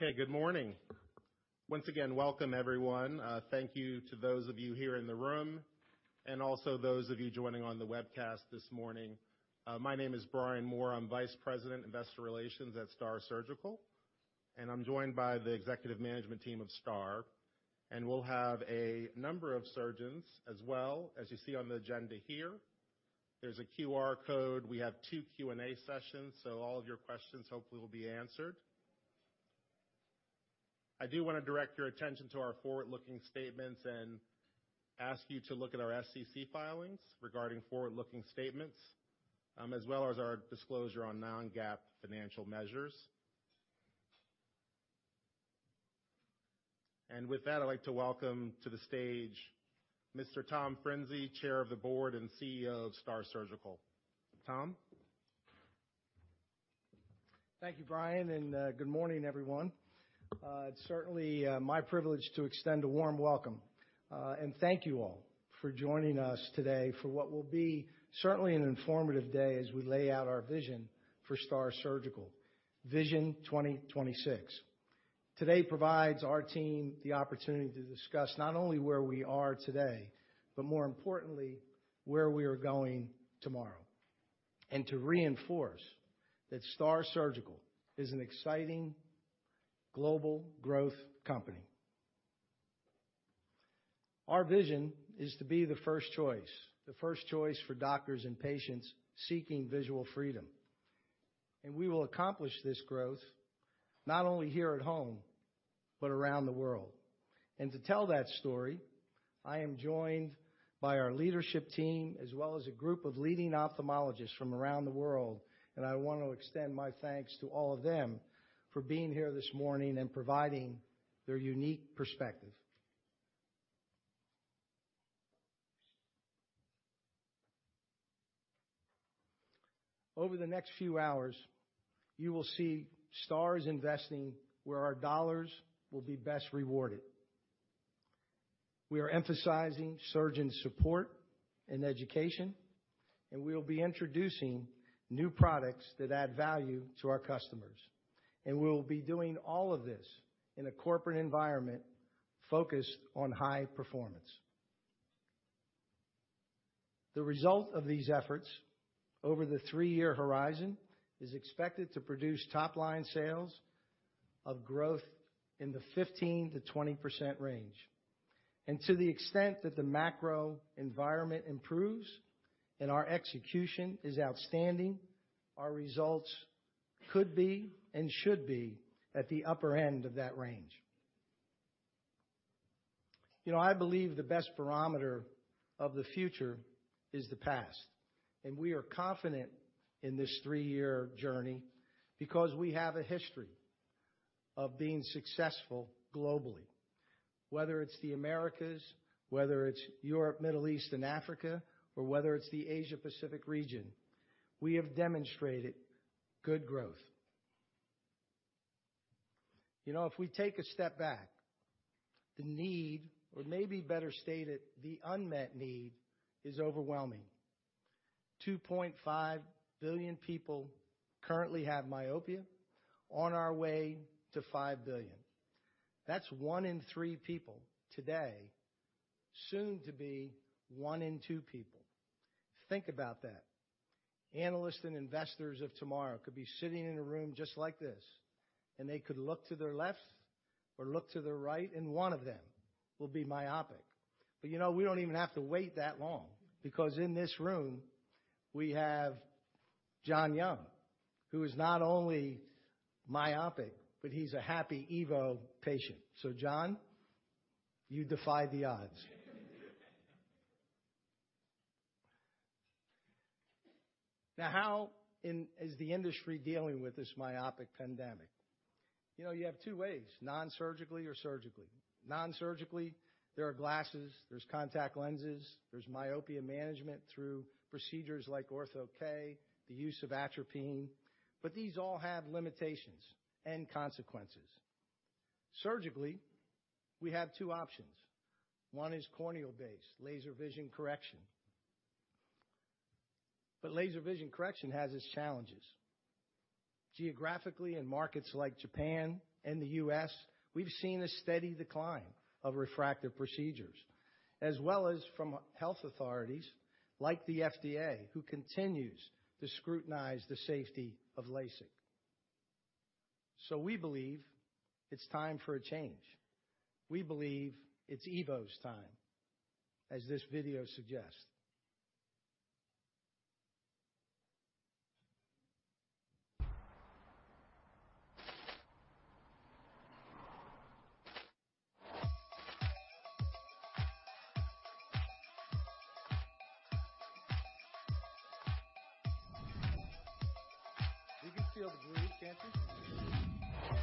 Okay, good morning. Once again, welcome everyone. Thank you to those of you here in the room and also those of you joining on the webcast this morning. My name is Brian Moore. I'm Vice President, Investor Relations at STAAR Surgical, and I'm joined by the executive management team of STAAR, and we'll have a number of surgeons as well. As you see on the agenda here, there's a QR code. We have two Q&A sessions, so all of your questions hopefully will be answered. I do want to direct your attention to our forward-looking statements and ask you to look at our SEC filings regarding forward-looking statements, as well as our disclosure on non-GAAP financial measures. And with that, I'd like to welcome to the stage Mr. Tom Frinzi, Chair of the Board and CEO of STAAR Surgical. Tom? Thank you, Brian, and good morning, everyone. It's certainly my privilege to extend a warm welcome and thank you all for joining us today for what will be certainly an informative day as we lay out our vision for STAAR Surgical, Vision 2026. Today provides our team the opportunity to discuss not only where we are today, but more importantly, where we are going tomorrow, and to reinforce that STAAR Surgical is an exciting global growth company. Our vision is to be the first choice, the first choice for doctors and patients seeking visual freedom, and we will accomplish this growth not only here at home, but around the world. To tell that story, I am joined by our leadership team, as well as a group of leading ophthalmologists from around the world, and I want to extend my thanks to all of them for being here this morning and providing their unique perspective. Over the next few hours, you will see STAAR's investing where our dollars will be best rewarded. We are emphasizing surgeon support and education, and we'll be introducing new products that add value to our customers. We'll be doing all of this in a corporate environment focused on high performance. The result of these efforts over the three-year horizon is expected to produce top-line sales of growth in the 15%-20% range. To the extent that the macro environment improves and our execution is outstanding, our results could be and should be at the upper end of that range. You know, I believe the best barometer of the future is the past, and we are confident in this three-year journey because we have a history of being successful globally, whether it's the Americas, whether it's Europe, Middle East, and Africa, or whether it's the Asia Pacific region, we have demonstrated good growth. You know, if we take a step back, the need, or maybe better stated, the unmet need, is overwhelming. 2.5 billion people currently have myopia, on our way to 5 billion. That's one in three people today, soon to be one in two people. Think about that. Analysts and investors of tomorrow could be sitting in a room just like this, and they could look to their left or look to the right, and one of them will be myopic. But, you know, we don't even have to wait that long, because in this room, we have John Young, who is not only myopic, but he's a happy EVO patient. So John, you defy the odds. Now, how is the industry dealing with this myopic pandemic? You know, you have two ways, non-surgically or surgically. Non-surgically, there are glasses, there's contact lenses, there's myopia management through procedures like Ortho-K, the use of atropine, but these all have limitations and consequences. Surgically, we have two options. One is corneal-based laser vision correction. But laser vision correction has its challenges. Geographically, in markets like Japan and the U.S., we've seen a steady decline of refractive procedures, as well as from health authorities like the FDA, who continues to scrutinize the safety of LASIK. So we believe it's time for a change. We believe it's EVO's time, as this video suggests. You can feel the groove, can't you?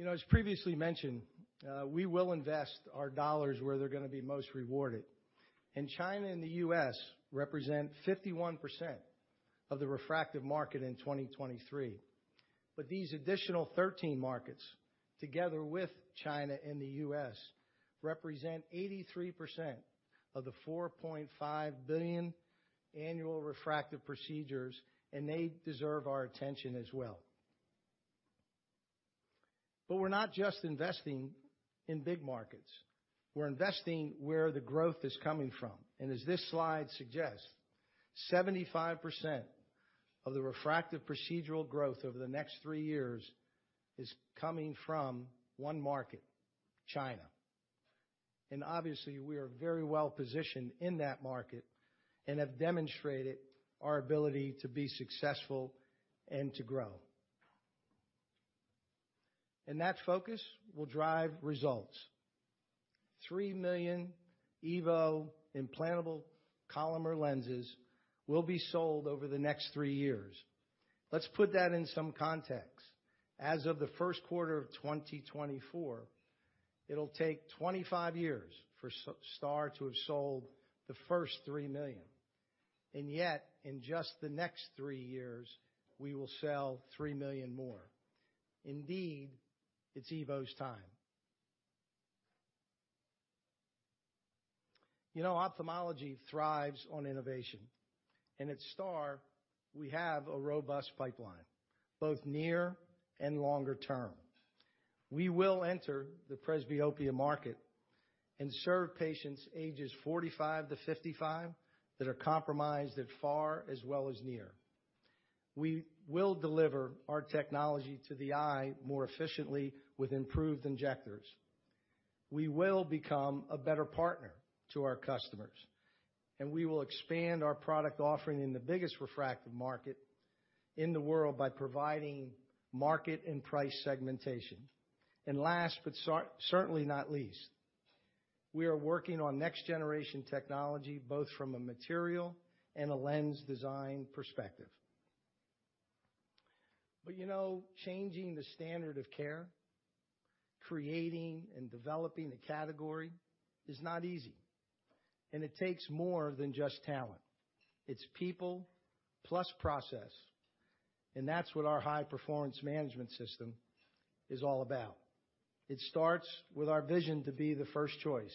You know, as previously mentioned, we will invest our dollars where they're gonna be most rewarded. And China and the U.S. represent 51% of the refractive market in 2023. But these additional 13 markets, together with China and the U.S., represent 83% of the 4.5 billion annual refractive procedures, and they deserve our attention as well. But we're not just investing in big markets, we're investing where the growth is coming from. And as this slide suggests, 75% of the refractive procedural growth over the next three years is coming from one market, China. And obviously, we are very well positioned in that market and have demonstrated our ability to be successful and to grow. And that focus will drive results. Three million EVO Implantable Collamer Lenses will be sold over the next three years. Let's put that in some context. As of the first quarter of 2024, it'll take 25 years for STAAR to have sold the first three million, and yet, in just the next three years, we will sell three million more. Indeed, it's EVO's time. You know, ophthalmology thrives on innovation, and at STAAR, we have a robust pipeline, both near and longer term. We will enter the presbyopia market and serve patients ages 45 to 55 that are compromised at far as well as near. We will deliver our technology to the eye more efficiently with improved injectors. We will become a better partner to our customers, and we will expand our product offering in the biggest refractive market in the world by providing market and price segmentation. And last, but certainly not least, we are working on next-generation technology, both from a material and a lens design perspective. But, you know, changing the standard of care, creating and developing the category is not easy, and it takes more than just talent. It's people plus process, and that's what our High Performance Management System is all about. It starts with our vision to be the first choice,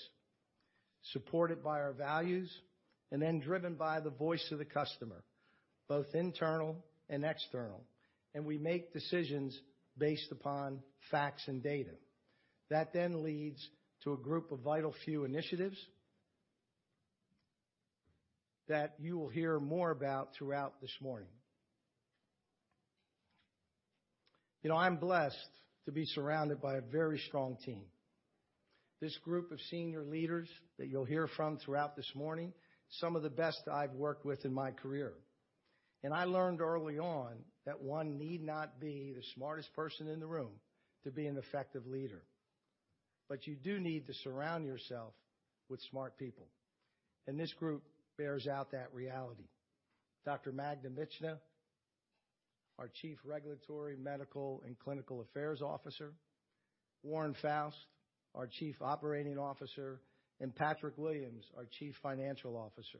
supported by our values and then driven by the voice of the customer, both internal and external, and we make decisions based upon facts and data. That then leads to a group of vital few initiatives. that you will hear more about throughout this morning. You know, I'm blessed to be surrounded by a very strong team. This group of senior leaders that you'll hear from throughout this morning, some of the best I've worked with in my career. I learned early on that one need not be the smartest person in the room to be an effective leader, but you do need to surround yourself with smart people, and this group bears out that reality. Dr. Magda Michna, our Chief Regulatory Medical and Clinical Affairs Officer, Warren Foust, our Chief Operating Officer, and Patrick Williams, our Chief Financial Officer.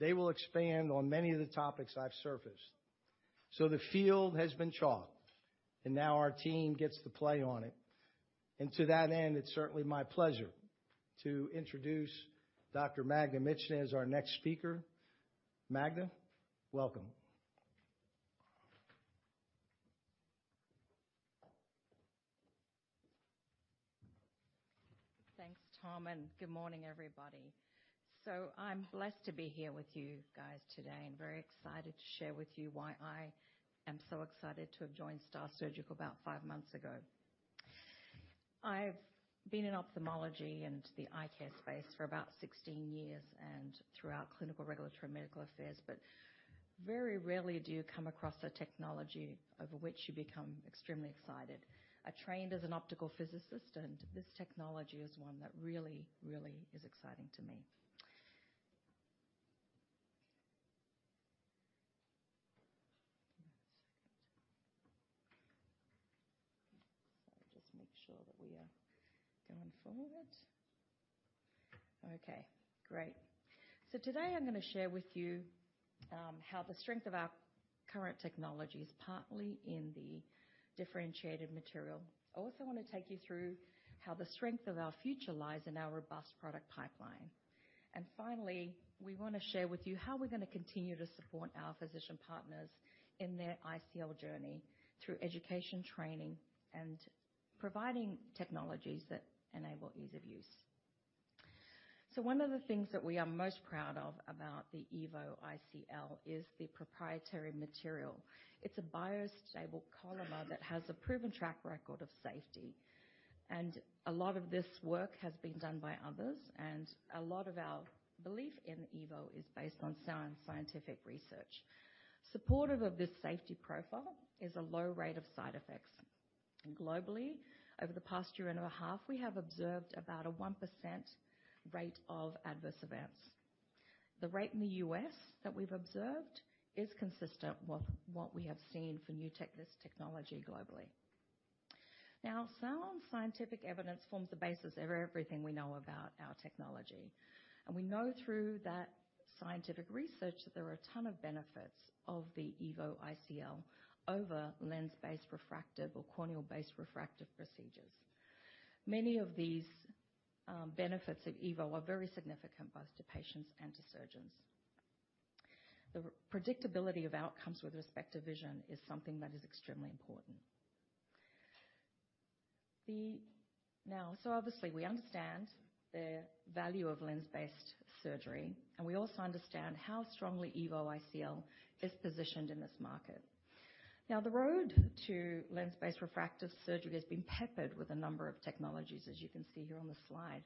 They will expand on many of the topics I've surfaced. So the field has been chalked, and now our team gets to play on it. And to that end, it's certainly my pleasure to introduce Dr. Magda Michna as our next speaker. Magda, welcome. Thanks, Tom, and good morning, everybody. So I'm blessed to be here with you guys today and very excited to share with you why I am so excited to have joined STAAR Surgical about five months ago. I've been in ophthalmology and the eye care space for about 16 years and throughout clinical, regulatory, medical affairs, but very rarely do you come across a technology over which you become extremely excited. I trained as an optical physicist, and this technology is one that really, really is exciting to me. Just make sure that we are going forward. Okay, great. So today I'm gonna share with you, how the strength of our current technology is partly in the differentiated material. I also want to take you through how the strength of our future lies in our robust product pipeline. And finally, we want to share with you how we're gonna continue to support our physician partners in their ICL journey through education training and providing technologies that enable ease of use. So one of the things that we are most proud of about the EVO ICL is the proprietary material. It's a biostable Collamer that has a proven track record of safety. And a lot of this work has been done by others, and a lot of our belief in EVO is based on sound scientific research. Supportive of this safety profile is a low rate of side effects. Globally, over the past year and a half, we have observed about a 1% rate of adverse events. The rate in the U.S. that we've observed is consistent with what we have seen for new tech, this technology globally. Now, sound scientific evidence forms the basis of everything we know about our technology, and we know through that scientific research that there are a ton of benefits of the EVO ICL over lens-based refractive or corneal-based refractive procedures. Many of these benefits of EVO are very significant, both to patients and to surgeons. The predictability of outcomes with respect to vision is something that is extremely important. Now, so obviously, we understand the value of lens-based surgery, and we also understand how strongly EVO ICL is positioned in this market. Now, the road to lens-based refractive surgery has been peppered with a number of technologies, as you can see here on the slide.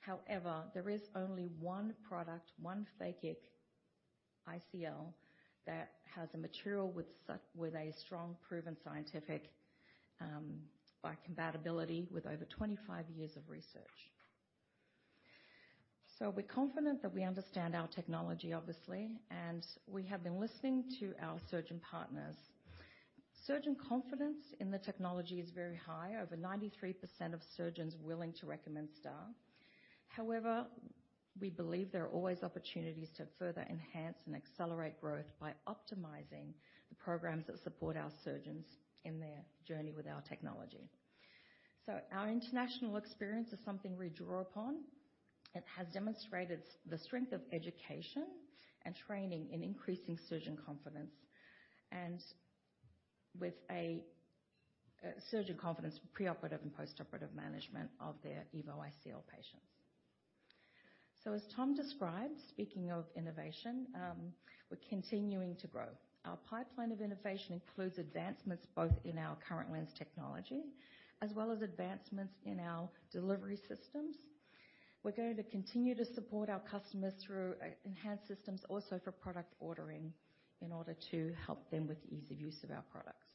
However, there is only one product, one phakic ICL, that has a material with a strong, proven scientific biocompatibility with over 25 years of research. So we're confident that we understand our technology, obviously, and we have been listening to our surgeon partners. Surgeon confidence in the technology is very high, over 93% of surgeons willing to recommend STAAR. However, we believe there are always opportunities to further enhance and accelerate growth by optimizing the programs that support our surgeons in their journey with our technology. So our international experience is something we draw upon. It has demonstrated the strength of education and training in increasing surgeon confidence, and with a surgeon confidence, preoperative and postoperative management of their EVO ICL patients. So as Tom described, speaking of innovation, we're continuing to grow. Our pipeline of innovation includes advancements both in our current lens technology, as well as advancements in our delivery systems. We're going to continue to support our customers through enhanced systems, also for product ordering, in order to help them with ease of use of our products.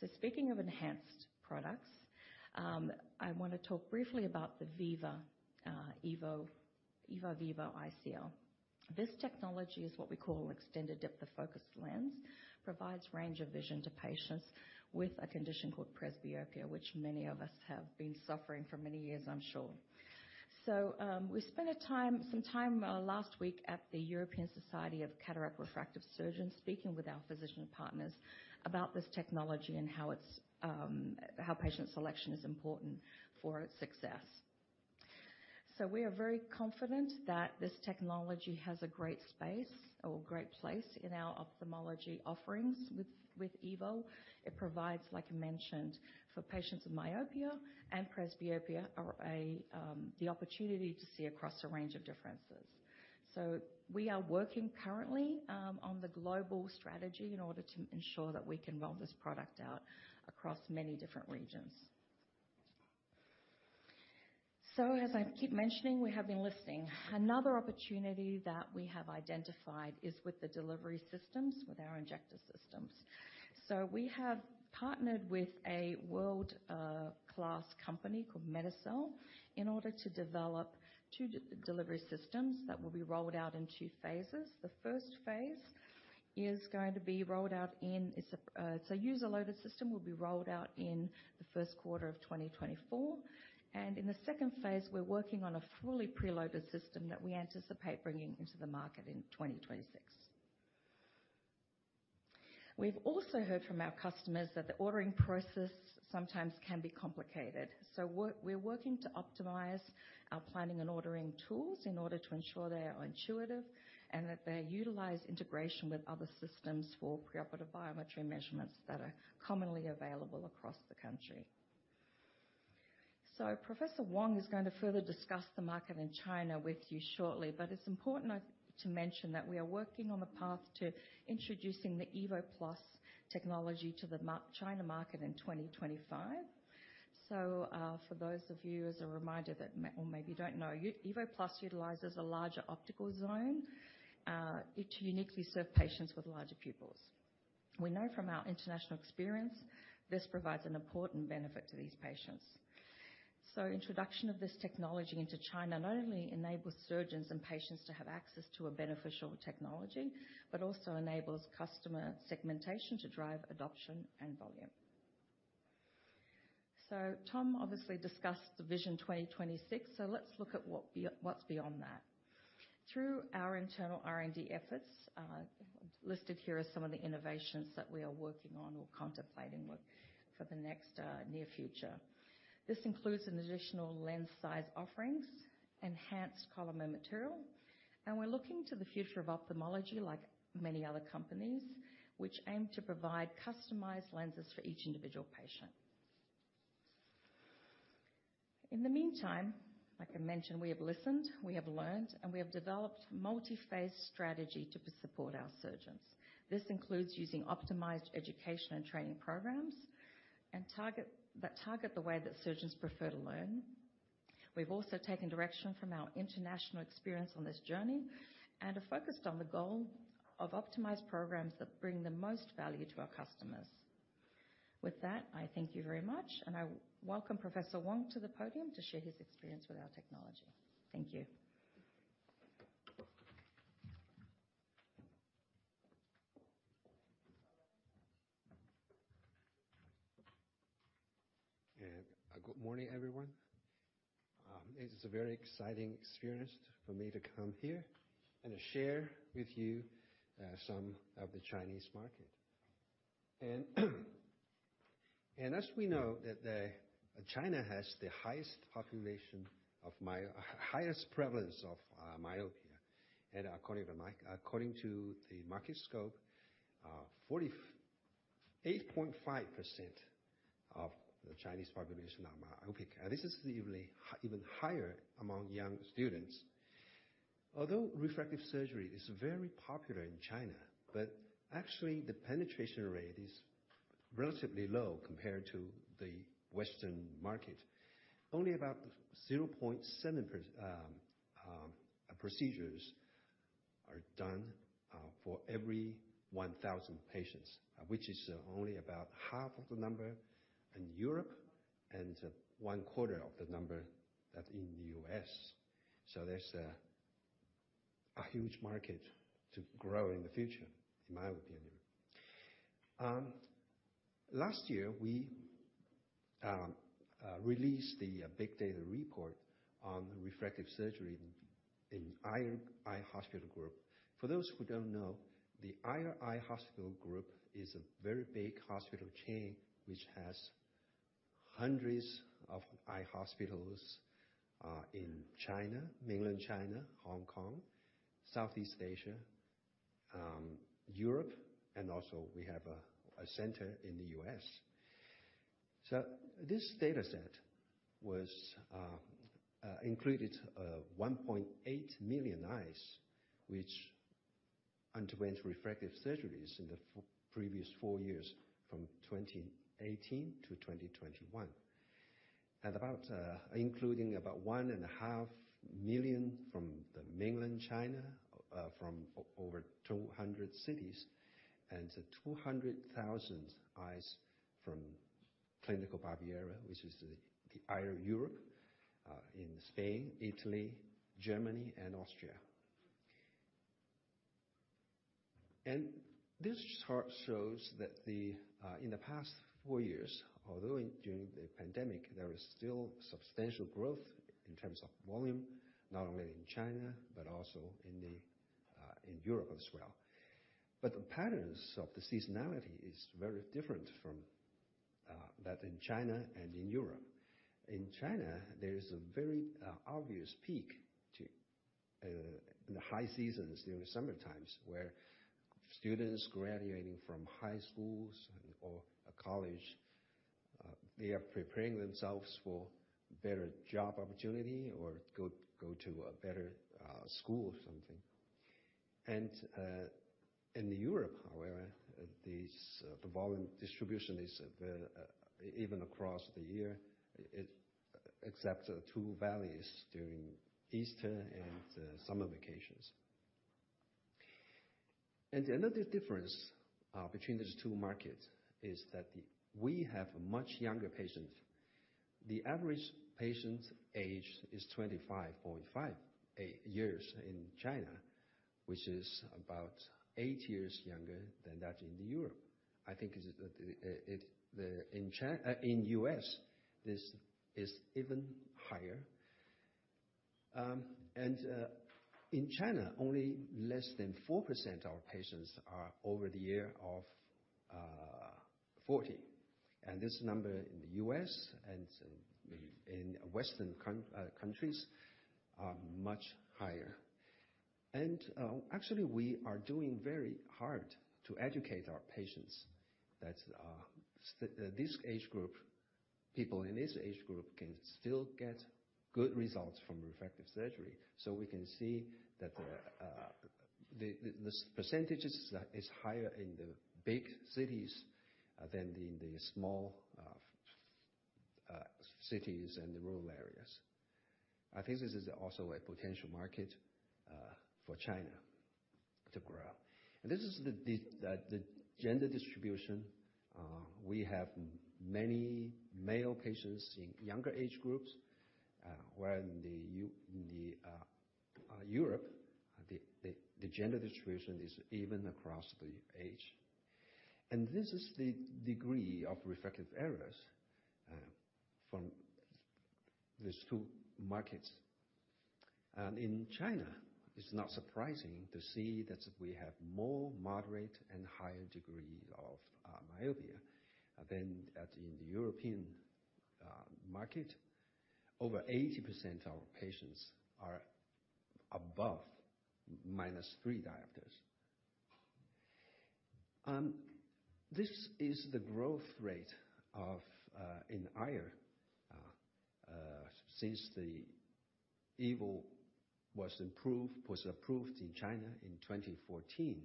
So speaking of enhanced products, I want to talk briefly about the VIVA, EVO, EVO Viva ICL. This technology is what we call extended depth of focus lens, provides range of vision to patients with a condition called presbyopia, which many of us have been suffering for many years, I'm sure. So we spent a time, some time last week at the European Society of Cataract and Refractive Surgeons, speaking with our physician partners about this technology and how it's how patient selection is important for its success. So we are very confident that this technology has a great space or great place in our ophthalmology offerings with EVO. It provides, like I mentioned, for patients with myopia and presbyopia, the opportunity to see across a range of differences. So we are working currently on the global strategy in order to ensure that we can roll this product out across many different regions. So as I keep mentioning, we have been listening. Another opportunity that we have identified is with the delivery systems, with our injector systems. So we have partnered with a world class company called Medicel, in order to develop two delivery systems that will be rolled out in two phases. The first phase is going to be rolled out in the first quarter of 2024. It's a user-loaded system, will be rolled out in the first quarter of 2024. And in the second phase, we're working on a fully preloaded system that we anticipate bringing into the market in 2026. We've also heard from our customers that the ordering process sometimes can be complicated. So we're working to optimize our planning and ordering tools in order to ensure they are intuitive, and that they utilize integration with other systems for preoperative biometry measurements that are commonly available across the country. So Professor Wang is going to further discuss the market in China with you shortly, but it's important to mention that we are working on the path to introducing the EVO+ technology to the China market in 2025. So, for those of you, as a reminder, that may or maybe don't know, EVO+ utilizes a larger optical zone to uniquely serve patients with larger pupils. We know from our international experience, this provides an important benefit to these patients. So introduction of this technology into China not only enables surgeons and patients to have access to a beneficial technology, but also enables customer segmentation to drive adoption and volume. So Tom obviously discussed the Vision 2026, so let's look at what's beyond that. Through our internal R&D efforts, listed here are some of the innovations that we are working on or contemplating with for the next, near future. This includes an additional lens size offerings, enhanced Collamer material, and we're looking to the future of ophthalmology like many other companies, which aim to provide customized lenses for each individual patient. In the meantime, like I mentioned, we have listened, we have learned, and we have developed multi-phase strategy to support our surgeons. This includes using optimized education and training programs, and that target the way that surgeons prefer to learn. We've also taken direction from our international experience on this journey, and are focused on the goal of optimized programs that bring the most value to our customers. With that, I thank you very much, and I welcome Professor Wang to the podium to share his experience with our technology. Thank you. Good morning, everyone. It is a very exciting experience for me to come here and to share with you some of the Chinese market. And as we know, China has the highest population of highest prevalence of myopia. And according to Market Scope, 48.5% of the Chinese population are myopia. This is even higher among young students. Although refractive surgery is very popular in China, actually, the penetration rate is relatively low compared to the Western market. Only about 0.7% procedures are done for every 1,000 patients, which is only about half of the number in Europe and one quarter of the number that's in the U.S. So there's a huge market to grow in the future, in my opinion. Last year, we released the big data report on refractive surgery in Aier Eye Hospital Group. For those who don't know, the Aier Eye Hospital Group is a very big hospital chain, which has hundreds of eye hospitals in China, Mainland China, Hong Kong, Southeast Asia, Europe, and also we have a center in the U.S. So this data set was included 1.8 million eyes, which underwent refractive surgeries in the previous four years, from 2018 to 2021. At about including about 1.5 million from the Mainland China from over 200 cities, and 200,000 eyes from Clínica Baviera, which is the Aier Europe in Spain, Italy, Germany, and Austria. And this chart shows that the. In the past four years, although during the pandemic, there is still substantial growth in terms of volume, not only in China, but also in the in Europe as well. But the patterns of the seasonality is very different from that in China and in Europe. In China, there is a very obvious peak to the high seasons during the summer times, where students graduating from high schools or a college they are preparing themselves for better job opportunity or go to a better school or something. And in Europe, however, these the volume distribution is even across the year, it except two valleys during Easter and summer vacations. And another difference between these two markets is that we have much younger patients. The average patient age is 25.5 years in China, which is about 8 years younger than that in Europe. I think in U.S., this is even higher. In China, only less than 4% of our patients are over the year of 40. And this number in the U.S. and in Western countries are much higher. And actually, we are doing very hard to educate our patients that this age group, people in this age group can still get good results from refractive surgery. So we can see that this percentages is higher in the big cities than in the small cities and the rural areas. I think this is also a potential market for China to grow. This is the gender distribution. We have many male patients in younger age groups, where in Europe, the gender distribution is even across the age. And this is the degree of refractive errors from these two markets. And in China, it's not surprising to see that we have more moderate and higher degree of myopia than in the European market. Over 80% of patients are above -3 diopters. This is the growth rate in eye care since the EVO was approved in China in 2014.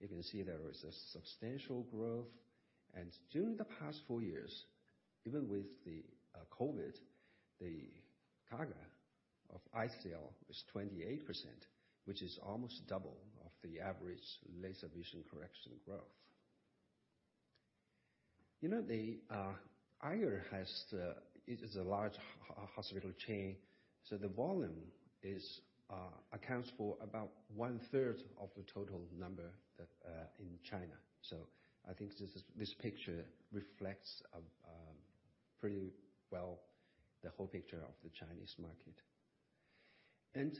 You can see there is a substantial growth. And during the past four years, even with the COVID, the CAGR of ICL is 28%, which is almost double of the average laser vision correction growth. You know, the eye care has it is a large hospital chain, so the volume accounts for about one-third of the total number in China. So I think this picture reflects pretty well the whole picture of the Chinese market. And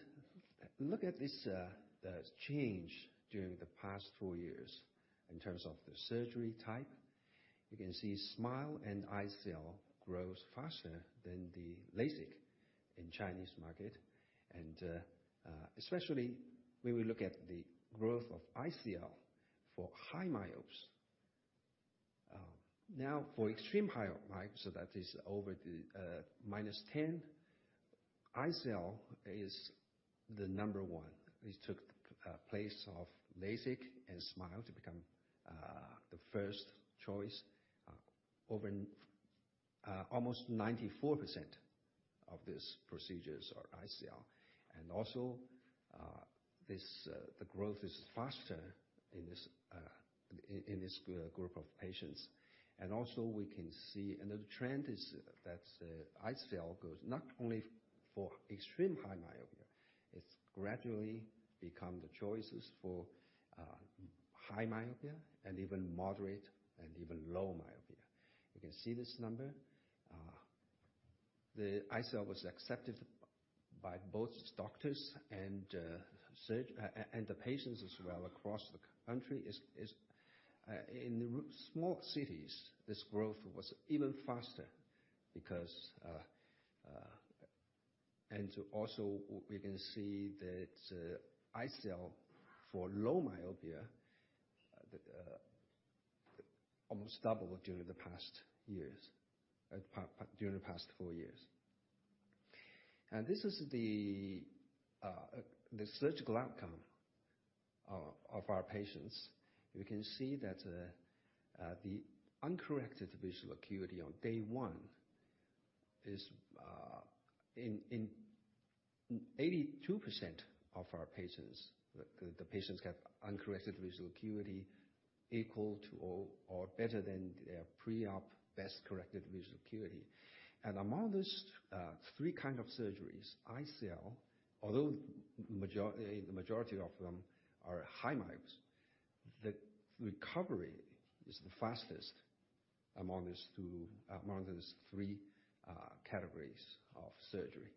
look at this, the change during the past four years in terms of the surgery type. You can see SMILE and ICL grows faster than the LASIK in Chinese market, and especially when we look at the growth of ICL for high myopes. Now, for extreme high myope, so that is over the -10, ICL is the number one. It took the place of LASIK and SMILE to become the first choice over almost 94% of these procedures are ICL. And also, this. The growth is faster in this group of patients. And also we can see another trend is that ICL goes not only for extreme high myopia, it's gradually become the choices for high myopia and even moderate and even low myopia. You can see this number. The ICL was accepted by both doctors and the patients as well, across the country. In the small cities, this growth was even faster because. And also, we can see that ICL for low myopia almost doubled during the past years, during the past four years. And this is the surgical outcome of our patients. We can see that the uncorrected visual acuity on day one is in 82% of our patients, the patients have uncorrected visual acuity equal to or better than their pre-op best corrected visual acuity. And among these three kind of surgeries, ICL, although the majority of them are high myopes, the recovery is the fastest among these three categories of surgery.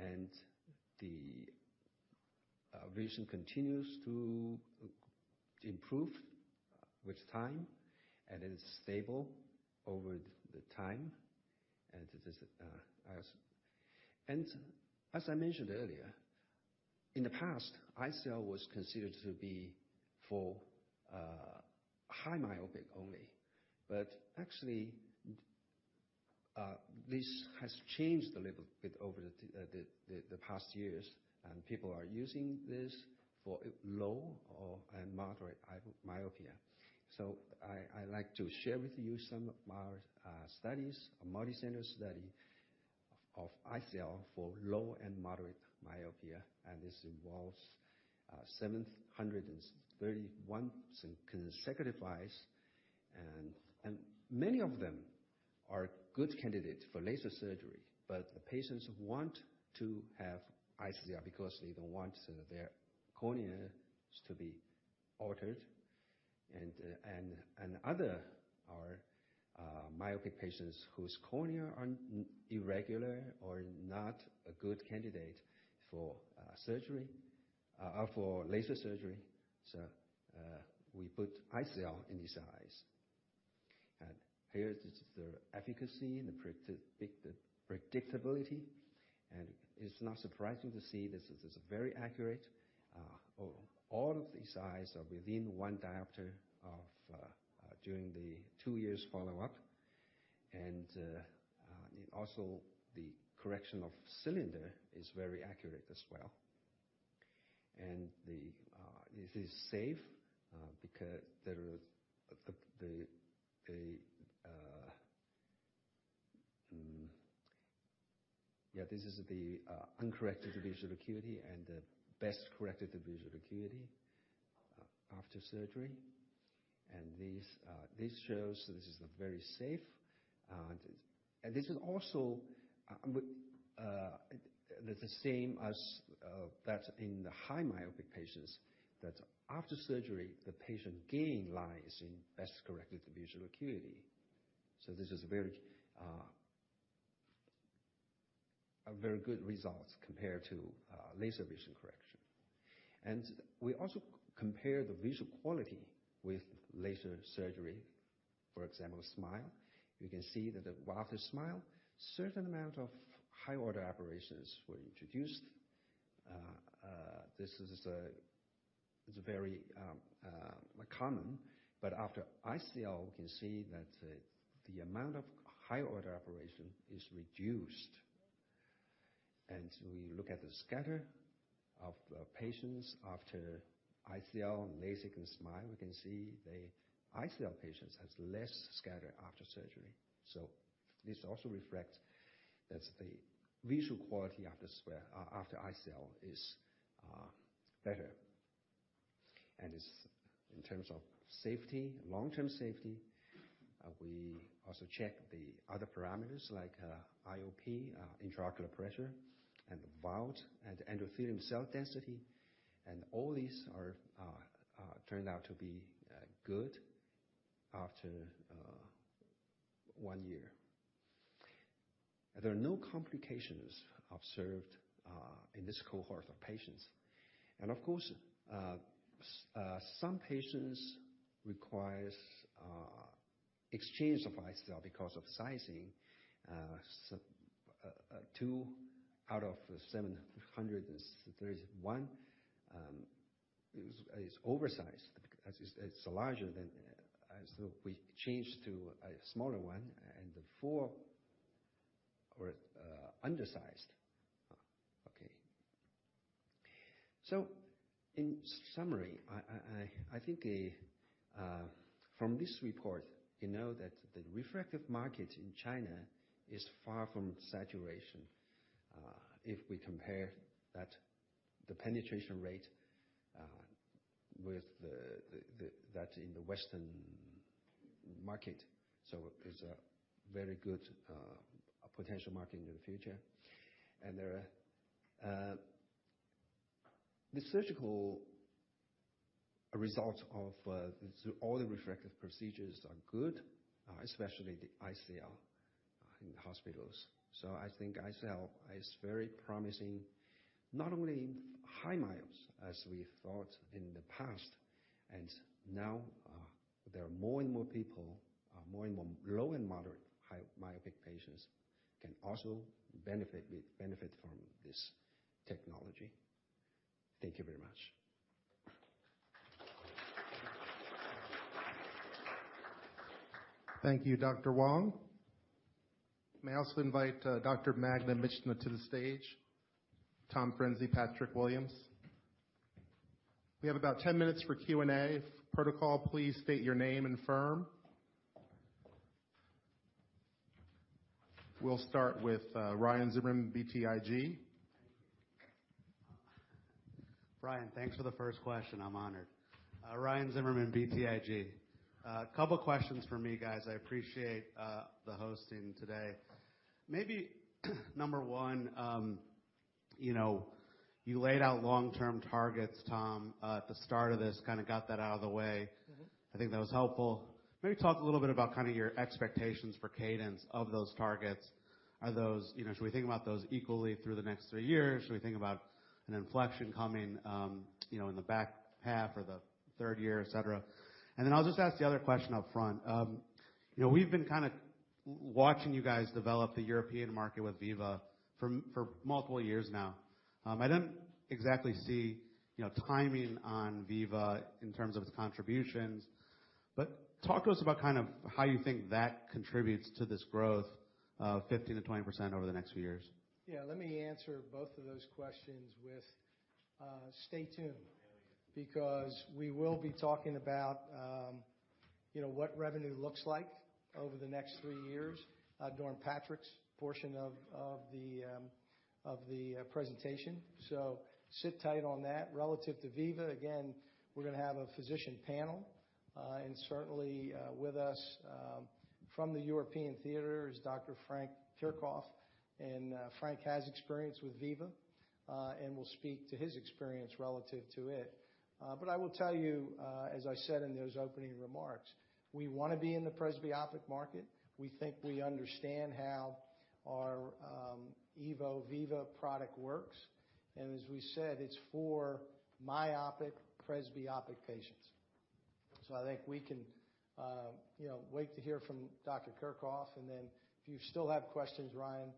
And the vision continues to improve with time, and it is stable over the time. And as I mentioned earlier, in the past, ICL was considered to be for high myopic only, but actually this has changed a little bit over the past years, and people are using this for low and moderate myopia. So I'd like to share with you some of our studies, a multicenter study of ICL for low and moderate myopia, and this involves 731 consecutive eyes. Many of them are good candidates for laser surgery, but the patients want to have ICL because they don't want their corneas to be altered. And other are myopic patients whose cornea are irregular or not a good candidate for surgery or for laser surgery, so we put ICL in these eyes. Here is the efficacy and the predictability, and it's not surprising to see this is very accurate. All of these eyes are within one diopter of during the two years follow-up. And also the correction of cylinder is very accurate as well. This is safe because there are the, the, the. This is the uncorrected visual acuity and the best corrected visual acuity after surgery. And these shows this is very safe, and this is also the same as that in the high myopic patients, that after surgery, the patient gain lines in best corrected visual acuity. So this is very a very good results compared to laser vision correction. And we also compare the visual quality with laser surgery, for example, SMILE. We can see that after SMILE, certain amount of higher order aberrations were introduced. This is very common, but after ICL, we can see that the amount of higher order aberrations is reduced. We look at the scatter of the patients after ICL, LASIK, and SMILE. We can see the ICL patients has less scatter after surgery. So this also reflects that the visual quality after ICL is better. It's in terms of safety, long-term safety. We also check the other parameters like IOP, intraocular pressure, and the vault, and endothelium cell density, and all these are turned out to be good after one year. There are no complications observed in this cohort of patients. And of course, some patients requires exchange of ICL because of sizing. Two out of 731 is oversized. It's larger than as though we changed to a smaller one, and the four are undersized. Okay. So in summary, I think from this report, you know that the refractive market in China is far from saturation. If we compare the penetration rate with that in the Western market, so it's a very good potential market in the future. And there are the surgical results of so all the refractive procedures are good, especially the ICL in the hospitals. So I think ICL is very promising, not only in high myopes, as we thought in the past, and now there are more and more people, more and more low and moderate high myopic patients can also benefit from this technology. Thank you very much. Thank you, Dr. Wang. May I also invite Dr. Magda Michna to the stage, Tom Frinzi, Patrick Williams? We have about 10 minutes for Q&A. Protocol, please state your name and firm. We'll start with Ryan Zimmerman, BTIG. Ryan, thanks for the first question. I'm honored. Ryan Zimmerman, BTIG. A couple of questions for me, guys. I appreciate the hosting today. Maybe number one, you know, you laid out long-term targets, Tom, at the start of this, kinda got that out of the way. Mm-hmm. I think that was helpful. Maybe talk a little bit about kind of your expectations for cadence of those targets. Are those-- You know, should we think about those equally through the next three years? Should we think about an inflection coming, you know, in the back half or the third year, et cetera? And then I'll just ask the other question up front. You know, we've been kinda watching you guys develop the European market with Viva for multiple years now. I didn't exactly see, you know, timing on Viva in terms of its contributions, but talk to us about kind of how you think that contributes to this growth of 15%-20% over the next few years. Yeah, let me answer both of those questions with, stay tuned, because we will be talking about, you know, what revenue looks like over the next three years, during Patrick's portion of the presentation. So sit tight on that. Relative to Viva, again, we're gonna have a physician panel, and certainly, with us, from the European Theater, is Dr. Frank Kerkhoff, and, Frank has experience with Viva, and will speak to his experience relative to it. But I will tell you, as I said in those opening remarks, we wanna be in the presbyopic market. We think we understand how our, EVO Viva product works, and as we said, it's for myopic, presbyopic patients. So I think we can, you know, wait to hear from Dr. Kerkhoff, and then if you still have questions, Ryan,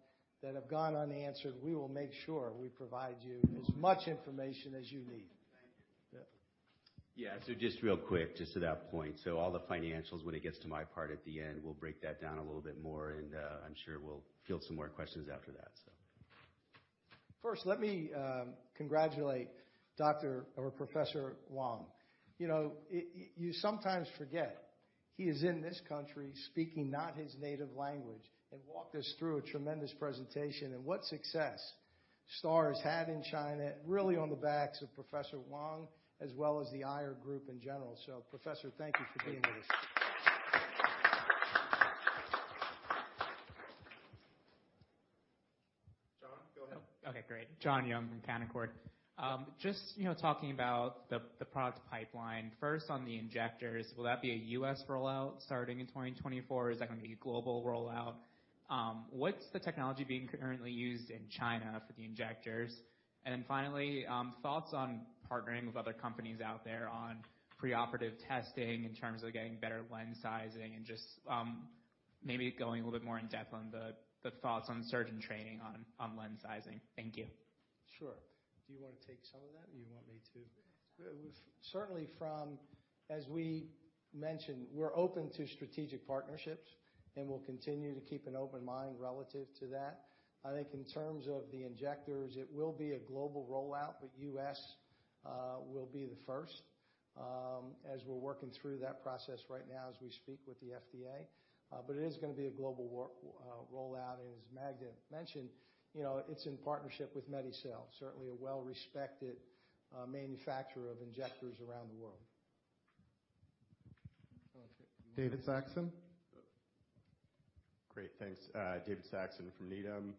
that have gone unanswered, we will make sure we provide you as much information as you need. Thank you. Yeah. Yeah, so just real quick, just to that point. So all the financials, when it gets to my part at the end, we'll break that down a little bit more, and, I'm sure we'll field some more questions after that, so. First, let me congratulate Dr. or Professor Wang. You know, you sometimes forget, he is in this country speaking not his native language, and walked us through a tremendous presentation. What success STAAR has had in China, really on the backs of Professor Wang, as well as the Aier Group in general. So Professor, thank you for being with us. John, go ahead. Okay, great. John Young from Canaccord. Just, you know, talking about the product pipeline. First, on the injectors, will that be a U.S. rollout starting in 2024? Is that gonna be a global rollout? What's the technology being currently used in China for the injectors? And then finally, thoughts on partnering with other companies out there on preoperative testing in terms of getting better lens sizing and just, maybe going a little bit more in-depth on the thoughts on surgeon training on lens sizing. Thank you. Sure. Do you want to take some of that, or you want me to? We've certainly from, as we mentioned, we're open to strategic partnerships, and we'll continue to keep an open mind relative to that. I think in terms of the injectors, it will be a global rollout, but U.S. will be the first, as we're working through that process right now as we speak with the FDA. But it is gonna be a global rollout, and as Magda mentioned, you know, it's in partnership with Medicel, certainly a well-respected manufacturer of injectors around the world. David Saxon? Great, thanks. David Saxon from Needham.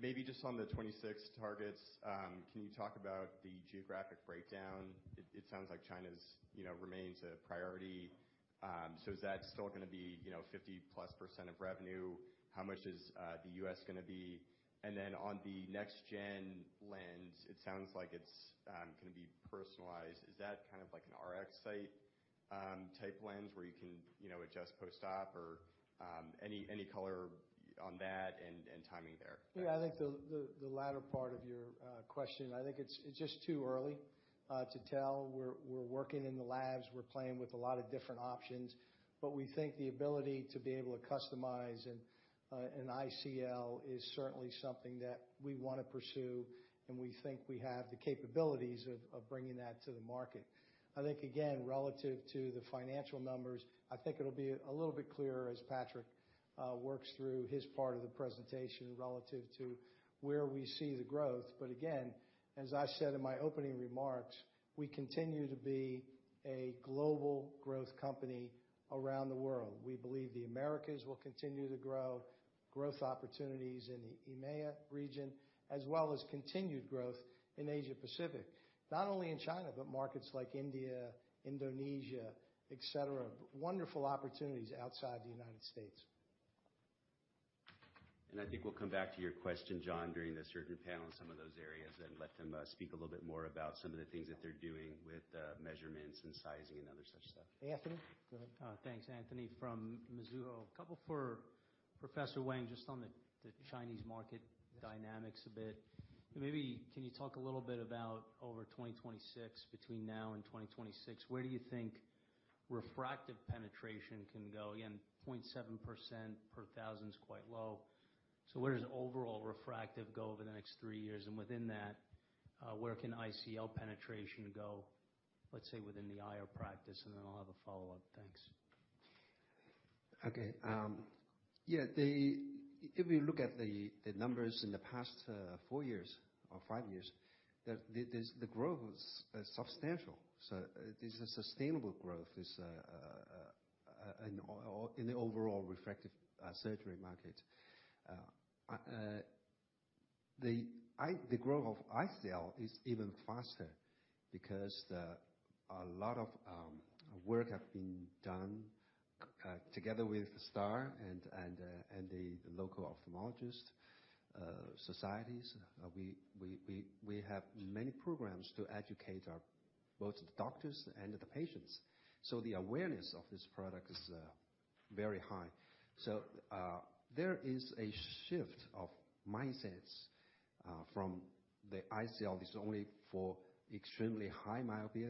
Maybe just on the 26 targets, can you talk about the geographic breakdown? It sounds like China's, you know, remains a priority. So is that still gonna be, you know, 50%+ of revenue? How much is the U.S. gonna be? And then on the next-gen lens, it sounds like it's gonna be personalized. Is that kind of like an RxSight type lens, where you can, you know, adjust post-op or any color on that and timing there? Yeah, I think the latter part of your question, I think it's just too early to tell. We're working in the labs. We're playing with a lot of different options, but we think the ability to be able to customize an ICL is certainly something that we wanna pursue, and we think we have the capabilities of bringing that to the market. I think, again, relative to the financial numbers, I think it'll be a little bit clearer as Patrick works through his part of the presentation relative to where we see the growth. But again, as I said in my opening remarks, we continue to be a global growth company around the world. We believe the Americas will continue to grow. Growth opportunities in the EMEA region, as well as continued growth in Asia Pacific, not only in China, but markets like India, Indonesia, et cetera. Wonderful opportunities outside the United States. I think we'll come back to your question, John, during the surgeon panel in some of those areas and let them speak a little bit more about some of the things that they're doing with measurements and sizing and other such stuff. Anthony, go ahead. Thanks, Anthony from Mizuho. A couple for Professor Wang, just on the Chinese market dynamics a bit. Maybe can you talk a little bit about over 2026, between now and 2026, where do you think refractive penetration can go? Again, 0.7% per thousand is quite low. So where does overall refractive go over the next three years? And within that, where can ICL penetration go, let's say, within the high-end practice? And then I'll have a follow-up. Thanks. Okay, yeah. If you look at the numbers in the past four years or five years, the growth is substantial. So this is a sustainable growth in the overall refractive surgery market. The growth of ICL is even faster because a lot of work have been done together with STAAR and the local ophthalmologist societies. We have many programs to educate our both the doctors and the patients. So the awareness of this product is very high. So, there is a shift of mindsets, from the ICL is only for extremely high myopia,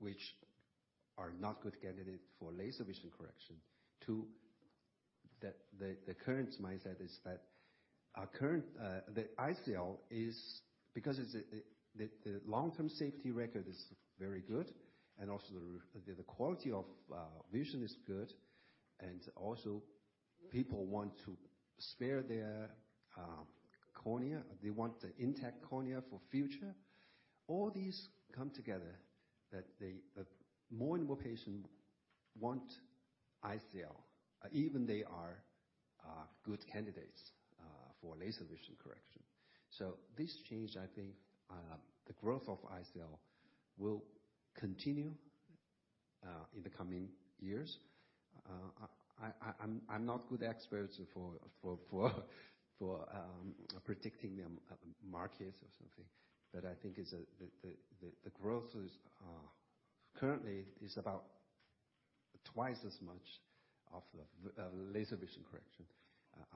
which are not good candidate for laser vision correction, to the current mindset is that our current the ICL is because the long-term safety record is very good, and also the quality of vision is good, and also people want to spare their cornea. They want the intact cornea for future. All these come together, that the more and more patients want ICL, even they are good candidates for laser vision correction. So this change, I think, the growth of ICL will continue in the coming years. I'm not good experts for predicting the market or something, but I think it's the growth is currently about twice as much of the laser vision correction.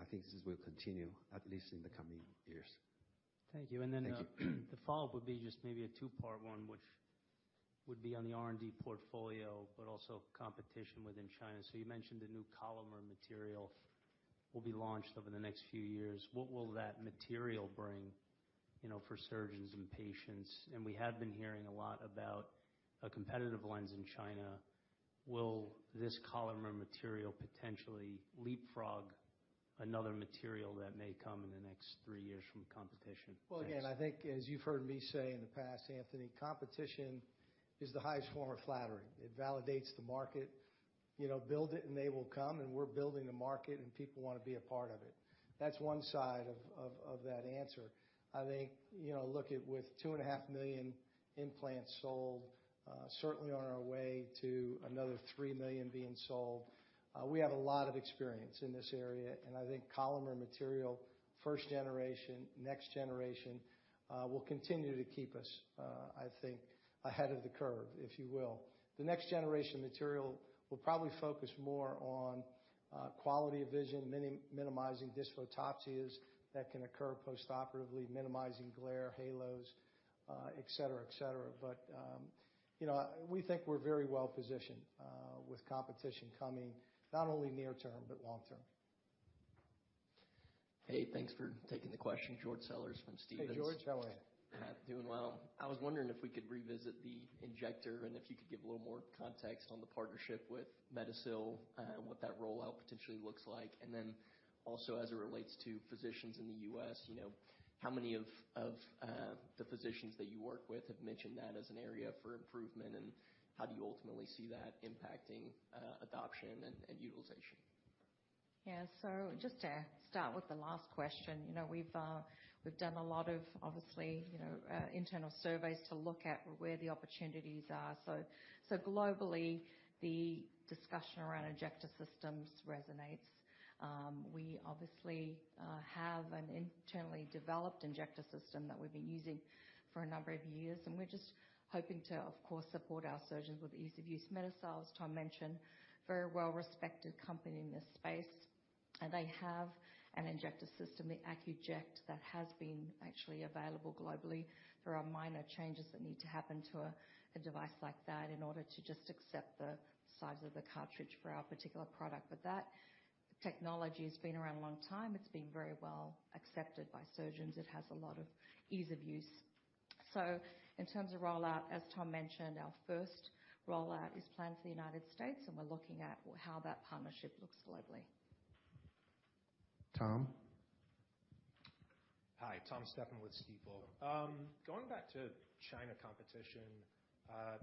I think this will continue, at least in the coming years. Thank you. Thank you. The follow-up would be just maybe a two-part one, which would be on the R&D portfolio, but also competition within China. You mentioned the new Collamer material will be launched over the next few years. What will that material bring, you know, for surgeons and patients? We have been hearing a lot about a competitive lens in China. Will this Collamer material potentially leapfrog another material that may come in the next three years from competition? Well, again, I think as you've heard me say in the past, Anthony, competition is the highest form of flattery. It validates the market. You know, build it, and they will come, and we're building the market, and people want to be a part of it. That's one side of that answer. I think, you know, look at with 2.5 million implants sold, certainly on our way to another three million being sold, we have a lot of experience in this area, and I think Collamer material, first generation, next generation, will continue to keep us, I think, ahead of the curve, if you will. The next generation material will probably focus more on quality of vision, minimizing dysphotopsias that can occur postoperatively, minimizing glare, halos, et cetera, et cetera. But, you know, we think we're very well positioned with competition coming, not only near term, but long term. Hey, thanks for taking the question, George Sellers from Stephens. Hey, George, how are you? Doing well. I was wondering if we could revisit the injector, and if you could give a little more context on the partnership with Medicel, and what that rollout potentially looks like. And then also, as it relates to physicians in the U.S., you know, how many of the physicians that you work with have mentioned that as an area for improvement, and how do you ultimately see that impacting adoption and utilization? Yeah. So just to start with the last question, you know, we've done a lot of, obviously, you know, internal surveys to look at where the opportunities are. So globally, the discussion around injector systems resonates. We obviously have an internally developed injector system that we've been using for a number of years, and we're just hoping to, of course, support our surgeons with ease of use. Medicel, as Tom mentioned, very well-respected company in this space. And they have an injector system, the AccuJect, that has been actually available globally. There are minor changes that need to happen to a device like that in order to just accept the size of the cartridge for our particular product, but that technology has been around a long time. It's been very well accepted by surgeons. It has a lot of ease of use. So in terms of rollout, as Tom mentioned, our first rollout is planned for the United States, and we're looking at how that partnership looks globally. Tom? Hi, Tom Stephan with Stifel. Going back to China competition,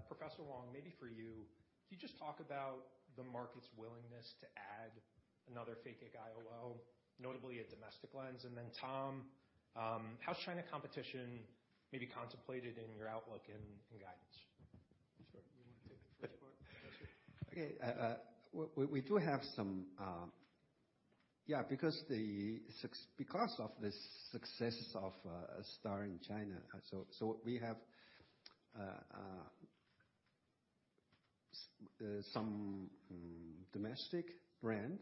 Professor Wang, maybe for you, could you just talk about the market's willingness to add another Phakic IOL, notably a domestic lens? And then, Tom, how's China competition maybe contemplated in your outlook and, and guidance? Sure. You want to take it? Okay. We do have some. Yeah, because of the successes of STAAR in China, so we have some domestic brand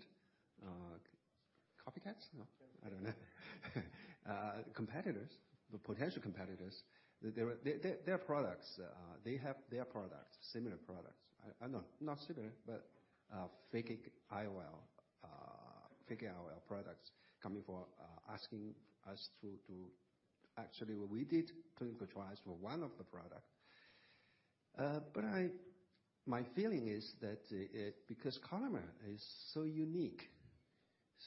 copycats? No, I don't know. Competitors, the potential competitors, their products, they have their products, similar products. No, not similar, but Phakic IOL products coming for asking us to actually what we did, clinical trials for one of the product. But my feeling is that because Collamer is so unique,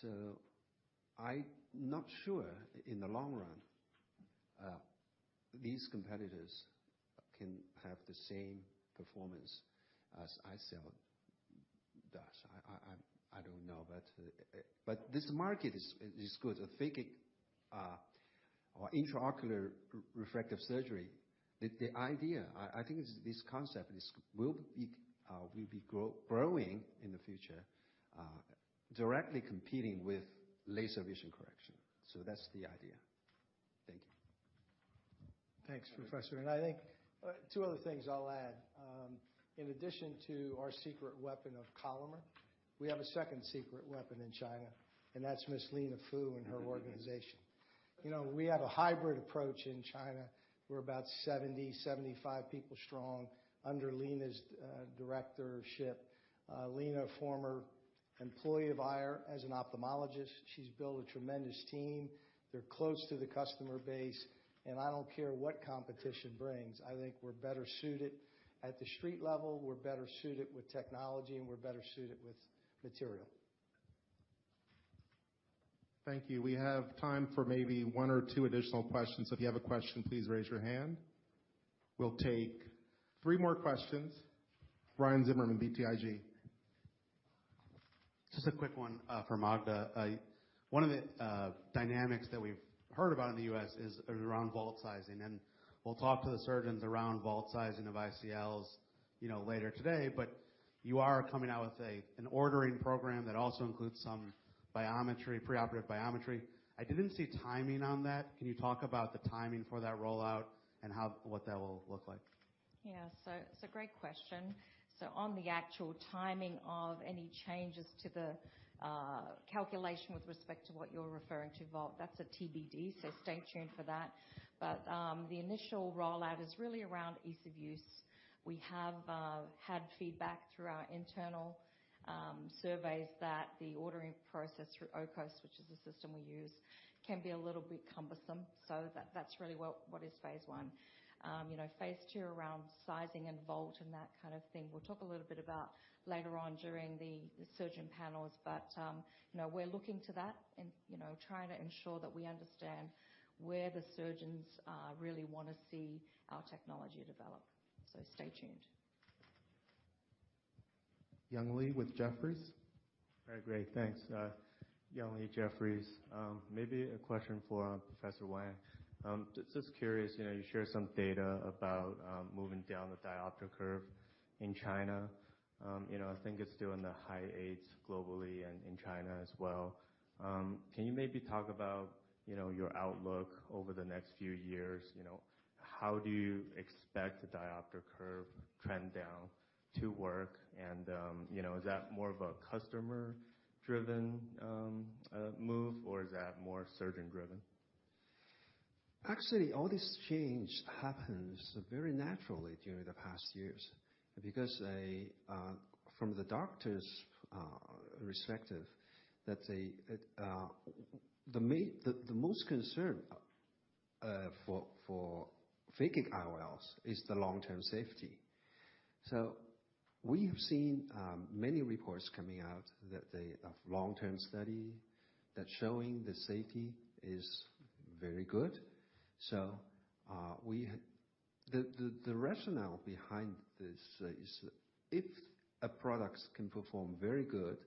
so I not sure, in the long run, these competitors can have the same performance as ICL does. I don't know, but. But this market is good. The phakic or intraocular refractive surgery, the idea, I think this concept is will be growing in the future, directly competing with laser vision correction. So that's the idea. Thank you. Thanks, Professor. I think two other things I'll add. In addition to our secret weapon of Collamer, we have a second secret weapon in China, and that's Miss Lena Fu and her organization. Mm-hmm. You know, we have a hybrid approach in China. We're about 70-75 people strong under Lena's directorship. Lena, a former employee of Aier, as an ophthalmologist, she's built a tremendous team. They're close to the customer base, and I don't care what competition brings, I think we're better suited at the street level, we're better suited with technology, and we're better suited with material. Thank you. We have time for maybe one or two additional questions. So if you have a question, please raise your hand. We'll take three more questions. Ryan Zimmerman, BTIG. Just a quick one for Magda. One of the dynamics that we've heard about in the U.S. is around vault sizing, and we'll talk to the surgeons around vault sizing of ICLs, you know, later today. But you are coming out with an ordering program that also includes some biometry, preoperative biometry. I didn't see timing on that. Can you talk about the timing for that rollout and how, what that will look like? Yeah, so it's a great question. So on the actual timing of any changes to the calculation with respect to what you're referring to, vault, that's a TBD, so stay tuned for that. But, the initial rollout is really around ease of use. We have had feedback through our internal surveys that the ordering process through OCOS, which is the system we use, can be a little bit cumbersome. So that's really what is phase one. You know, phase two around sizing and vault and that kind of thing. We'll talk a little bit about later on during the surgeon panels, but, you know, we're looking to that and, you know, trying to ensure that we understand where the surgeons really wanna see our technology develop. So stay tuned. Young Li with Jefferies. Very great. Thanks. Young Li, Jefferies. Maybe a question for Professor Wang. Just curious, you know, you share some data about moving down the diopter curve in China. You know, I think it's still in the high 8s globally and in China as well. Can you maybe talk about, you know, your outlook over the next few years? You know, how do you expect the diopter curve trend down to work? And, you know, is that more of a customer-driven move, or is that more surgeon-driven? Actually, all this change happens very naturally during the past years, because they, from the doctor's perspective, that they, the most concern for phakic IOLs is the long-term safety. So we've seen many reports coming out that they of long-term study that's showing the safety is very good. So, the rationale behind this is, if a product can perform very good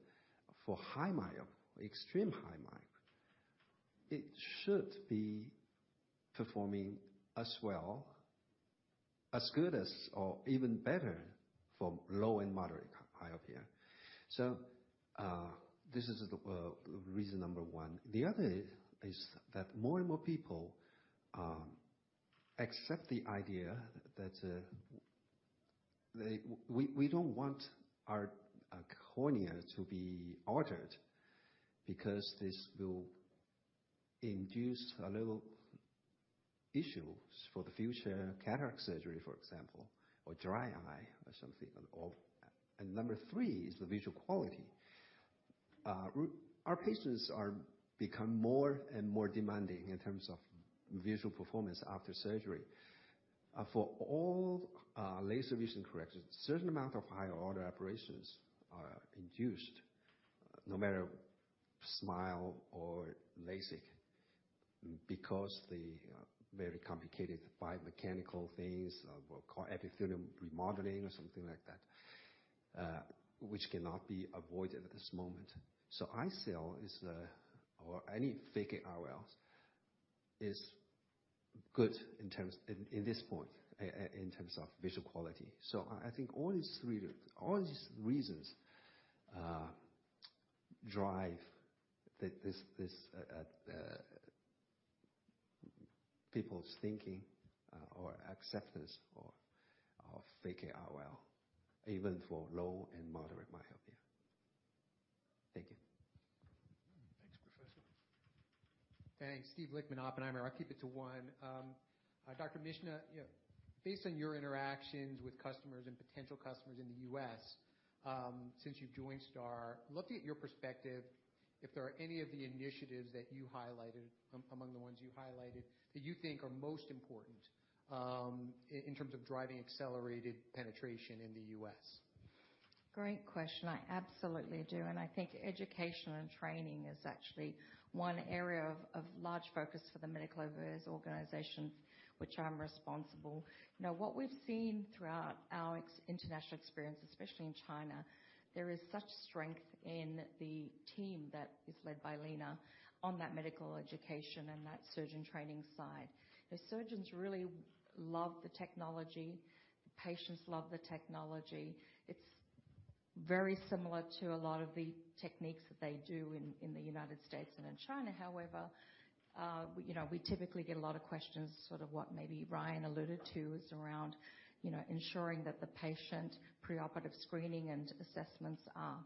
for high myopia, extreme high myopia, it should be performing as well, as good as, or even better for low and moderate myopia. So, this is the reason number one. The other is that more and more people accept the idea that we don't want our cornea to be altered, because this will induce a little issues for the future cataract surgery, for example, or dry eye or something. And number three is the visual quality. Our patients are become more and more demanding in terms of visual performance after surgery. For all laser vision correction, certain amount of higher order aberrations are induced, no matter SMILE or LASIK, because the very complicated biomechanical things of epithelium remodeling or something like that, which cannot be avoided at this moment. So ICL is the or any phakic IOLs is good in terms in this point in terms of visual quality. So I think all these three reasons drive people's thinking or acceptance of phakic IOL, even for low and moderate myopia. Thank you. Thanks, Professor. Thanks. Steve Lichtman, Oppenheimer. I'll keep it to one. Dr. Michna, yeah, based on your interactions with customers and potential customers in the U.S., since you've joined STAAR, looking at your perspective, if there are any of the initiatives that you highlighted, among the ones you highlighted, that you think are most important, in terms of driving accelerated penetration in the U.S.? Great question. I absolutely do, and I think education and training is actually one area of large focus for the medical affairs organization, which I'm responsible. Now, what we've seen throughout our extensive international experience, especially in China, there is such strength in the team that is led by Lena on that medical education and that surgeon training side. The surgeons really love the technology, the patients love the technology. It's very similar to a lot of the techniques that they do in the United States and in China. However, you know, we typically get a lot of questions, sort of what maybe Ryan alluded to, is around, you know, ensuring that the patient preoperative screening and assessments are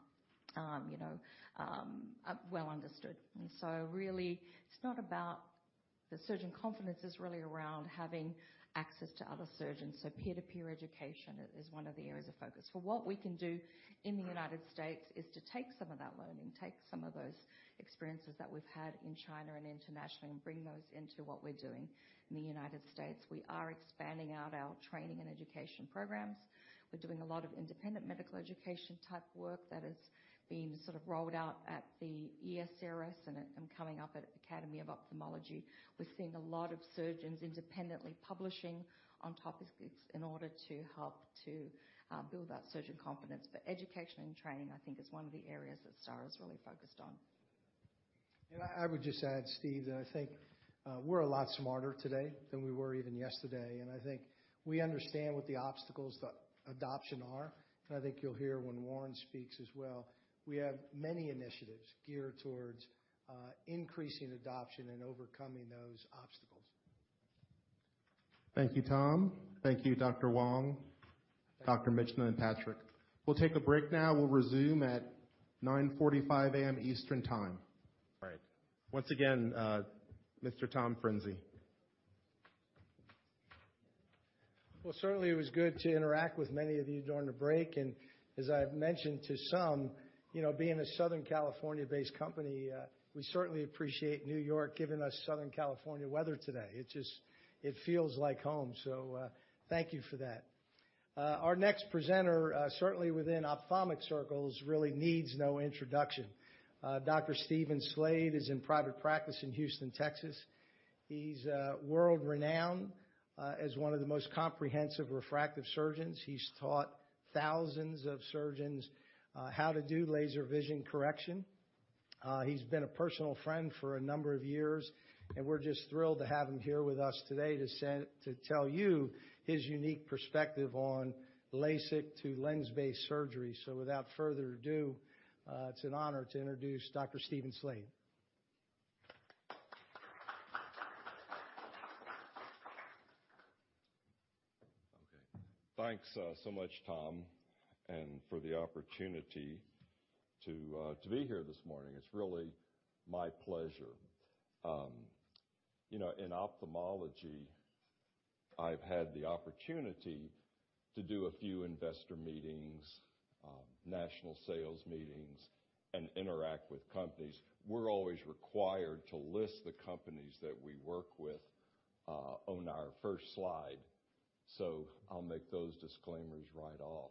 well understood. And so really, it's not about the surgeon confidence is really around having access to other surgeons. So peer-to-peer education is one of the areas of focus. For what we can do in the United States, is to take some of that learning, take some of those experiences that we've had in China and internationally, and bring those into what we're doing in the United States. We are expanding out our training and education programs. We're doing a lot of independent medical education type work that is being sort of rolled out at the ESCRS and coming up at Academy of Ophthalmology. We're seeing a lot of surgeons independently publishing on topics in order to help to build that surgeon confidence. But education and training, I think, is one of the areas that STAAR is really focused on. I would just add, Steve, that I think we're a lot smarter today than we were even yesterday, and I think you will hear when Warren speaks as well. We have many initiatives geared towards increasing adoption and overcoming those obstacles. Thank you, Tom. Thank you, Dr. Wang, Dr. Michna, and Patrick. We'll take a break now. We'll resume at 9:45 A.M. Eastern Time. All right. Once again, Mr. Tom Frinzi. Well, certainly it was good to interact with many of you during the break, and as I've mentioned to some, you know, being a Southern California-based company, we certainly appreciate New York giving us Southern California weather today. It's just. It feels like home, so, thank you for that. Our next presenter, certainly within ophthalmic circles, really needs no introduction. Dr. Stephen Slade is in private practice in Houston, Texas. He's world-renowned as one of the most comprehensive refractive surgeons. He's taught thousands of surgeons how to do laser vision correction. He's been a personal friend for a number of years, and we're just thrilled to have him here with us today to tell you his unique perspective on LASIK to lens-based surgery. So without further ado, it's an honor to introduce Dr. Stephen Slade. Thanks, so much, Tom, and for the opportunity to be here this morning. It's really my pleasure. You know, in ophthalmology, I've had the opportunity to do a few investor meetings, national sales meetings, and interact with companies. We're always required to list the companies that we work with, on our first slide, so I'll make those disclaimers right off.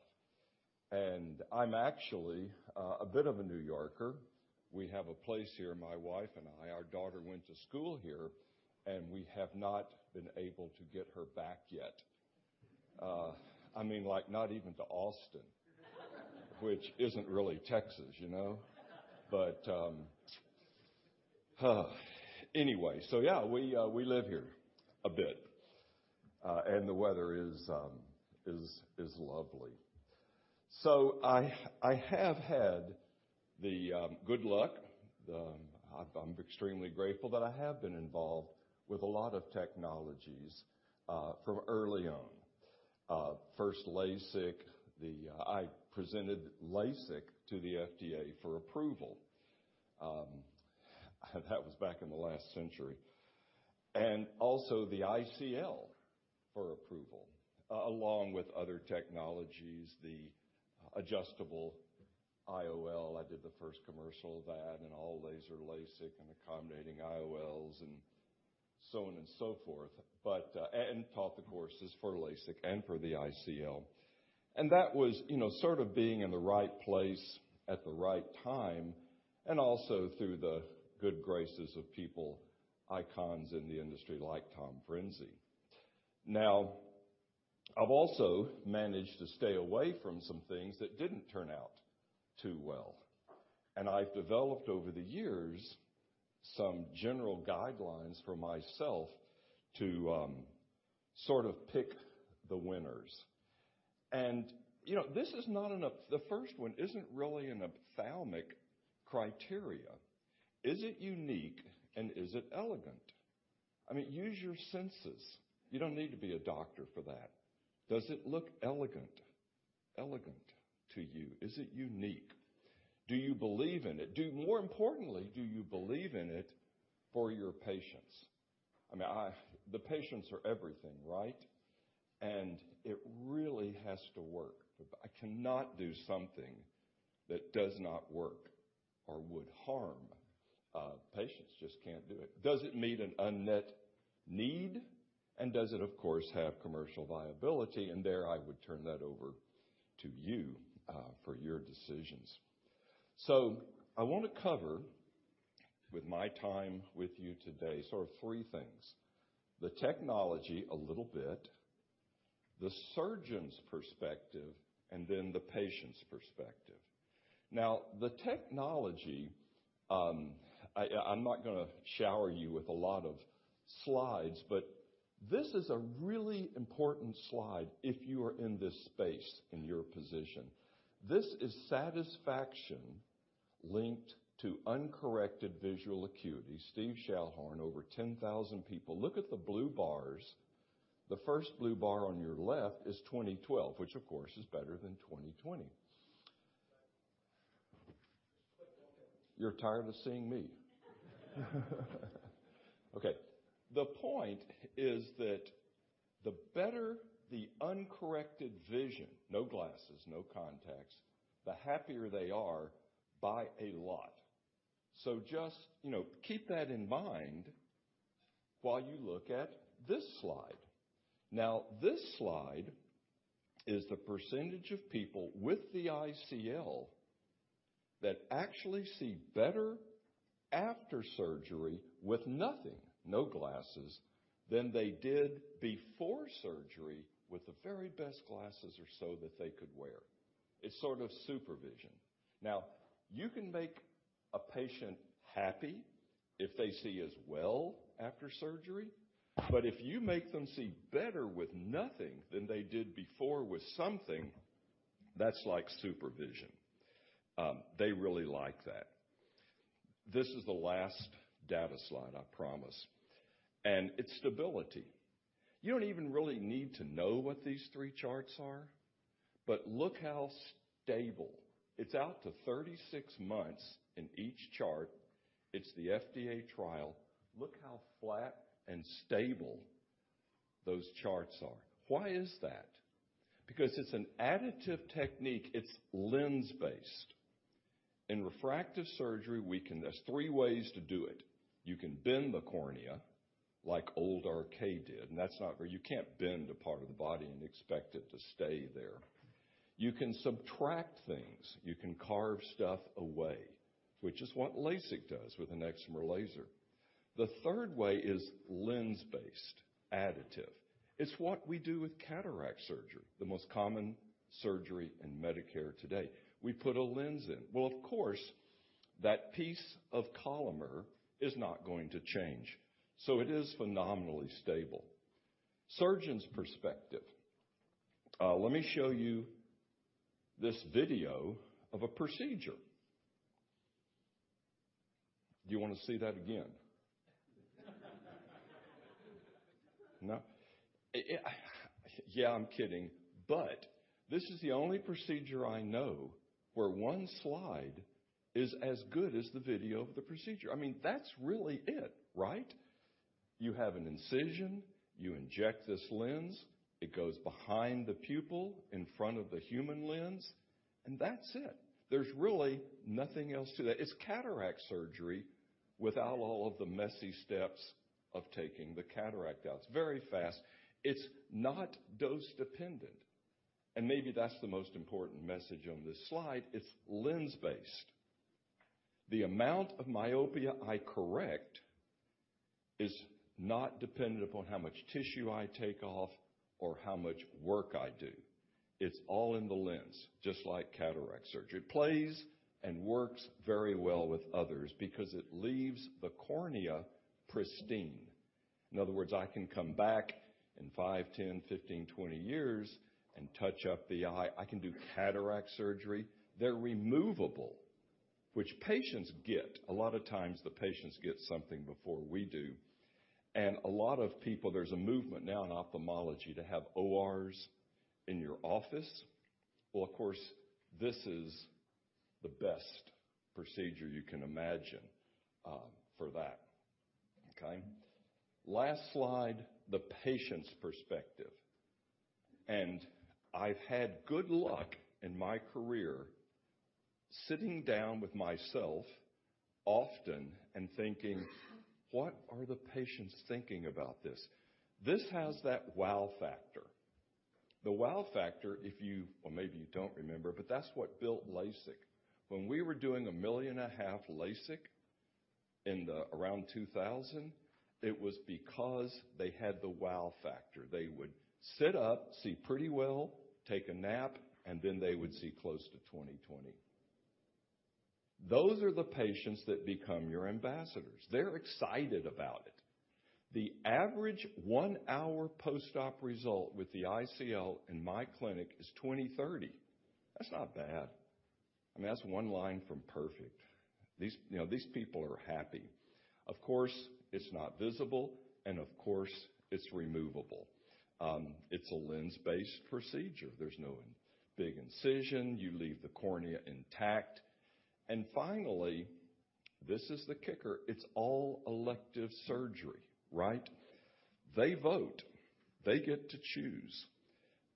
And I'm actually a bit of a New Yorker. We have a place here, my wife and I. Our daughter went to school here, and we have not been able to get her back yet. I mean, like, not even to Austin, which isn't really Texas, you know? But. Anyway, so, yeah, we live here a bit, and the weather is lovely. So I have had the good luck—I'm extremely grateful that I have been involved with a lot of technologies from early on. First LASIK, I presented LASIK to the FDA for approval. That was back in the last century. And also the ICL for approval, along with other technologies, the adjustable IOL. I did the first commercial of that and all laser LASIK and accommodating IOLs and so on and so forth, but and taught the courses for LASIK and for the ICL. And that was, you know, sort of being in the right place at the right time, and also through the good graces of people, icons in the industry like Tom Frinzi. Now, I've also managed to stay away from some things that didn't turn out too well, and I've developed over the years, some general guidelines for myself to sort of pick the winners. And, you know, this is not an—The first one isn't really an ophthalmic criteria. Is it unique, and is it elegant? I mean, use your senses. You don't need to be a doctor for that. Does it look elegant, elegant to you? Is it unique? Do you believe in it? More importantly, do you believe in it for your patients? I mean, the patients are everything, right? And it really has to work. I cannot do something that does not work or would harm patients. Just can't do it. Does it meet an unmet need, and does it, of course, have commercial viability? There, I would turn that over to you, for your decisions. I want to cover, with my time with you today, sort of three things: the technology, a little bit, the surgeon's perspective, and then the patient's perspective. Now, the technology, I'm not gonna shower you with a lot of slides, but this is a really important slide if you are in this space in your position. This is satisfaction linked to uncorrected visual acuity. Steve Schallhorn, over 10,000 people. Look at the blue bars. The first blue bar on your left is 20/12, which, of course, is better than 20/20. You're tired of seeing me. Okay, the point is that the better the uncorrected vision, no glasses, no contacts, the happier they are by a lot. So just, you know, keep that in mind while you look at this slide. Now, this slide is the percentage of people with the ICL that actually see better after surgery with nothing, no glasses, than they did before surgery with the very best glasses or so that they could wear. It's sort of super vision. Now, you can make a patient happy if they see as well after surgery, but if you make them see better with nothing than they did before with something, that's like super vision. They really like that. This is the last data slide, I promise, and it's stability. You don't even really need to know what these three charts are, but look how stable. It's out to 36 months in each chart. It's the FDA trial. Look how flat and stable those charts are. Why is that? Because it's an additive technique. It's lens-based. In refractive surgery, we can, there's three ways to do it. You can bend the cornea, like old RK did, and that's not very. You can't bend a part of the body and expect it to stay there. You can subtract things. You can carve stuff away, which is what LASIK does with an excimer laser. The third way is lens-based, additive. It's what we do with cataract surgery, the most common surgery in Medicare today. We put a lens in. Well, of course, that piece of Collamer is not going to change, so it is phenomenally stable. Surgeon's perspective. Let me show you this video of a procedure. Do you want to see that again? No? Yeah, I'm kidding, but this is the only procedure I know where one slide is as good as the video of the procedure. I mean, that's really it, right? You have an incision, you inject this lens, it goes behind the pupil, in front of the human lens, and that's it. There's really nothing else to that. It's cataract surgery without all of the messy steps of taking the cataract out. It's very fast. It's not dose-dependent, and maybe that's the most important message on this slide. It's lens-based. The amount of myopia I correct is not dependent upon how much tissue I take off or how much work I do. It's all in the lens, just like cataract surgery. It plays and works very well with others because it leaves the cornea pristine. In other words, I can come back in 5, 10, 15, 20 years and touch up the eye. I can do cataract surgery. They're removable, which patients get. A lot of times, the patients get something before we do, and a lot of people - there's a movement now in ophthalmology to have ORs in your office. Well, of course, this is the best procedure you can imagine for that. Okay? Last slide, the patient's perspective. I've had good luck in my career, sitting down with myself often and thinking, "What are the patients thinking about this?" This has that wow factor. The wow factor, if you. Well, maybe you don't remember, but that's what built LASIK. When we were doing 1.5 million LASIK in around 2000, it was because they had the wow factor. They would sit up, see pretty well, take a nap, and then they would see close to 20/20. Those are the patients that become your ambassadors. They're excited about it. The average one-hour post-op result with the ICL in my clinic is 20/30. That's not bad. I mean, that's one line from perfect. These, you know, these people are happy. Of course, it's not visible, and of course, it's removable. It's a lens-based procedure. There's no big incision. You leave the cornea intact. And finally, this is the kicker, it's all elective surgery, right? They vote. They get to choose.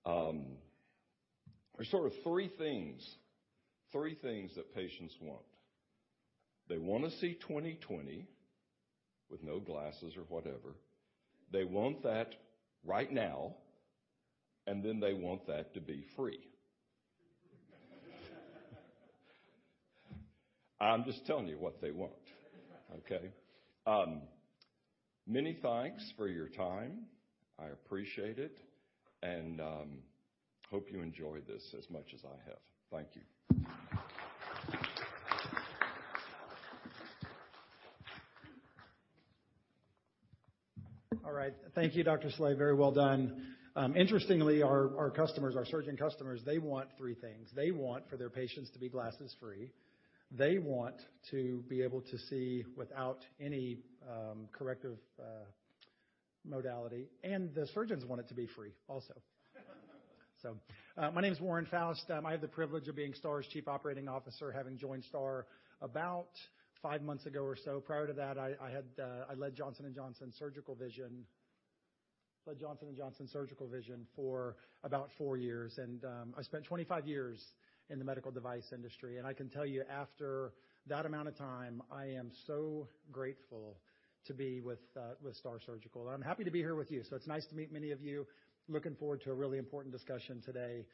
There are sort of three things, three things that patients want. They want to see 20/20 with no glasses or whatever. They want that right now, and then they want that to be free. I'm just telling you what they want, okay? Many thanks for your time. I appreciate it, and, hope you enjoyed this as much as I have. Thank you. All right. Thank you, Dr. Slade, very well done. Interestingly, our customers, our surgeon customers, they want 3 things. They want for their patients to be glasses-free. They want to be able to see without any corrective modality, and the surgeons want it to be free also. So, my name is Warren Foust. I have the privilege of being STAAR's Chief Operating Officer, having joined STAAR about five months ago or so. Prior to that, I had led Johnson & Johnson Surgical Vision for about four years, and I spent 25 years in the medical device industry. I can tell you, after that amount of time, I am so grateful to be with STAAR Surgical. I'm happy to be here with you. So it's nice to meet many of you, looking forward to a really important discussion today.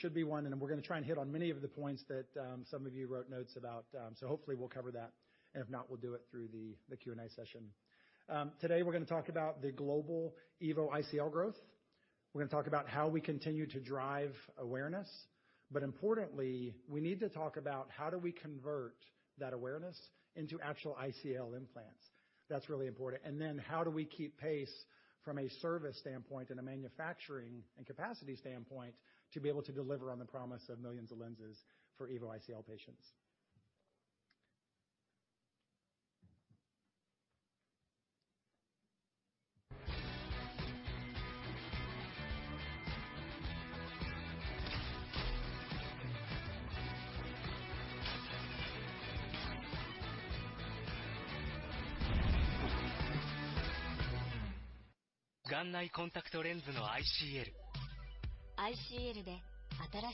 Should be one, and we're going to try and hit on many of the points that some of you wrote notes about. So hopefully, we'll cover that, and if not, we'll do it through the Q&A session. Today, we're going to talk about the global EVO ICL growth. We're going to talk about how we continue to drive awareness. But importantly, we need to talk about how do we convert that awareness into actual ICL implants. That's really important. And then how do we keep pace from a service standpoint and a manufacturing and capacity standpoint to be able to deliver on the promise of millions of lenses for EVO ICL patients? .What better way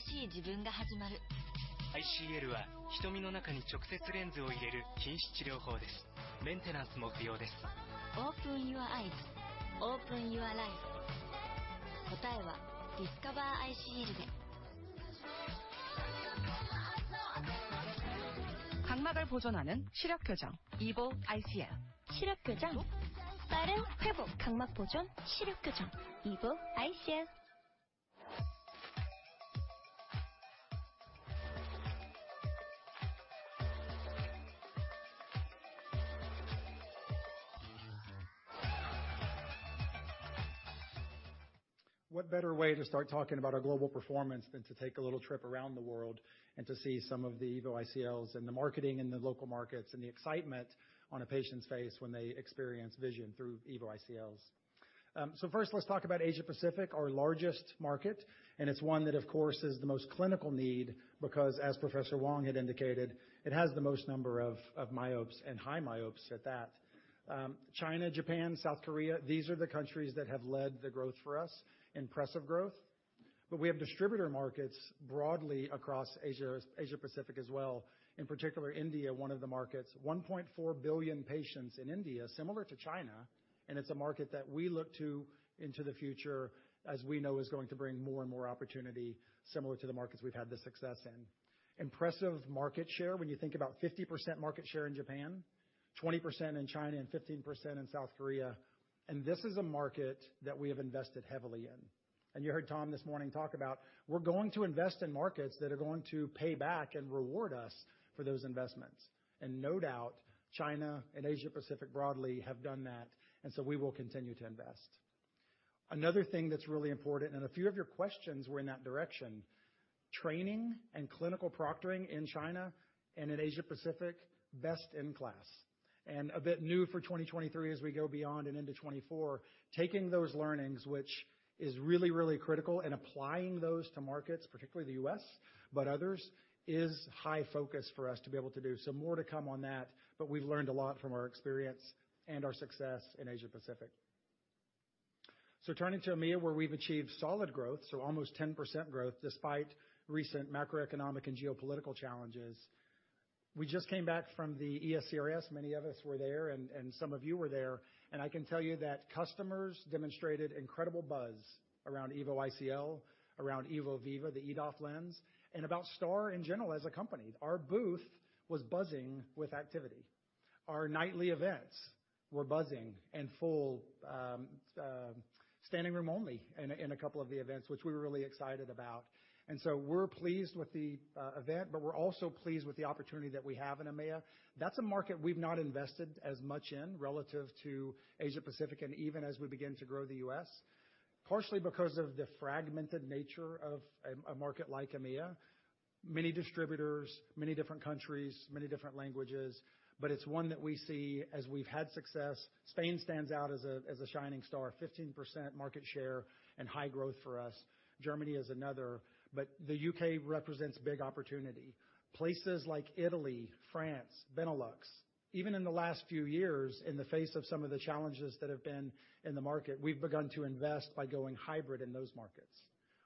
to start talking about our global performance than to take a little trip around the world and to see some of the EVO ICLs and the marketing in the local markets, and the excitement on a patient's face when they experience vision through EVO ICLs? So first, let's talk about Asia Pacific, our largest market, and it's one that, of course, is the most clinical need, because as Professor Wang had indicated, it has the most number of myopes and high myopes at that. China, Japan, South Korea, these are the countries that have led the growth for us, impressive growth, but we have distributor markets broadly across Asia, Asia Pacific as well. In particular, India, one of the markets, 1.4 billion patients in India, similar to China, and it's a market that we look to into the future as we know is going to bring more and more opportunity similar to the markets we've had the success in. Impressive market share. When you think about 50% market share in Japan, 20% in China, and 15% in South Korea, and this is a market that we have invested heavily in. And you heard Tom this morning talk about, we're going to invest in markets that are going to pay back and reward us for those investments. And no doubt, China and Asia Pacific broadly have done that, and so we will continue to invest. Another thing that's really important, and a few of your questions were in that direction, training and clinical proctoring in China and in Asia Pacific, best in class. A bit new for 2023 as we go beyond and into 2024, taking those learnings, which is really, really critical, and applying those to markets, particularly the U.S., but others, is high focus for us to be able to do, so more to come on that. But we've learned a lot from our experience and our success in Asia Pacific. So turning to EMEA, where we've achieved solid growth, so almost 10% growth, despite recent macroeconomic and geopolitical challenges. We just came back from the ESCRS. Many of us were there, and some of you were there, and I can tell you that customers demonstrated incredible buzz around EVO ICL, around EVO Viva, the EDOF lens, and about STAAR in general, as a company. Our booth was buzzing with activity. Our nightly events were buzzing and full, standing room only in a couple of the events, which we were really excited about. And so we're pleased with the event, but we're also pleased with the opportunity that we have in EMEA. That's a market we've not invested as much in relative to Asia Pacific, and even as we begin to grow the U.S., partially because of the fragmented nature of a market like EMEA. Many distributors, many different countries, many different languages, but it's one that we see as we've had success. Spain stands out as a shining star, 15% market share and high growth for us. Germany is another, but the U.K. represents big opportunity. Places like Italy, France, Benelux, even in the last few years, in the face of some of the challenges that have been in the market, we've begun to invest by going hybrid in those markets.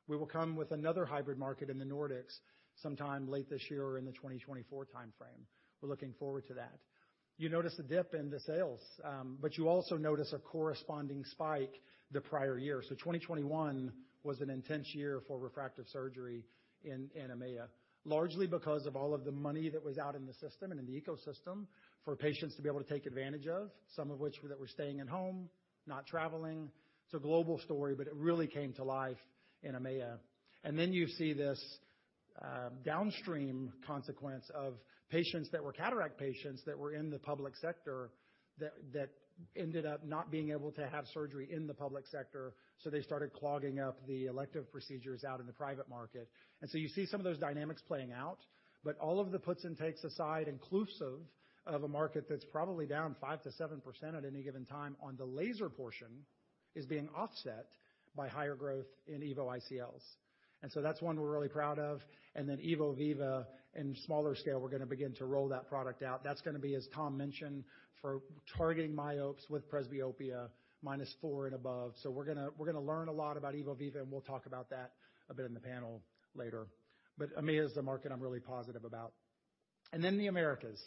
We will come with another hybrid market in the Nordics sometime late this year or in the 2024 timeframe. We're looking forward to that. You notice a dip in the sales, but you also notice a corresponding spike the prior year. So 2021 was an intense year for refractive surgery in EMEA, largely because of all of the money that was out in the system and in the ecosystem for patients to be able to take advantage of, some of which that were staying at home, not traveling. It's a global story, but it really came to life in EMEA. And then you see this downstream consequence of patients that were cataract patients that were in the public sector, that ended up not being able to have surgery in the public sector, so they started clogging up the elective procedures out in the private market. You see some of those dynamics playing out, but all of the puts and takes aside, inclusive of a market that's probably down 5%-7% at any given time on the laser portion, is being offset by higher growth in EVO ICLs. And so that's one we're really proud of, and then EVO Viva, in smaller scale, we're going to begin to roll that product out. That's going to be, as Tom mentioned, for targeting myopes with presbyopia, -4 and above. So we're gonna learn a lot about EVO Viva, and we'll talk about that a bit in the panel later. But EMEA is the market I'm really positive about. And then the Americas.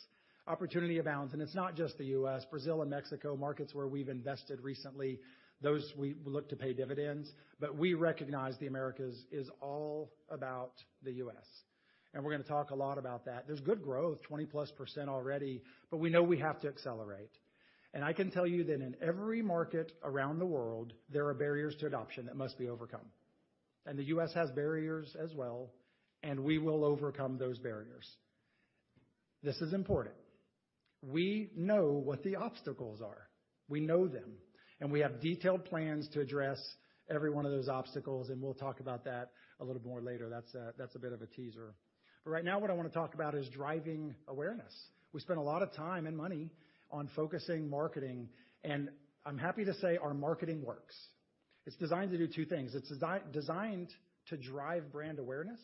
Opportunity abounds, and it's not just the U.S., Brazil, and Mexico, markets where we've invested recently, those we look to pay dividends, but we recognize the Americas is all about the U.S., and we're gonna talk a lot about that. There's good growth, 20%+ already, but we know we have to accelerate. And I can tell you that in every market around the world, there are barriers to adoption that must be overcome, and the U.S. has barriers as well, and we will overcome those barriers. This is important. We know what the obstacles are. We know them, and we have detailed plans to address every one of those obstacles, and we'll talk about that a little more later. That's a, that's a bit of a teaser. But right now, what I want to talk about is driving awareness. We spend a lot of time and money on focusing, marketing, and I'm happy to say our marketing works. It's designed to do two things: It's designed to drive brand awareness,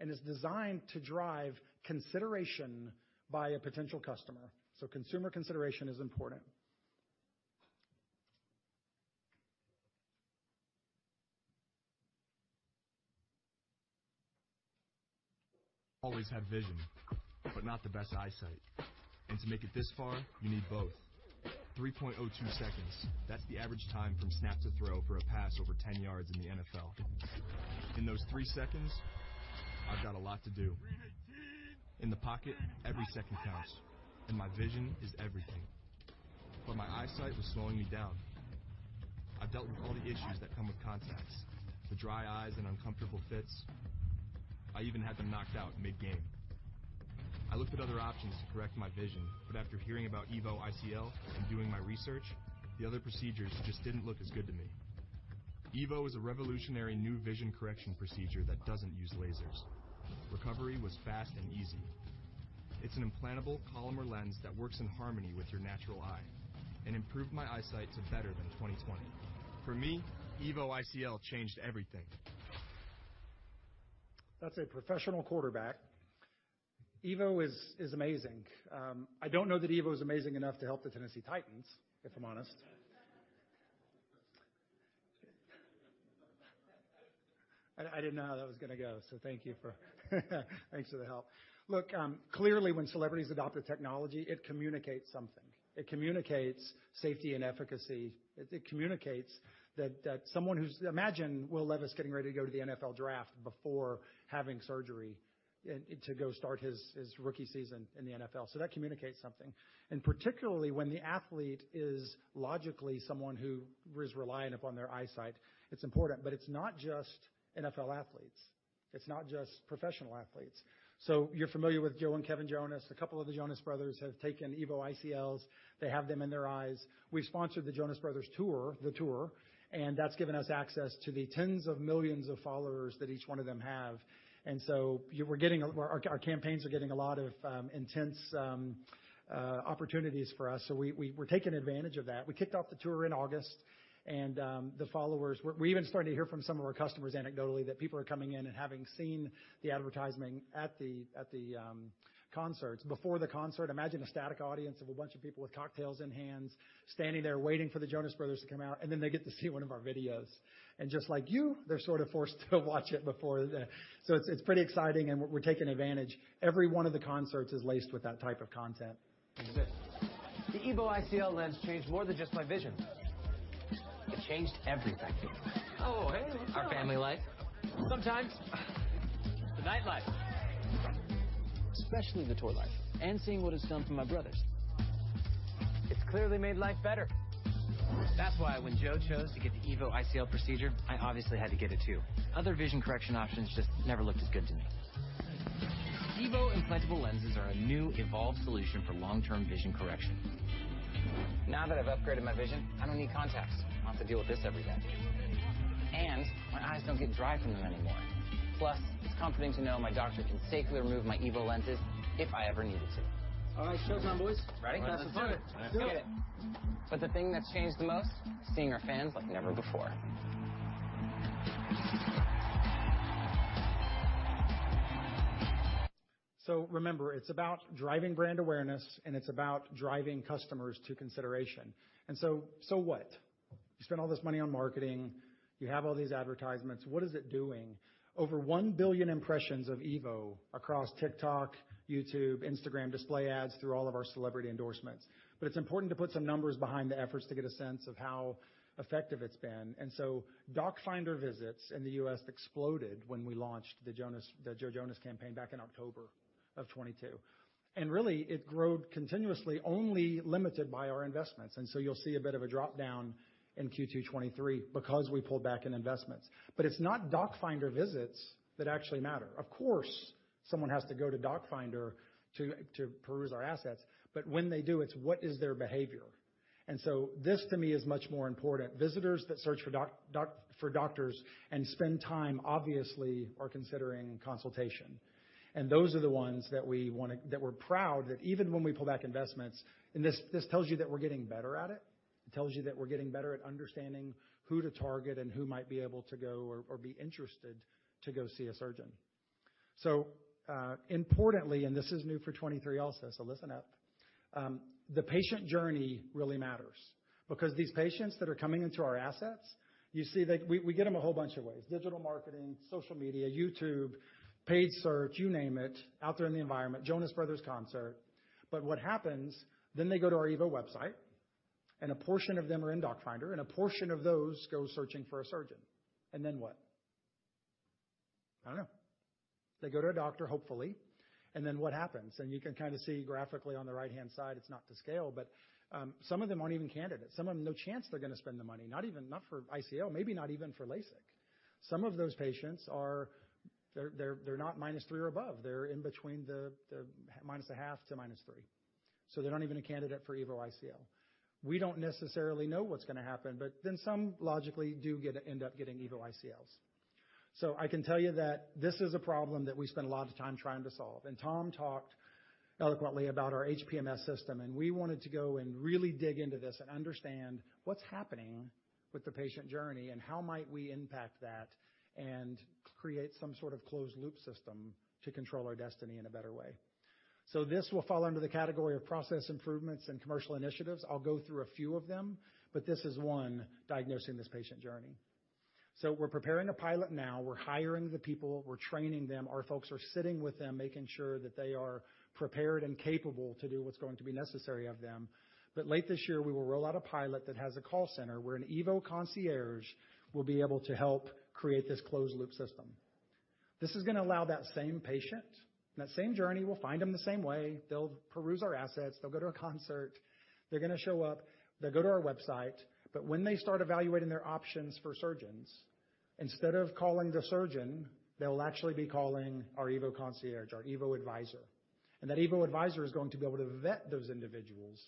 and it's designed to drive consideration by a potential customer. So consumer consideration is important. Always had vision, but not the best eyesight, and to make it this far, you need both. 3.02 seconds, that's the average time from snap to throw for a pass over 10 yards in the NFL. In those 3 seconds, I've got a lot to do. Three eighteen! In the pocket, every second counts, and my vision is everything. But my eyesight was slowing me down. I've dealt with all the issues that come with contacts, the dry eyes and uncomfortable fits. I even had them knocked out mid-game. I looked at other options to correct my vision, but after hearing about EVO ICL and doing my research, the other procedures just didn't look as good to me. EVO is a revolutionary new vision correction procedure that doesn't use lasers. Recovery was fast and easy. It's an implantable Collamer lens that works in harmony with your natural eye and improved my eyesight to better than 20/20. For me, EVO ICL changed everything. That's a professional quarterback. EVO is amazing. I don't know that EVO is amazing enough to help the Tennessee Titans, if I'm honest. I didn't know how that was gonna go, so thank you, thanks for the help. Look, clearly, when celebrities adopt a technology, it communicates something. It communicates safety and efficacy. It communicates that someone who's, imagine Will Levis getting ready to go to the NFL draft before having surgery and to go start his rookie season in the NFL. So that communicates something, and particularly when the athlete is logically someone who is reliant upon their eyesight, it's important. But it's not just NFL athletes. It's not just professional athletes. So you're familiar with Joe and Kevin Jonas. A couple of the Jonas Brothers have taken EVO ICLs. They have them in their eyes. We've sponsored the Jonas Brothers tour, The Tour, and that's given us access to the tens of millions of followers that each one of them have. So our campaigns are getting a lot of intense opportunities for us, so we're taking advantage of that. We kicked off the tour in August, and the followers. We're even starting to hear from some of our customers anecdotally, that people are coming in and having seen the advertising at the concerts. Before the concert, imagine a static audience of a bunch of people with cocktails in hands, standing there waiting for the Jonas Brothers to come out, and then they get to see one of our videos. And just like you, they're sort of forced to watch it before the. So it's pretty exciting, and we're taking advantage. Every one of the concerts is laced with that type of content. Exist. The EVO ICL lens changed more than just my vision. It changed everything. Oh, hey! Our family life. Sometimes, the nightlife. Hey! Especially the tour life and seeing what it's done for my brothers. It's clearly made life better. That's why when Joe chose to get the EVO ICL procedure, I obviously had to get it, too. Other vision correction options just never looked as good to me. EVO implantable lenses are a new evolved solution for long-term vision correction. Now that I've upgraded my vision, I don't need contacts. I don't have to deal with this every day, and my eyes don't get dry from them anymore. Plus, it's comforting to know my doctor can safely remove my EVO lenses if I ever need it to. All right, showtime, boys. Ready? Let's have some fun. Let's do it. Let's get it. But the thing that's changed the most, seeing our fans like never before. So remember, it's about driving brand awareness, and it's about driving customers to consideration. And so, so what? You spend all this money on marketing, you have all these advertisements. What is it doing? Over 1 billion impressions of EVO across TikTok, YouTube, Instagram, display ads through all of our celebrity endorsements. But it's important to put some numbers behind the efforts to get a sense of how effective it's been. And so DocFinder visits in the U.S. exploded when we launched the Jonas-- the Joe Jonas campaign back in October of 2022. And really, it growed continuously, only limited by our investments. And so you'll see a bit of a drop-down in Q2 2023 because we pulled back in investments. But it's not DocFinder visits that actually matter. Of course, someone has to go to DocFinder to, to peruse our assets, but when they do, it's what is their behavior? And so this, to me, is much more important. Visitors that search for doc, doc, for doctors and spend time, obviously, are considering consultation. And those are the ones that we wanna-- that we're proud, that even when we pull back investments. And this, this tells you that we're getting better at it. It tells you that we're getting better at understanding who to target and who might be able to go or, or be interested to go see a surgeon. So, importantly, and this is new for 2023 also, so listen up. The patient journey really matters because these patients that are coming into our assets, you see that we get them a whole bunch of ways: digital marketing, social media, YouTube, paid search, you name it, out there in the environment, Jonas Brothers concert. But what happens, then they go to our EVO website, and a portion of them are in DocFinder, and a portion of those go searching for a surgeon. And then what? I don't know. They go to a doctor, hopefully, and then what happens? And you can kinda see graphically on the right-hand side, it's not to scale, but some of them aren't even candidates. Some of them, no chance they're gonna spend the money, not even, not for ICL, maybe not even for LASIK. Some of those patients are. They're not minus three or above. They're in between the -0.5 to -3. So they're not even a candidate for EVO ICL. We don't necessarily know what's gonna happen, but then some logically do get, end up getting EVO ICLs. So I can tell you that this is a problem that we spend a lot of time trying to solve, and Tom talked eloquently about our HPMS system, and we wanted to go and really dig into this and understand what's happening with the patient journey and how might we impact that and create some sort of closed-loop system to control our destiny in a better way. So this will fall under the category of process improvements and commercial initiatives. I'll go through a few of them, but this is one, diagnosing this patient journey. So we're preparing a pilot now. We're hiring the people, we're training them. Our folks are sitting with them, making sure that they are prepared and capable to do what's going to be necessary of them. But late this year, we will roll out a pilot that has a call center, where an EVO concierge will be able to help create this closed-loop system. This is gonna allow that same patient, that same journey, we'll find them the same way. They'll peruse our assets, they'll go to a concert, they're gonna show up, they'll go to our website, but when they start evaluating their options for surgeons. Instead of calling the surgeon, they'll actually be calling our EVO concierge, our EVO advisor, and that EVO advisor is going to be able to vet those individuals.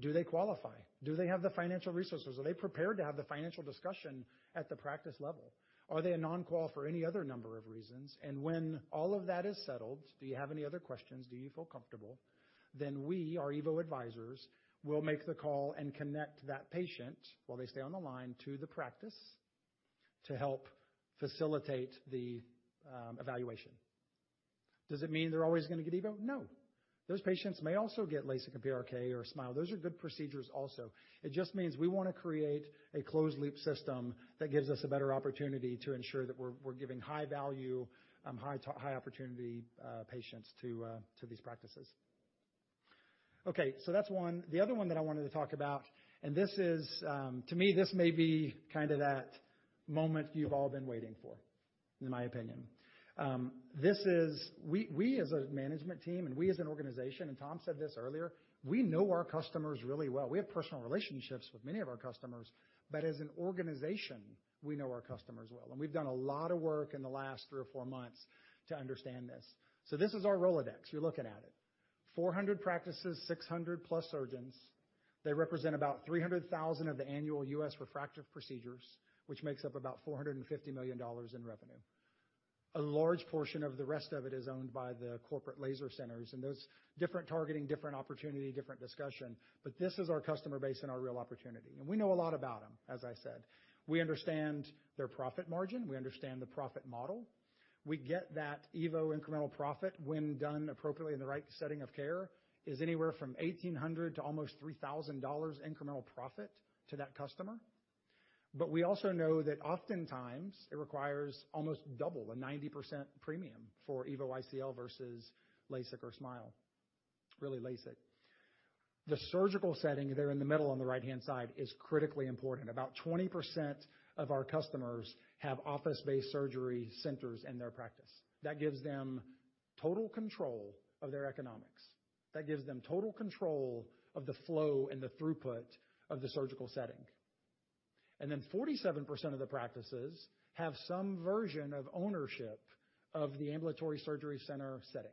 Do they qualify? Do they have the financial resources? Are they prepared to have the financial discussion at the practice level? Are they a non-qual for any other number of reasons? And when all of that is settled, do you have any other questions? Do you feel comfortable? Then we, our EVO advisors, will make the call and connect that patient, while they stay on the line, to the practice to help facilitate the evaluation. Does it mean they're always gonna get EVO? No. Those patients may also get LASIK and PRK or SMILE. Those are good procedures also. It just means we wanna create a closed-loop system that gives us a better opportunity to ensure that we're giving high value, high opportunity patients to these practices. Okay, so that's one. The other one that I wanted to talk about, and this is, to me, this may be kind of that moment you've all been waiting for, in my opinion. This is—we, we as a management team and we as an organization, and Tom said this earlier, we know our customers really well. We have personal relationships with many of our customers, but as an organization, we know our customers well. And we've done a lot of work in the last three or four months to understand this. So this is our Rolodex. You're looking at it. 400 practices, 600+ surgeons. They represent about 300,000 of the annual U.S. refractive procedures, which makes up about $450 million in revenue. A large portion of the rest of it is owned by the corporate laser centers, and those different targeting, different opportunity, different discussion. But this is our customer base and our real opportunity, and we know a lot about them, as I said. We understand their profit margin. We understand the profit model. We get that EVO incremental profit, when done appropriately in the right setting of care, is anywhere from $1,800 to almost $3,000 incremental profit to that customer. But we also know that oftentimes it requires almost double a 90% premium for EVO ICL versus LASIK or SMILE. Really LASIK. The surgical setting there in the middle on the right-hand side is critically important. About 20% of our customers have office-based surgery centers in their practice. That gives them total control of their economics. That gives them total control of the flow and the throughput of the surgical setting. And then 47% of the practices have some version of ownership of the ambulatory surgery center setting.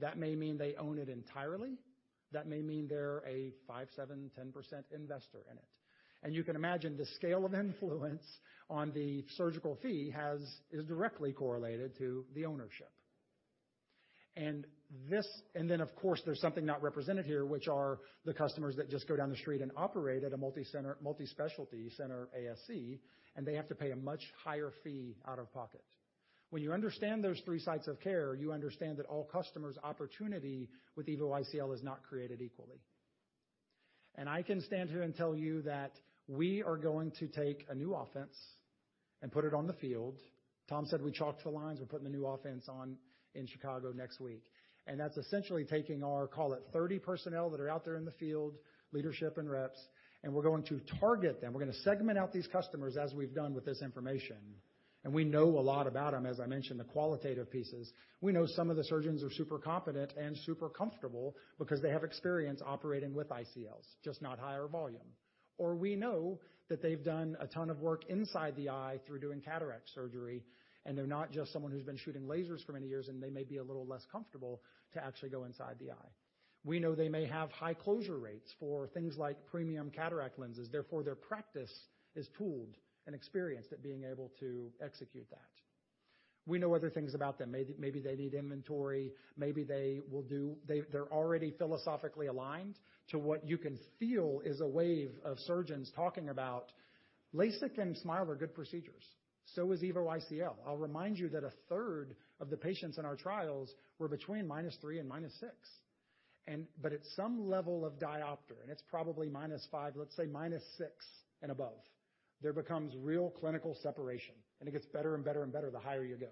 That may mean they own it entirely. That may mean they're a 5, 7, 10% investor in it. And you can imagine the scale of influence on the surgical fee is directly correlated to the ownership. And then, of course, there's something not represented here, which are the customers that just go down the street and operate at a multi-center, multi-specialty center, ASC, and they have to pay a much higher fee out of pocket. When you understand those three sites of care, you understand that all customers' opportunity with EVO ICL is not created equally. And I can stand here and tell you that we are going to take a new offense and put it on the field. Tom said we chalked the lines. We're putting the new offense on in Chicago next week, and that's essentially taking our, call it 30 personnel that are out there in the field, leadership and reps, and we're going to target them. We're gonna segment out these customers as we've done with this information, and we know a lot about them, as I mentioned, the qualitative pieces. We know some of the surgeons are super competent and super comfortable because they have experience operating with ICLs, just not higher volume. Or we know that they've done a ton of work inside the eye through doing cataract surgery, and they're not just someone who's been shooting lasers for many years, and they may be a little less comfortable to actually go inside the eye. We know they may have high closure rates for things like premium cataract lenses. Therefore, their practice is tooled and experienced at being able to execute that. We know other things about them. Maybe they need inventory, maybe they will do. They’re already philosophically aligned to what you can feel is a wave of surgeons talking about LASIK and SMILE are good procedures, so is EVO ICL. I'll remind you that a third of the patients in our trials were between -3 and -6. But at some level of diopter, and it's probably -5, let's say -6 and above, there becomes real clinical separation, and it gets better and better and better the higher you go.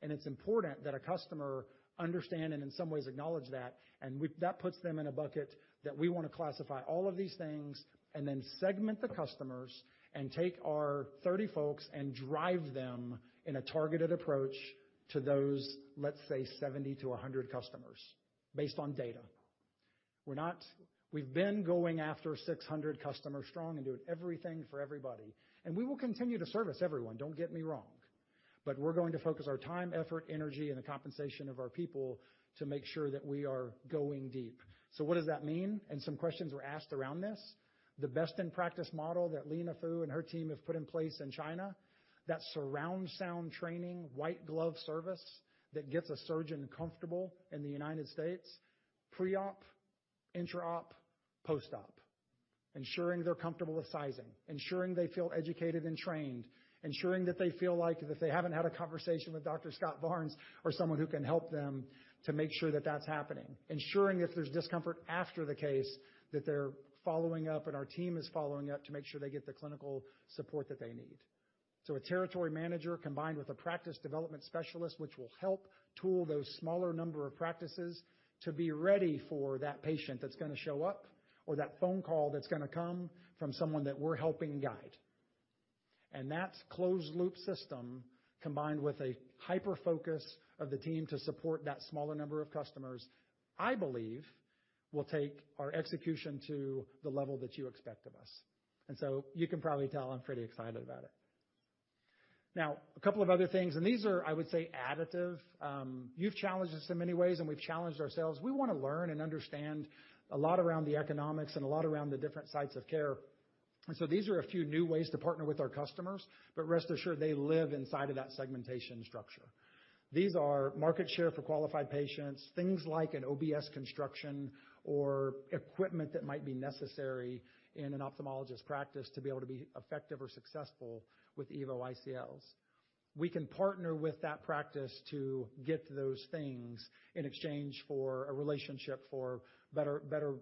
And it's important that a customer understand and in some ways acknowledge that, and that puts them in a bucket that we want to classify all of these things and then segment the customers and take our 30 folks and drive them in a targeted approach to those, let's say, 70-100 customers based on data. We've been going after 600 customers strong and doing everything for everybody, and we will continue to service everyone. Don't get me wrong, but we're going to focus our time, effort, energy, and the compensation of our people to make sure that we are going deep. So what does that mean? And some questions were asked around this. The best in practice model that Lena Fu and her team have put in place in China, that surround sound training, white glove service that gets a surgeon comfortable in the United States, pre-op, intra-op, post-op, ensuring they're comfortable with sizing, ensuring they feel educated and trained, ensuring that they feel like if they haven't had a conversation with Dr. Scott Barnes or someone who can help them, to make sure that that's happening. Ensuring if there's discomfort after the case, that they're following up and our team is following up to make sure they get the clinical support that they need. So a territory manager combined with a practice development specialist, which will help tool those smaller number of practices to be ready for that patient that's gonna show up, or that phone call that's gonna come from someone that we're helping guide. And that closed-loop system, combined with a hyper-focus of the team to support that smaller number of customers, I believe will take our execution to the level that you expect of us. And so you can probably tell I'm pretty excited about it. Now, a couple of other things, and these are, I would say, additive. You've challenged us in many ways, and we've challenged ourselves. We want to learn and understand a lot around the economics and a lot around the different sites of care. So these are a few new ways to partner with our customers, but rest assured, they live inside of that segmentation structure. These are market share for qualified patients, things like an OBS construction or equipment that might be necessary in an ophthalmologist practice to be able to be effective or successful with EVO ICLs. We can partner with that practice to get those things in exchange for a relationship for better, better,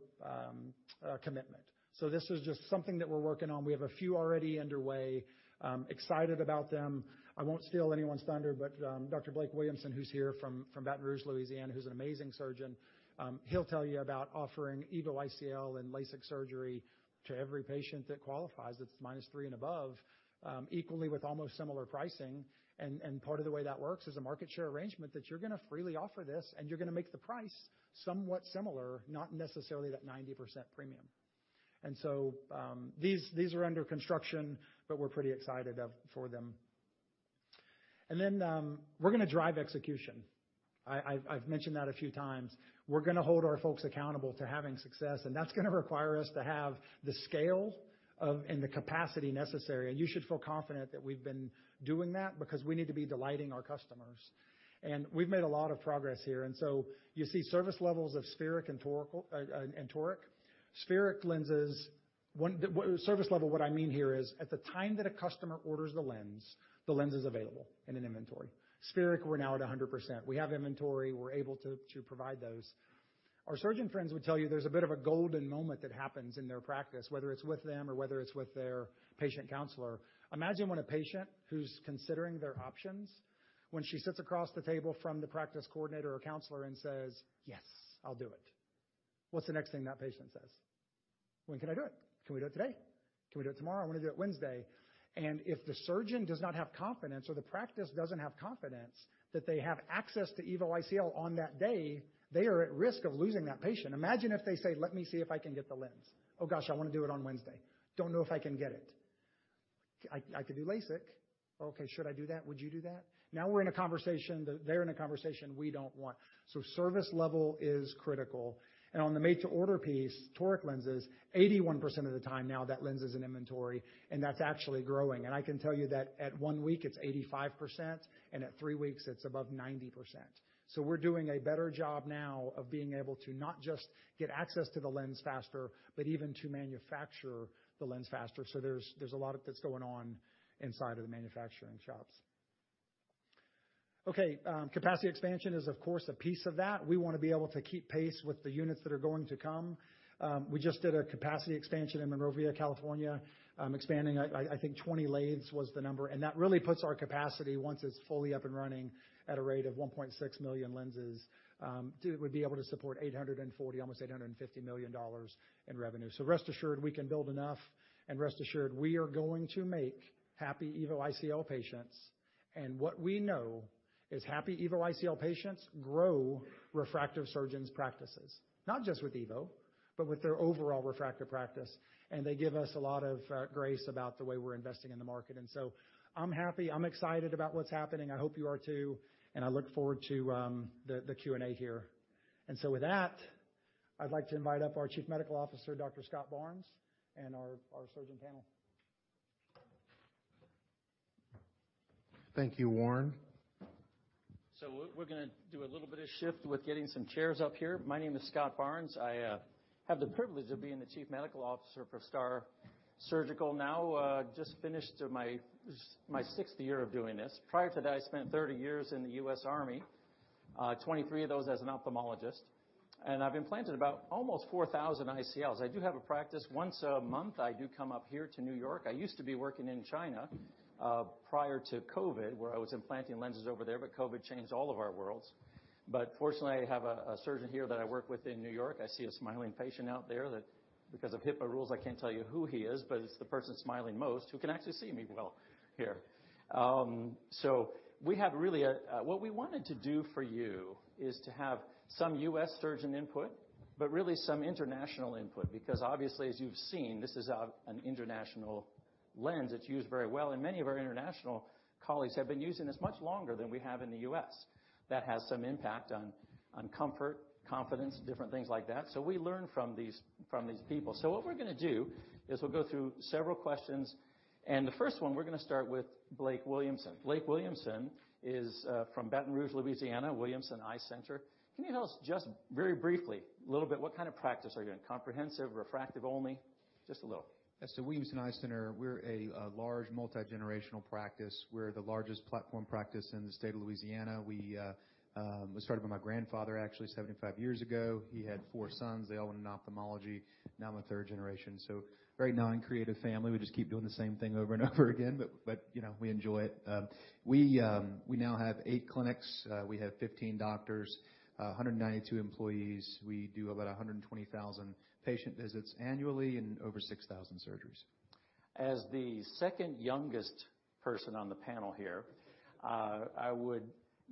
commitment. So this is just something that we're working on. We have a few already underway. Excited about them. I won't steal anyone's thunder, but, Dr. Blake Williamson, who's here from Baton Rouge, Louisiana, who's an amazing surgeon, he'll tell you about offering EVO ICL and LASIK surgery to every patient that qualifies, that's -3 and above, equally with almost similar pricing. And part of the way that works is a market share arrangement that you're going to freely offer this, and you're going to make the price somewhat similar, not necessarily that 90% premium. And so, these are under construction, but we're pretty excited for them. And then, we're going to drive execution. I've mentioned that a few times. We're going to hold our folks accountable to having success, and that's going to require us to have the scale and the capacity necessary. And you should feel confident that we've been doing that because we need to be delighting our customers. We've made a lot of progress here. So you see service levels of spheric and toric. Spheric lenses, service level, what I mean here is, at the time that a customer orders the lens, the lens is available in an inventory. Spheric, we're now at 100%. We have inventory. We're able to provide those. Our surgeon friends would tell you there's a bit of a golden moment that happens in their practice, whether it's with them or whether it's with their patient counselor. Imagine when a patient who's considering their options, when she sits across the table from the practice coordinator or counselor and says, "Yes, I'll do it." What's the next thing that patient says? "When can I do it? Can we do it today? Can we do it tomorrow? I want to do it Wednesday." And if the surgeon does not have confidence or the practice doesn't have confidence that they have access to EVO ICL on that day, they are at risk of losing that patient. Imagine if they say, "Let me see if I can get the lens. Oh, gosh, I want to do it on Wednesday. Don't know if I can get it. I, I could do LASIK. Okay, should I do that? Would you do that?" Now we're in a conversation that - they're in a conversation we don't want. So service level is critical. On the made-to-order piece, toric lenses, 81% of the time now, that lens is in inventory, and that's actually growing. And I can tell you that at one week, it's 85%, and at three weeks, it's above 90%. So we're doing a better job now of being able to not just get access to the lens faster, but even to manufacture the lens faster. So there's a lot that's going on inside of the manufacturing shops. Okay, capacity expansion is, of course, a piece of that. We want to be able to keep pace with the units that are going to come. We just did a capacity expansion in Monrovia, California, expanding, I think 20 lathes was the number, and that really puts our capacity, once it's fully up and running at a rate of 1.6 million lenses, we'd be able to support $840 million-$850 million in revenue. So rest assured, we can build enough, and rest assured, we are going to make happy EVO ICL patients. What we know is happy EVO ICL patients grow refractive surgeons' practices, not just with EVO, but with their overall refractive practice. They give us a lot of grace about the way we're investing in the market. So I'm happy. I'm excited about what's happening. I hope you are, too, and I look forward to the Q&A here. So with that, I'd like to invite up our Chief Medical Officer, Dr. Scott Barnes, and our surgeon panel. Thank you, Warren. So we're going to do a little bit of shift with getting some chairs up here. My name is Scott Barnes. I have the privilege of being the Chief Medical Officer for STAAR Surgical now. Just finished my sixth year of doing this. Prior to that, I spent 30 years in the U.S. Army, 23 of those as an ophthalmologist, and I've implanted about almost 4,000 ICLs. I do have a practice. Once a month, I do come up here to New York. I used to be working in China, prior to COVID, where I was implanting lenses over there, but COVID changed all of our worlds. But fortunately, I have a surgeon here that I work with in New York. I see a smiling patient out there that because of HIPAA rules, I can't tell you who he is, but it's the person smiling most who can actually see me well here. So we have really what we wanted to do for you is to have some U.S. surgeon input, but really some international input, because obviously, as you've seen, this is an international lens. It's used very well, and many of our international colleagues have been using this much longer than we have in the U.S. That has some impact on comfort, confidence, different things like that. So we learn from these people. So what we're going to do is we'll go through several questions, and the first one, we're going to start with Blake Williamson. Blake Williamson is from Baton Rouge, Louisiana, Williamson Eye Center. Can you tell us just very briefly, a little bit, what kind of practice are you in? Comprehensive, refractive only? Just a little. So Williamson Eye Center, we're a large, multigenerational practice. We're the largest platform practice in the state of Louisiana. We, it was started by my grandfather, actually, 75 years ago. He had four sons. They all went in ophthalmology, now I'm a third generation. So very non-creative family. We just keep doing the same thing over and over again, but, you know, we enjoy it. We now have eight clinics. We have 15 doctors, 192 employees. We do about 120,000 patient visits annually and over 6,000 surgeries. As the second youngest person on the panel here,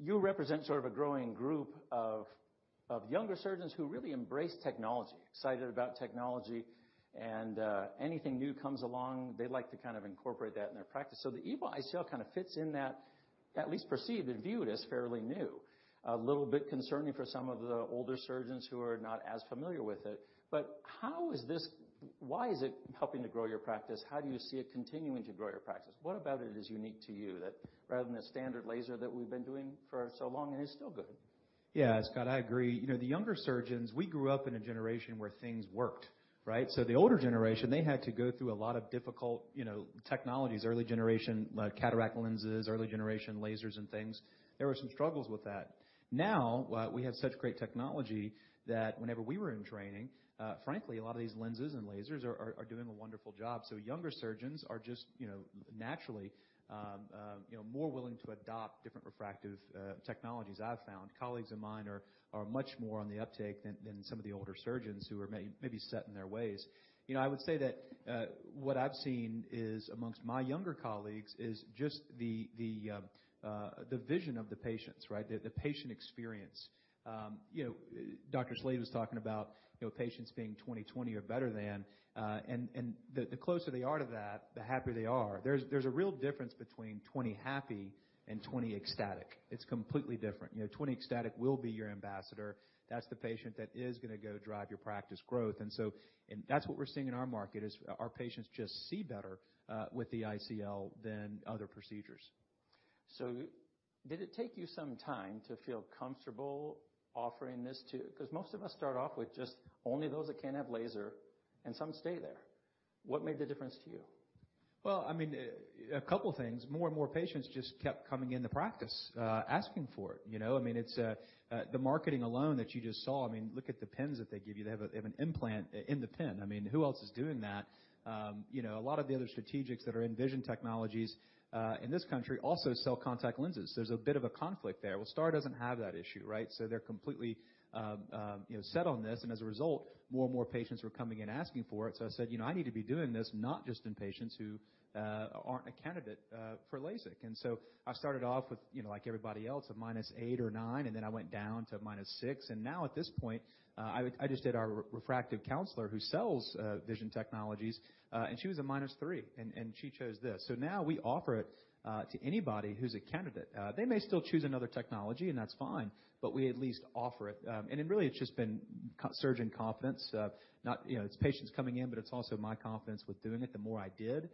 you represent sort of a growing group of younger surgeons who really embrace technology, excited about technology, and anything new comes along, they like to kind of incorporate that in their practice. So the EVO ICL kind of fits in that, at least perceived and viewed as fairly new. A little bit concerning for some of the older surgeons who are not as familiar with it, but how is this? Why is it helping to grow your practice? How do you see it continuing to grow your practice? What about it is unique to you that rather than the standard laser that we've been doing for so long and is still good? Yeah, Scott, I agree. You know, the younger surgeons, we grew up in a generation where things worked, right? So the older generation, they had to go through a lot of difficult, you know, technologies, early generation, like cataract lenses, early generation lasers and things. There were some struggles with that. Now, we have such great technology that whenever we were in training, frankly, a lot of these lenses and lasers are doing a wonderful job. So younger surgeons are just, you know, naturally, you know, more willing to adopt different refractive technologies I've found. Colleagues of mine are much more on the uptake than some of the older surgeons who are maybe set in their ways. You know, I would say that, what I've seen is amongst my younger colleagues is just the vision of the patients, right? The patient experience. You know, Dr. Slade was talking about, you know, patients being 20/20 or better than, and the closer they are to that, the happier they are. There's a real difference between 20/20 happy and 20/20 ecstatic. It's completely different. You know, 20/20 ecstatic will be your ambassador. That's the patient that is gonna go drive your practice growth, and so. And that's what we're seeing in our market, is our patients just see better, with the ICL than other procedures. So did it take you some time to feel comfortable offering this, too? Because most of us start off with just only those that can't have laser, and some stay there. What made the difference to you? Well, I mean, a couple things. More and more patients just kept coming in the practice, asking for it, you know? I mean, it's the marketing alone that you just saw. I mean, look at the pens that they give you. They have an implant in the pen. I mean, who else is doing that? You know, a lot of the other strategics that are in vision technologies, in this country also sell contact lenses. There's a bit of a conflict there. Well, STAAR doesn't have that issue, right? So they're completely, you know, set on this, and as a result, more and more patients were coming and asking for it. So I said: You know, I need to be doing this, not just in patients who aren't a candidate, for LASIK. And so I started off with, you know, like everybody else, a -8 or -9, and then I went down to a -6. And now, at this point, I just did our refractive counselor who sells vision technologies, and she was a -3, and she chose this. So now we offer it to anybody who's a candidate. They may still choose another technology, and that's fine, but we at least offer it. And it really has just been surgeon confidence of not. You know, it's patients coming in, but it's also my confidence with doing it. The more I did,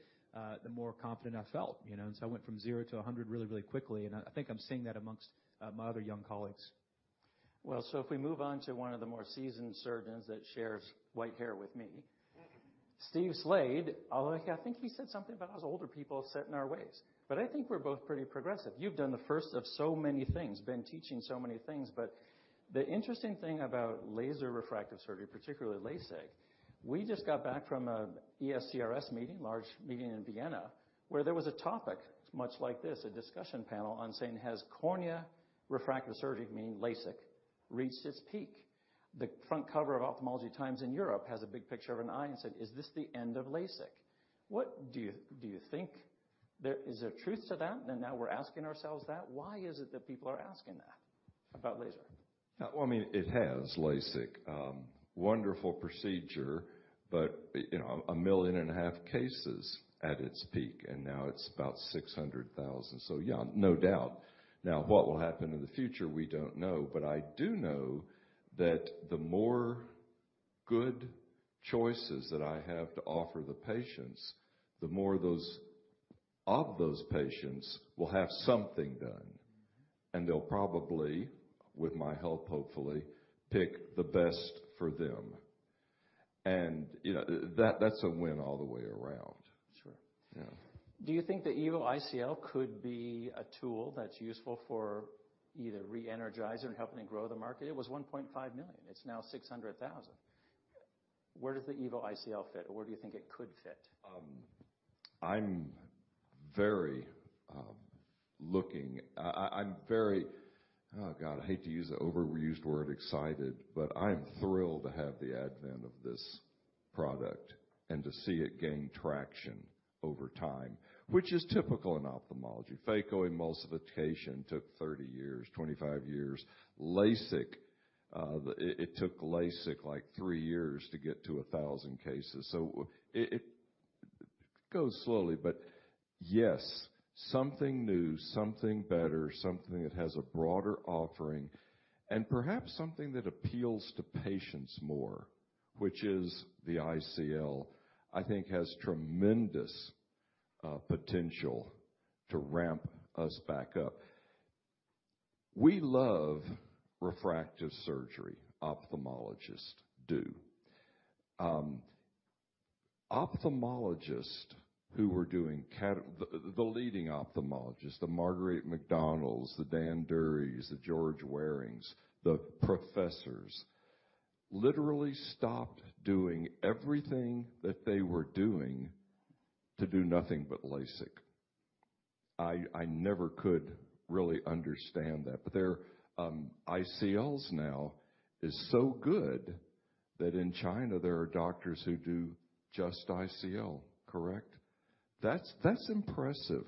the more confident I felt, you know. So I went from 0 to 100 really, really quickly, and I think I'm seeing that amongst my other young colleagues. Well, so if we move on to one of the more seasoned surgeons that shares white hair with me, Steve Slade, although I think he said something about us older people set in our ways. But I think we're both pretty progressive. You've done the first of so many things, been teaching so many things. But the interesting thing about laser refractive surgery, particularly LASIK, we just got back from an ESCRS meeting, large meeting in Vienna, where there was a topic much like this, a discussion panel on saying, "Has cornea refractive surgery, meaning LASIK, reached its peak?" The front cover of Ophthalmology Times in Europe has a big picture of an eye and said, "Is this the end of LASIK?" What do you? Do you think there is a truth to that, and now we're asking ourselves that? Why is it that people are asking that about laser? Well, I mean, it has LASIK. Wonderful procedure, but, you know, 1.5 million cases at its peak, and now it's about 600,000. So, yeah, no doubt. Now, what will happen in the future? We don't know. But I do know that the more good choices that I have to offer the patients, the more of those patients will have something done, and they'll probably, with my help, hopefully, pick the best for them. And, you know, that, that's a win all the way around. Sure. Yeah. Do you think the EVO ICL could be a tool that's useful for either re-energizing and helping to grow the market? It was 1.5 million. It's now 600,000. Where does the EVO ICL fit, or where do you think it could fit? I'm very— Oh, God, I hate to use the overused word "excited," but I'm thrilled to have the advent of this product and to see it gain traction over time, which is typical in ophthalmology. Phacoemulsification took 30 years, 25 years. LASIK, it took LASIK, like, three years to get to 1,000 cases. So it goes slowly, but yes, something new, something better, something that has a broader offering and perhaps something that appeals to patients more, which is the ICL, I think has tremendous potential to ramp us back up. We love refractive surgery, ophthalmologists do. Ophthalmologists who were doing— the leading ophthalmologists, the Marguerite McDonalds, the Dan Durries, the George Warings, the professors, literally stopped doing everything that they were doing to do nothing but LASIK. I never could really understand that, but their ICLs now is so good, that in China, there are doctors who do just ICL. Correct? That's impressive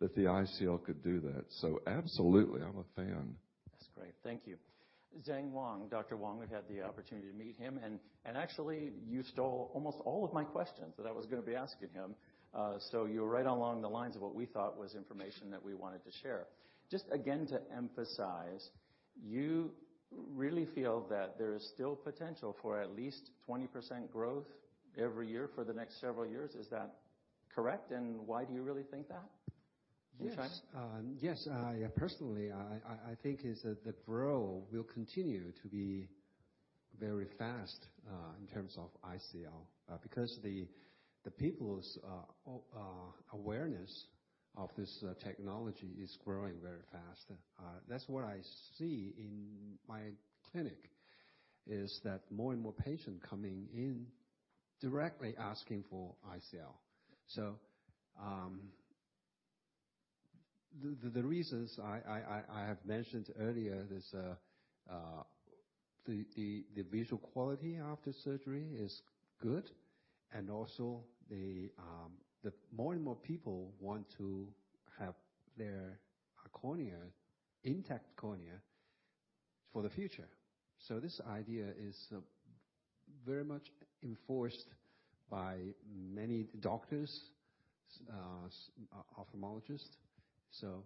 that the ICL could do that, so absolutely, I'm a fan. That's great. Thank you. Zheng Wang, Dr. Wang, we've had the opportunity to meet him, and actually, you stole almost all of my questions that I was gonna be asking him. So you're right along the lines of what we thought was information that we wanted to share. Just again, to emphasize, you really feel that there is still potential for at least 20% growth every year for the next several years. Is that correct? And why do you really think that, in China? Yes. Yes, I personally think is that the growth will continue to be very fast in terms of ICL because the people's awareness of this technology is growing very fast. That's what I see in my clinic, is that more and more patients coming in directly asking for ICL. So, the reasons I have mentioned earlier is the visual quality after surgery is good, and also the more and more people want to have their cornea, intact cornea for the future. So this idea is very much enforced by many doctors, ophthalmologists. So,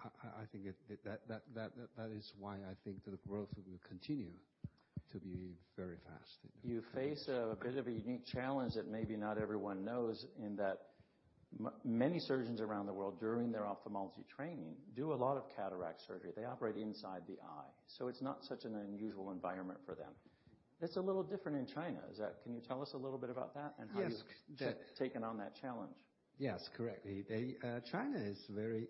I think that that is why I think that the growth will continue to be very fast. You face a bit of a unique challenge that maybe not everyone knows, in that many surgeons around the world, during their ophthalmology training, do a lot of cataract surgery. They operate inside the eye, so it's not such an unusual environment for them. It's a little different in China. Is that. Can you tell us a little bit about that? Yes. and how you've taken on that challenge? Yes, correctly. China is very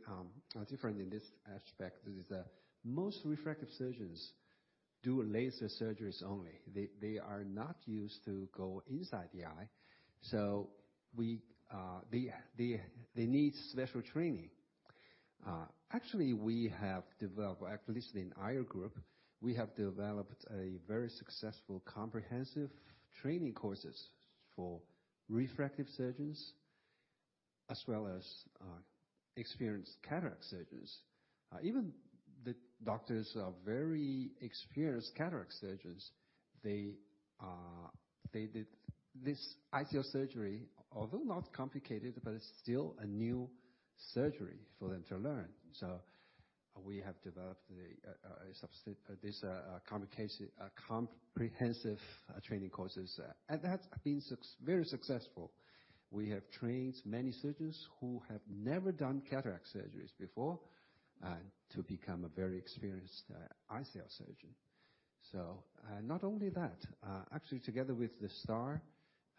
different in this aspect, in that most refractive surgeons do laser surgeries only. They are not used to go inside the eye, so they need special training. Actually, we have developed, at least in our group, a very successful comprehensive training courses for refractive surgeons as well as experienced cataract surgeons. Even the doctors are very experienced cataract surgeons, they did this ICL surgery, although not complicated, but it's still a new surgery for them to learn. So we have developed comprehensive training courses, and that's been very successful. We have trained many surgeons who have never done cataract surgeries before to become a very experienced ICL surgeon. So, not only that, actually together with the STAAR,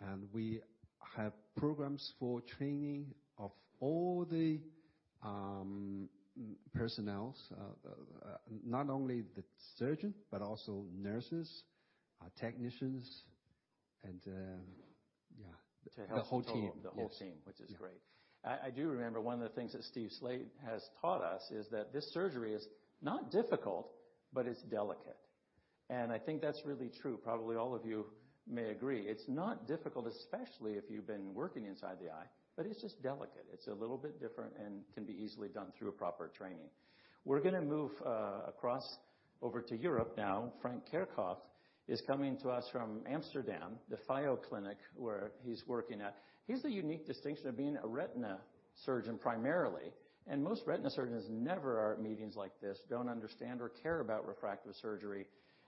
and we have programs for training of all the personnel, not only the surgeon, but also nurses, technicians, and, yeah, the whole team. The whole team. Yes. Which is great. I, I do remember one of the things that Stephen Slade has taught us is that this surgery is not difficult, but it's delicate, and I think that's really true. Probably all of you may agree. It's not difficult, especially if you've been working inside the eye, but it's just delicate. It's a little bit different and can be easily done through a proper training. We're gonna move across over to Europe now. Frank Kerkhoff is coming to us from Amsterdam, the FYEO Clinic, where he's working at. He's the unique distinction of being a retina surgeon primarily, and most retina surgeons never are at meetings like this, don't understand or care about refractive surgery,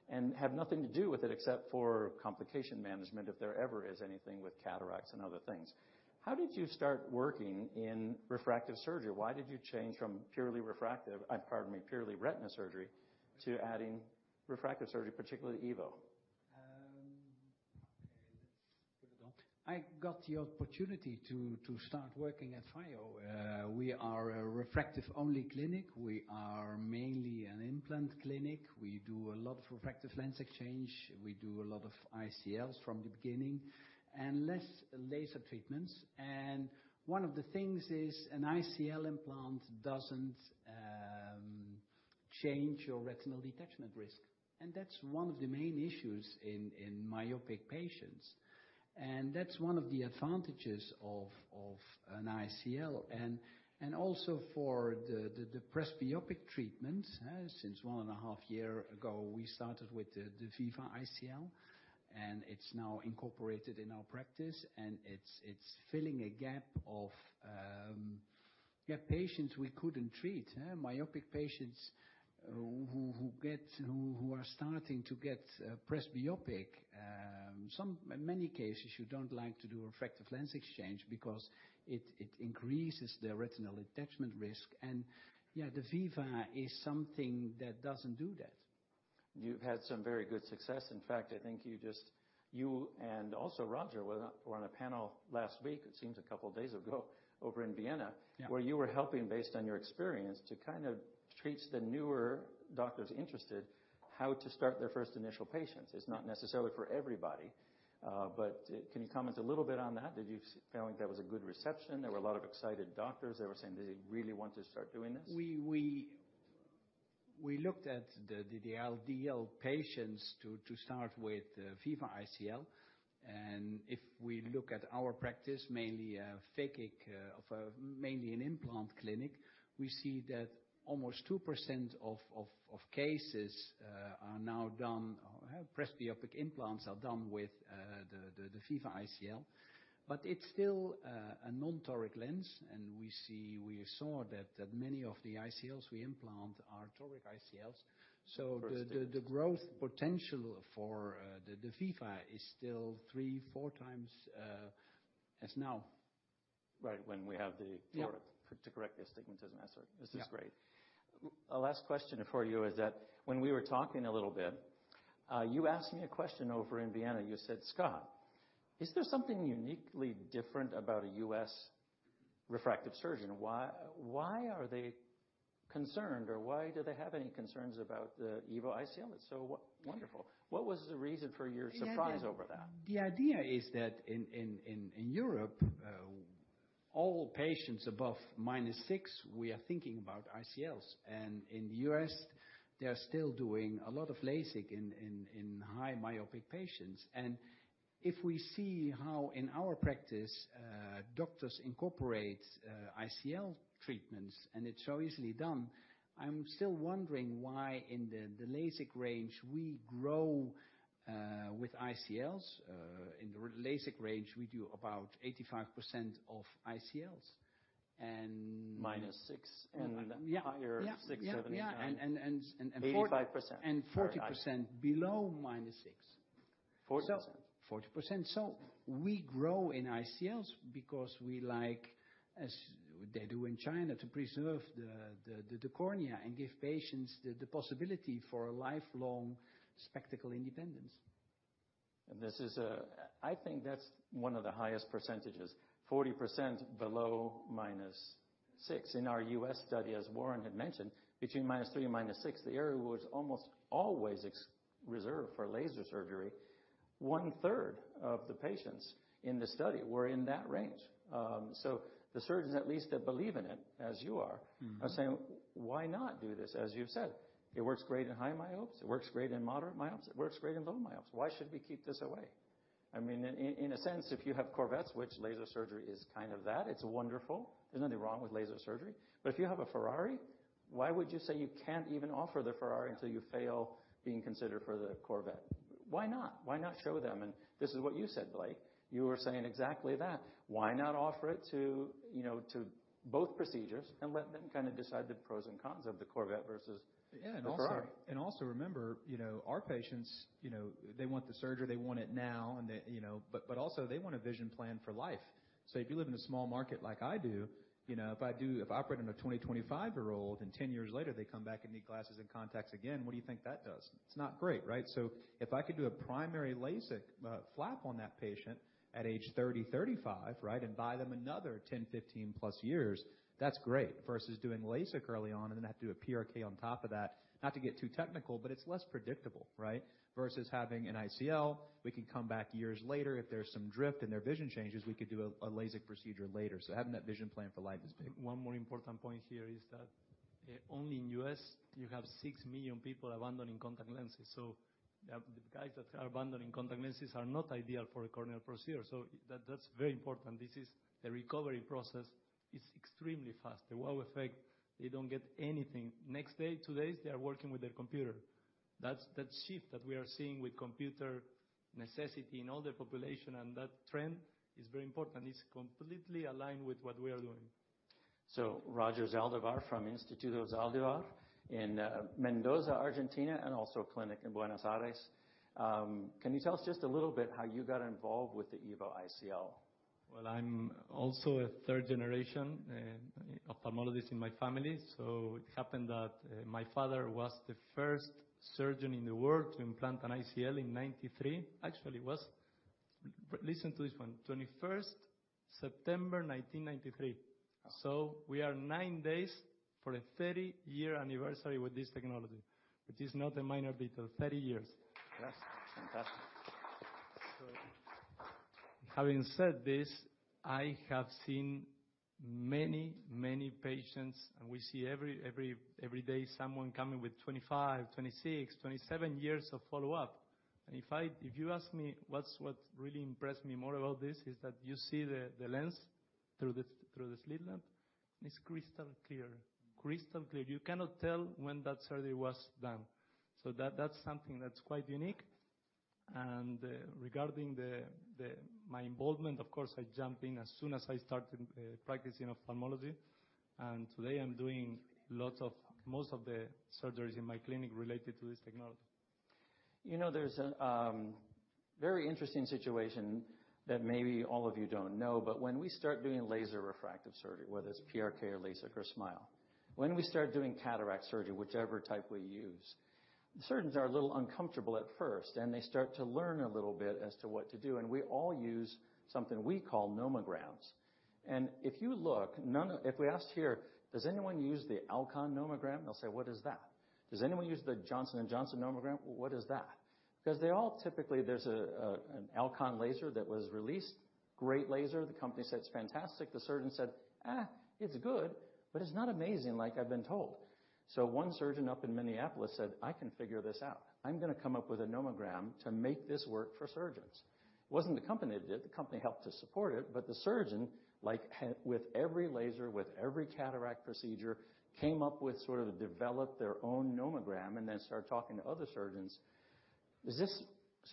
and have nothing to do with it, except for complication management, if there ever is anything with cataracts and other things. How did you start working in refractive surgery? Why did you change from purely refractive, pardon me, purely retina surgery to adding refractive surgery, particularly EVO? I got the opportunity to start working at FYEO. We are a refractive-only clinic. We are mainly an implant clinic. We do a lot of refractive lens exchange. We do a lot of ICLs from the beginning and less laser treatments. One of the things is an ICL implant doesn't change your retinal detachment risk, and that's one of the main issues in myopic patients, and that's one of the advantages of an ICL and also for the presbyopic treatments. Since 1.5 years ago, we started with the Viva ICL, and it's now incorporated in our practice, and it's filling a gap of patients we couldn't treat. Myopic patients who are starting to get presbyopic. In many cases, you don't like to do refractive lens exchange because it increases the retinal detachment risk, and yeah, the Viva is something that doesn't do that. You've had some very good success. In fact, I think you and also Roger were on a panel last week, it seems a couple of days ago, over in Vienna. Yeah. Where you were helping, based on your experience, to kind of teach the newer doctors interested how to start their first initial patients. It's not necessarily for everybody, but can you comment a little bit on that? Did you feel like that was a good reception? There were a lot of excited doctors. They were saying they really want to start doing this.. We looked at the elderly patients to start with, Viva ICL. And if we look at our practice, mainly a phakic implant clinic, we see that almost 2% of cases are now done or have presbyopic implants are done with the Viva ICL, but it's still a non-toric lens, and we saw that many of the ICLs we implant are toric ICLs. So the growth potential for the Viva is still 3x-4x as now. Right, when we have the- Yeah toric to correct the astigmatism, answer. Yeah. This is great. A last question for you is that when we were talking a little bit, you asked me a question over in Vienna. You said, "Scott, is there something uniquely different about a U.S. refractive surgeon? Why, why are they concerned, or why do they have any concerns about the EVO ICL? It's so wonderful." What was the reason for your surprise over that? The idea is that in Europe, all patients above -6, we are thinking about ICLs, and in the U.S., they are still doing a lot of LASIK in high myopic patients. If we see how in our practice doctors incorporate ICL treatments, and it's so easily done, I'm still wondering why in the LASIK range we grow with ICLs. In the LASIK range, we do about 85% of ICLs and- -6 and- Yeah. Higher 6, 7, 8. Yeah, and— Eighty-five percent. 40% below -6. 40%? 40%. So we grow in ICLs because we like, as they do in China, to preserve the cornea and give patients the possibility for a lifelong spectacle independence. This is, I think that's one of the highest percentages, 40% below -6. In our U.S. study, as Warren had mentioned, between -3 and -6, the area was almost always reserved for laser surgery. One-third of the patients in the study were in that range. So the surgeons, at least, that believe in it, as you are- Mm-hmm - are saying, "Why not do this?" As you've said, it works great in high myopes, it works great in moderate myopes, it works great in low myopes. Why should we keep this away? I mean, in a sense, if you have Corvettes, which laser surgery is kind of that, it's wonderful. There's nothing wrong with laser surgery. But if you have a Ferrari, why would you say you can't even offer the Ferrari until you fail being considered for the Corvette? Why not? Why not show them, and this is what you said, Blake. You were saying exactly that. Why not offer it to, you know, to both procedures and let them kind of decide the pros and cons of the Corvette versus the Ferrari? Yeah, and also remember, you know, our patients, you know, they want the surgery, they want it now, and they, you know. But also they want a vision plan for life. So if you live in a small market like I do, you know, if I operate on a 20, 25-year-old, and 10 years later, they come back and need glasses and contacts again, what do you think that does? It's not great, right? So if I could do a primary LASIK flap on that patient at age 30, 35, right, and buy them another 10, 15+ years, that's great, versus doing LASIK early on and then have to do a PRK on top of that. Not to get too technical, but it's less predictable, right? Versus having an ICL, we can come back years later. If there's some drift and their vision changes, we could do a LASIK procedure later. So having that vision plan for life is big. One more important point here is that only in U.S., you have 6 million people abandoning contact lenses. So the guys that are abandoning contact lenses are not ideal for a corneal procedure. So that's very important. This is the recovery process is extremely fast. The wow effect, they don't get anything. Next day, two days, they are working with their computer. That's that shift that we are seeing with computer necessity in all the population, and that trend is very important. It's completely aligned with what we are doing. Dr. Zaldivar from Instituto Zaldivar in Mendoza, Argentina, and also a clinic in Buenos Aires. Can you tell us just a little bit how you got involved with the EVO ICL? Well, I'm also a third generation ophthalmologist in my family, so it happened that my father was the first surgeon in the world to implant an ICL in 1993. Actually, it was. Listen to this one, 21st September 1993. Wow! We are 9 days for a 30-year anniversary with this technology, which is not a minor detail. 30 years. That's fantastic. So having said this, I have seen many, many patients, and we see every, every, every day, someone coming with 25, 26, 27 years of follow-up. And if you ask me what really impressed me more about this, is that you see the lens through the slit lamp, and it's crystal clear. Crystal clear. You cannot tell when that surgery was done. So that, that's something that's quite unique. And regarding my involvement, of course, I jumped in as soon as I started practicing ophthalmology, and today I'm doing most of the surgeries in my clinic related to this technology. You know, there's a very interesting situation that maybe all of you don't know, but when we start doing laser refractive surgery, whether it's PRK or LASIK or SMILE, when we start doing cataract surgery, whichever type we use, the surgeons are a little uncomfortable at first, and they start to learn a little bit as to what to do, and we all use something we call nomograms. If you look, none. If we asked here, does anyone use the Alcon nomogram? They'll say, "What is that?" Does anyone use the Johnson & Johnson nomogram? "What is that?" Because they all typically, there's an Alcon laser that was released. Great laser. The company said it's fantastic. The surgeon said, "Eh, it's good, but it's not amazing like I've been told." So one surgeon up in Minneapolis said, "I can figure this out. I'm gonna come up with a nomogram to make this work for surgeons." It wasn't the company that did it. The company helped to support it, but the surgeon, like, with every laser, with every cataract procedure, came up with sort of develop their own nomogram and then started talking to other surgeons. Does this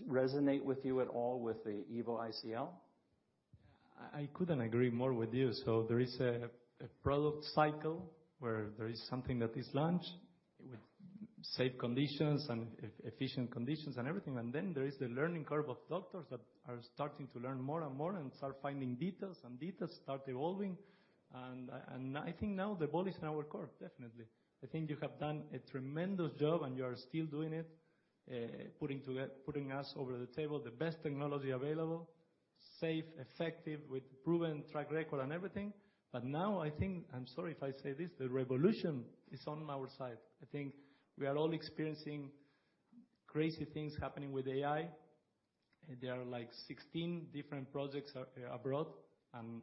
resonate with you at all with the EVO ICL? I couldn't agree more with you. So there is a product cycle where there is something that is launched. It with safe conditions and efficient conditions and everything, and then there is the learning curve of doctors that are starting to learn more and more and start finding details and details, start evolving. And I think now the ball is in our court, definitely. I think you have done a tremendous job, and you are still doing it, putting together putting us over the table, the best technology available, safe, effective, with proven track record and everything. But now I think, I'm sorry if I say this, the revolution is on our side. I think we are all experiencing crazy things happening with AI, and there are, like, 16 different projects abroad. I'm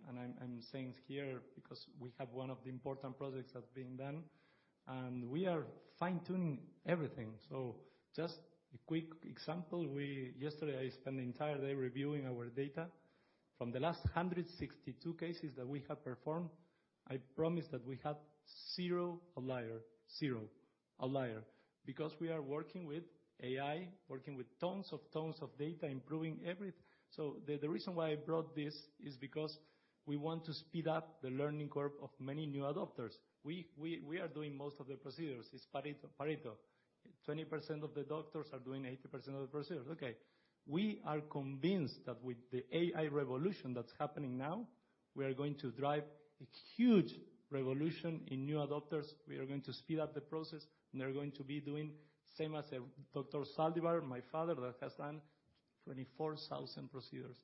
saying it here because we have one of the important projects that's being done, and we are fine-tuning everything. So just a quick example, we. Yesterday, I spent the entire day reviewing our data. From the last 162 cases that we have performed, I promise that we had zero outlier, zero outlier, because we are working with AI, working with tons of tons of data, improving everything, so the reason why I brought this is because we want to speed up the learning curve of many new adopters. We are doing most of the procedures. It's Pareto, Pareto. 20% of the doctors are doing 80% of the procedures. Okay. We are convinced that with the AI revolution that's happening now, we are going to drive a huge revolution in new adopters. We are going to speed up the process, and they're going to be doing same as Dr. Zaldivar, my father, that has done 24,000 procedures.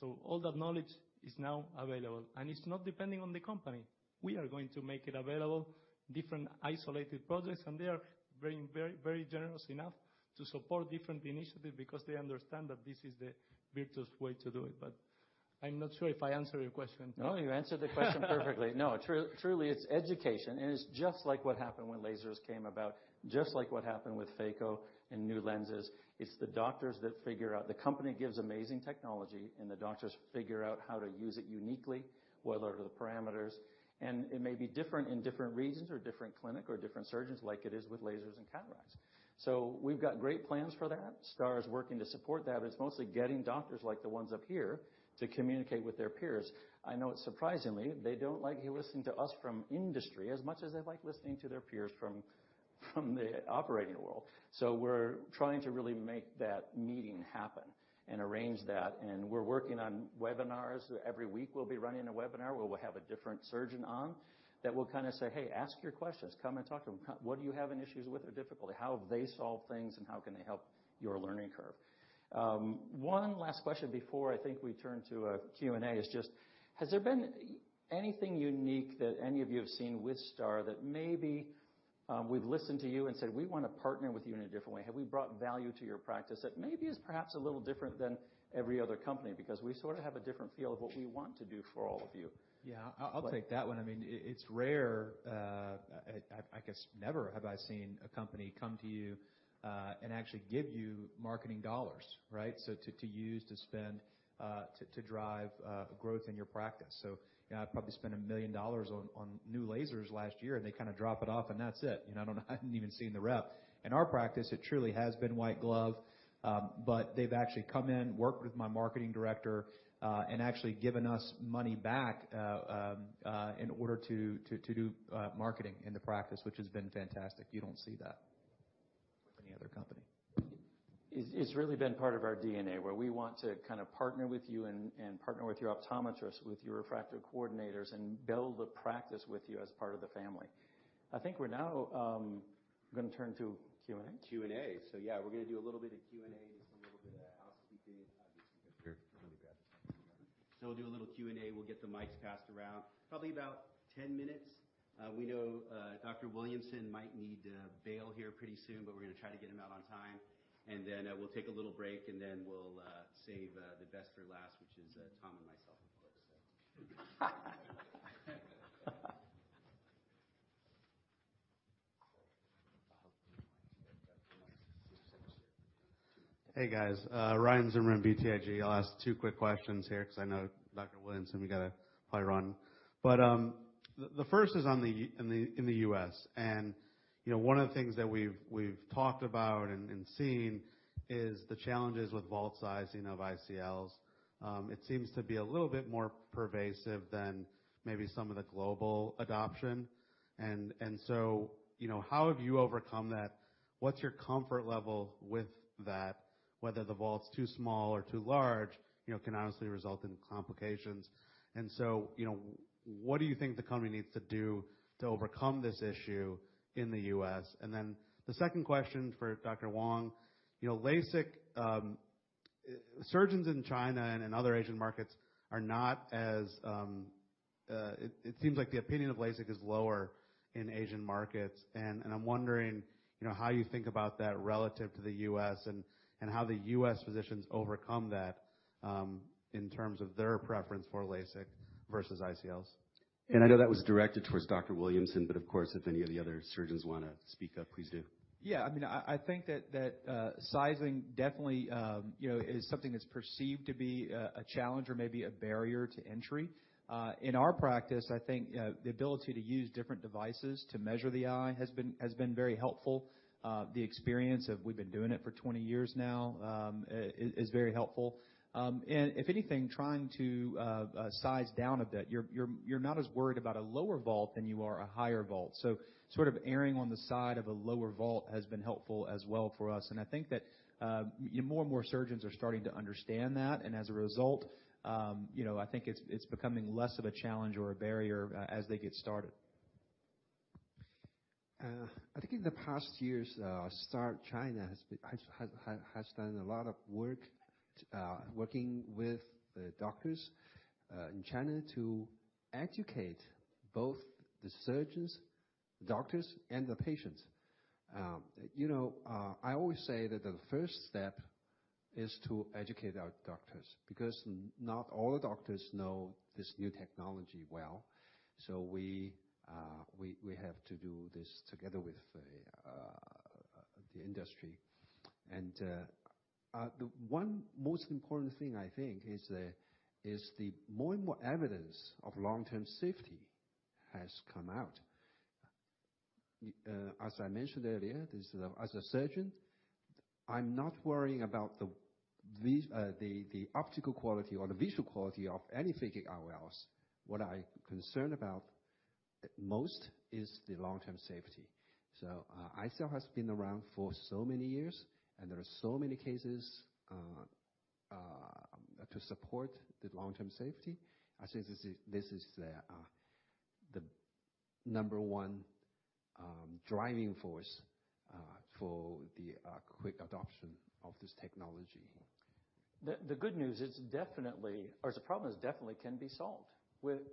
So all that knowledge is now available, and it's not depending on the company. We are going to make it available, different isolated projects, and they are being very, very generous enough to support different initiatives because they understand that this is the virtuous way to do it. But I'm not sure if I answered your question. No, you answered the question perfectly. No, truly, it's education, and it's just like what happened when lasers came about, just like what happened with phaco and new lenses. It's the doctors that figure out. The company gives amazing technology, and the doctors figure out how to use it uniquely, what are the parameters. And it may be different in different regions or different clinic or different surgeons, like it is with lasers and cataracts. So we've got great plans for that. STAAR is working to support that, but it's mostly getting doctors like the ones up here to communicate with their peers. I know it's surprising, they don't like listening to us from industry as much as they like listening to their peers from the operating world. So we're trying to really make that meeting happen and arrange that, and we're working on webinars. Every week, we'll be running a webinar where we'll have a different surgeon on that will kind of say: "Hey, ask your questions. Come and talk to them. What are you having issues with or difficulty? How have they solved things, and how can they help your learning curve?" One last question before I think we turn to a Q&A is just: Has there been anything unique that any of you have seen with STAAR that maybe we've listened to you and said: "We want to partner with you in a different way." Have we brought value to your practice that maybe is perhaps a little different than every other company? Because we sort of have a different feel of what we want to do for all of you. Yeah, I'll take that one. I mean, it's rare, I guess, never have I seen a company come to you and actually give you marketing dollars, right? So to use, to spend, to drive growth in your practice. So, you know, I probably spent $1 million on new lasers last year, and they kind of drop it off, and that's it. You know, I don't—I haven't even seen the rep. In our practice, it truly has been white glove, but they've actually come in, worked with my marketing director, and actually given us money back in order to do marketing in the practice, which has been fantastic. You don't see that with any other company. It's, it's really been part of our DNA, where we want to kind of partner with you and, and partner with your optometrists, with your refractor coordinators, and build a practice with you as part of the family. I think we're now gonna turn to Q&A? Q&A. So yeah, we're gonna do a little bit of Q&A, just a little bit of housekeeping. So we'll do a little Q&A. We'll get the mics passed around. Probably about 10 minutes. We know Dr. Williamson might need to bail here pretty soon, but we're gonna try to get him out on time. And then we'll take a little break, and then we'll save the best for last, which is Tom and myself. Hey, guys. Ryan Zimmerman, BTIG. I'll ask two quick questions here because I know, Dr. Williamson, we gotta probably run. But the first is on the ICL in the U.S. And, you know, one of the things that we've talked about and seen is the challenges with vault sizing of ICLs. It seems to be a little bit more pervasive than maybe some of the global adoption. And so, you know, how have you overcome that? What's your comfort level with that? Whether the vault's too small or too large, you know, can obviously result in complications. And so, you know, what do you think the company needs to do to overcome this issue in the U.S.? And then the second question for Dr. Wang: You know, LASIK, Surgeons in China and in other Asian markets are not as it seems like the opinion of LASIK is lower in Asian markets. And I'm wondering, you know, how you think about that relative to the U.S. and how the U.S. physicians overcome that in terms of their preference for LASIK versus ICLs? I know that was directed toward Dr. Williamson, but of course, if any of the other surgeons want to speak up, please do. Yeah. I mean, I think that sizing definitely, you know, is something that's perceived to be a challenge or maybe a barrier to entry. In our practice, I think the ability to use different devices to measure the eye has been very helpful. The experience of we've been doing it for 20 years now is very helpful. And if anything, trying to size down a bit, you're not as worried about a lower vault than you are a higher vault. So sort of erring on the side of a lower vault has been helpful as well for us, and I think that more and more surgeons are starting to understand that. As a result, you know, I think it's becoming less of a challenge or a barrier as they get started. I think in the past years, STAAR China has done a lot of work, working with the doctors in China to educate both the surgeons, doctors, and the patients. You know, I always say that the first step is to educate our doctors, because not all doctors know this new technology well. So we have to do this together with the industry. And the one most important thing I think is the more and more evidence of long-term safety has come out. As I mentioned earlier, as a surgeon, I'm not worrying about the optical quality or the visual quality of any phakic IOLs. What I'm concerned about most is the long-term safety. ICL has been around for so many years, and there are so many cases to support the long-term safety. I think this is the number one driving force for the quick adoption of this technology. The good news is definitely or the problem is definitely can be solved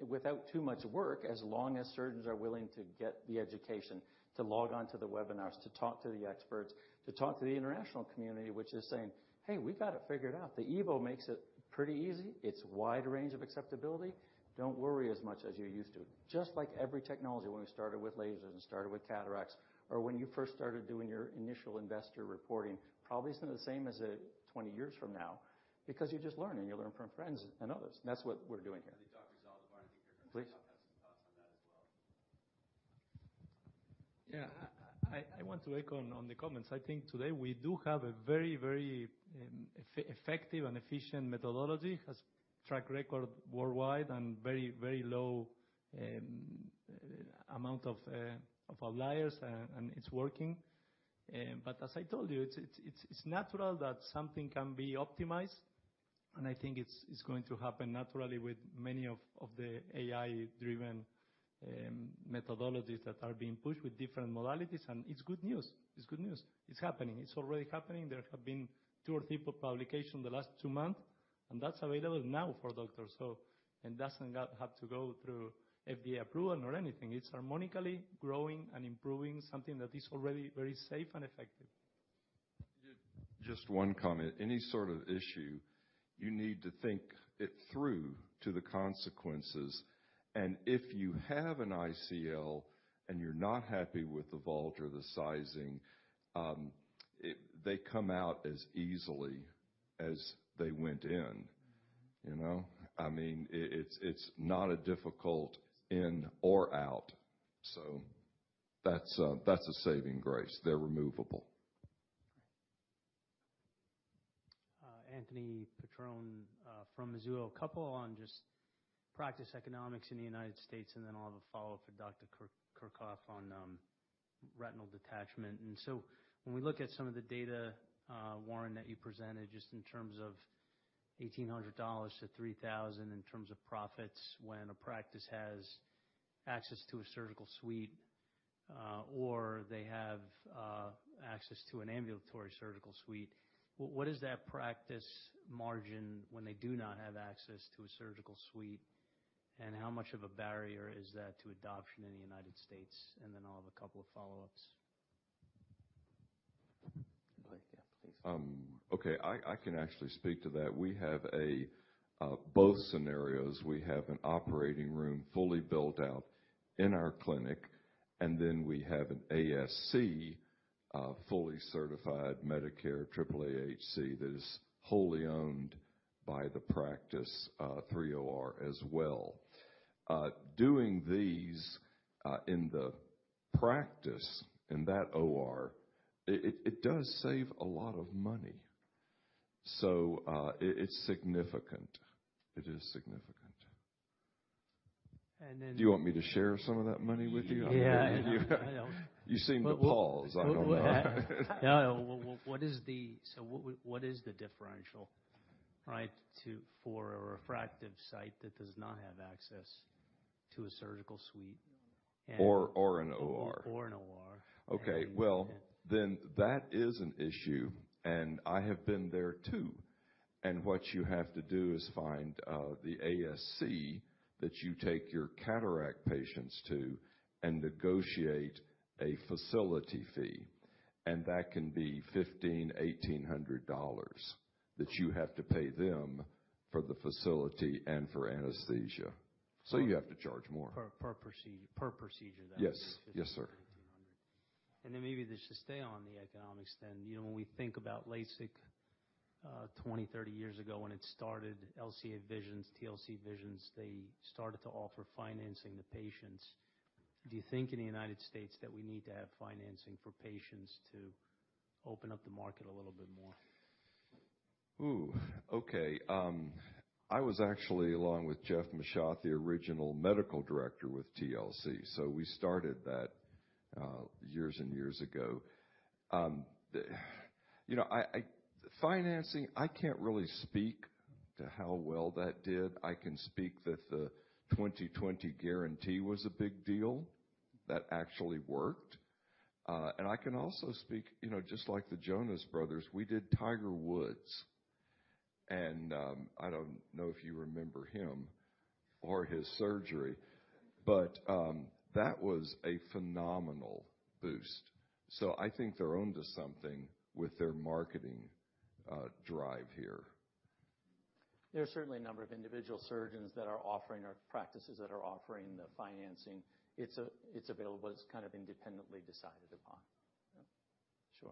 without too much work, as long as surgeons are willing to get the education, to log on to the webinars, to talk to the experts, to talk to the international community, which is saying, "Hey, we got it figured out." The EVO makes it pretty easy. It's wide range of acceptability. Don't worry as much as you used to. Just like every technology, when we started with lasers and started with cataracts, or when you first started doing your initial investor reporting, probably it's not the same as it 20 years from now because you're just learning. You learn from friends and others, and that's what we're doing here. I think Dr. Zaldivar, I think you're going to- Please. Have some thoughts on that as well. Yeah. I want to echo on the comments. I think today we do have a very, very effective and efficient methodology, has track record worldwide and very, very low amount of outliers, and it's working. But as I told you, it's natural that something can be optimized, and I think it's going to happen naturally with many of the AI-driven methodologies that are being pushed with different modalities, and it's good news. It's good news. It's happening. It's already happening. There have been two or three publications in the last two months, and that's available now for doctors, so it doesn't have to go through FDA approval or anything. It's harmonically growing and improving, something that is already very safe and effective. Just one comment. Any sort of issue, you need to think it through to the consequences. And if you have an ICL and you're not happy with the vault or the sizing, they come out as easily as they went in, you know? I mean, it's not a difficult in or out. So that's, that's a saving grace. They're removable. Great. Anthony Petrone from Mizuho. A couple on just practice economics in the United States, and then I'll have a follow-up for Dr. Kerkhoff on retinal detachment. So when we look at some of the data, Warren, that you presented, just in terms of $1,800-$3,000 in terms of profits, when a practice has access to a surgical suite or they have access to an ambulatory surgical suite, what is that practice margin when they do not have access to a surgical suite? And how much of a barrier is that to adoption in the United States? And then I'll have a couple of follow-ups. Yeah, please. Okay, I can actually speak to that. We have both scenarios. We have an operating room fully built out in our clinic, and then we have an ASC fully certified Medicare AAAHC that is wholly owned by the practice, three OR as well. Doing these in the practice, in that OR, it does save a lot of money. So, it's significant. It is significant. And then- Do you want me to share some of that money with you? Yeah, I know. You seem to pause. I don't know. No, what is the differential, right, for a refractive site that does not have access to a surgical suite and- an OR. Or an OR. Okay, well, then that is an issue, and I have been there, too. And what you have to do is find the ASC that you take your cataract patients to and negotiate a facility fee, and that can be $1,500-$1,800 that you have to pay them for the facility and for anesthesia. So you have to charge more. Per procedure. Yes. Yes, sir. $1,800. Maybe just to stay on the economics then. You know, when we think about LASIK 20, 30 years ago, when it started, LCA Vision, TLC Vision, they started to offer financing to patients. Do you think in the United States that we need to have financing for patients to open up the market a little bit more? Ooh, okay. I was actually, along with Jeff Machat, the original medical director with TLC, so we started that years and years ago. You know, Financing, I can't really speak to how well that did. I can speak that the 20/20 guarantee was a big deal that actually worked. And I can also speak, you know, just like the Jonas Brothers, we did Tiger Woods, and I don't know if you remember him or his surgery, but that was a phenomenal boost. So I think they're onto something with their marketing drive here. There are certainly a number of individual surgeons that are offering or practices that are offering the financing. It's, it's available. It's kind of independently decided upon. Sure.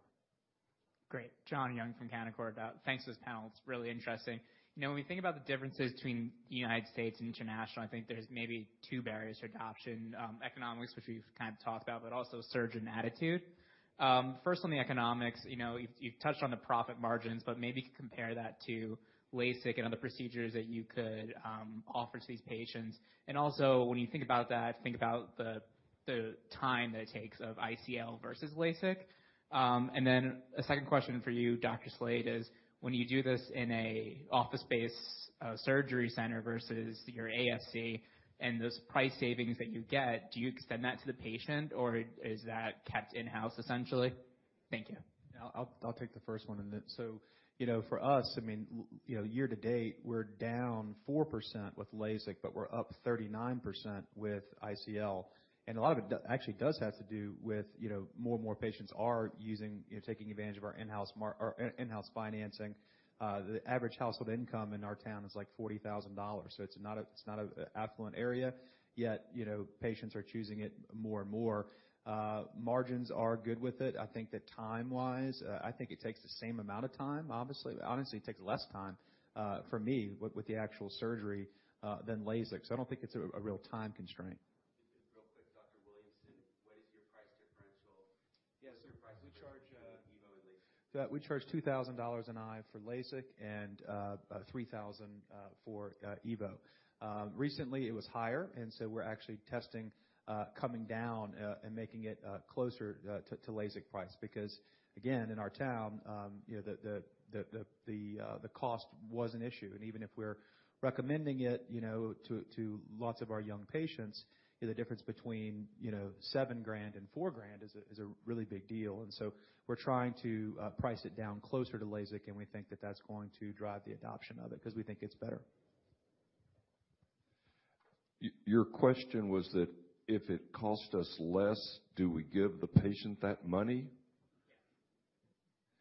Great. John Young from Canaccord. Thanks for this panel. It's really interesting. You know, when we think about the differences between the United States and international, I think there's maybe two barriers to adoption, economics, which we've kind of talked about, but also surgeon attitude. First, on the economics, you know, you've touched on the profit margins, but maybe compare that to LASIK and other procedures that you could offer to these patients. And also, when you think about that, think about the time that it takes of ICL versus LASIK. And then a second question for you, Dr. Slade, is: when you do this in an office space surgery center versus your ASC, and those price savings that you get, do you extend that to the patient, or is that kept in-house, essentially? Thank you. I'll take the first one, and then. So, you know, for us, I mean, you know, year to date, we're down 4% with LASIK, but we're up 39% with ICL, and a lot of it actually does have to do with, you know, more and more patients are using, you know, taking advantage of our in-house financing. The average household income in our town is, like, $40,000, so it's not a, it's not an affluent area, yet, you know, patients are choosing it more and more. Margins are good with it. I think that time-wise, I think it takes the same amount of time, obviously. Honestly, it takes less time for me with the actual surgery than LASIK, so I don't think it's a real time constraint. Just real quick, Dr. Williamson, what is your price differential? Yes, sir. Your price differential- We charge, EVO and LASIK. We charge $2,000 an eye for LASIK and $3,000 for EVO. Recently, it was higher, and so we're actually testing coming down and making it closer to LASIK price, because, again, in our town, you know, the cost was an issue. And even if we're recommending it, you know, to lots of our young patients, the difference between, you know, seven grand and four grand is a really big deal. And so we're trying to price it down closer to LASIK, and we think that that's going to drive the adoption of it because we think it's better. Your question was that if it costs us less, do we give the patient that money?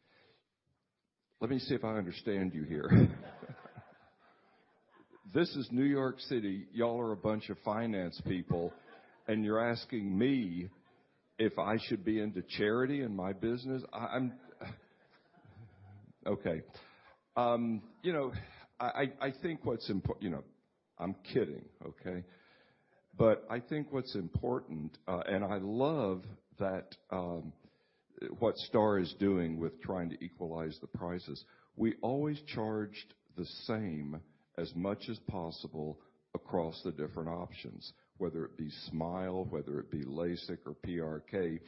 Yes. Let me see if I understand you here. This is New York City. Y'all are a bunch of finance people, and you're asking me if I should be into charity in my business? I'm okay. You know, I think what's important. You know, I'm kidding, okay? But I think what's important, and I love that what STAAR is doing with trying to equalize the prices. We always charged the same as much as possible across the different options, whether it be SMILE, whether it be LASIK or PRK,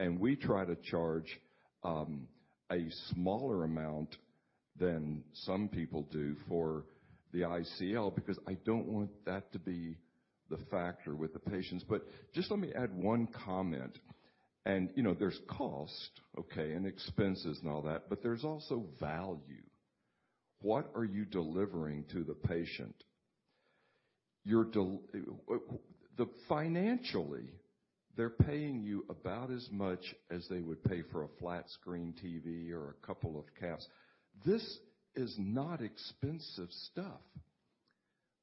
and we try to charge a smaller amount than some people do for the ICL, because I don't want that to be the factor with the patients. But just let me add one comment, and you know, there's cost, okay, and expenses and all that, but there's also value. What are you delivering to the patient? Financially, they're paying you about as much as they would pay for a flat-screen TV or a couple of casts. This is not expensive stuff.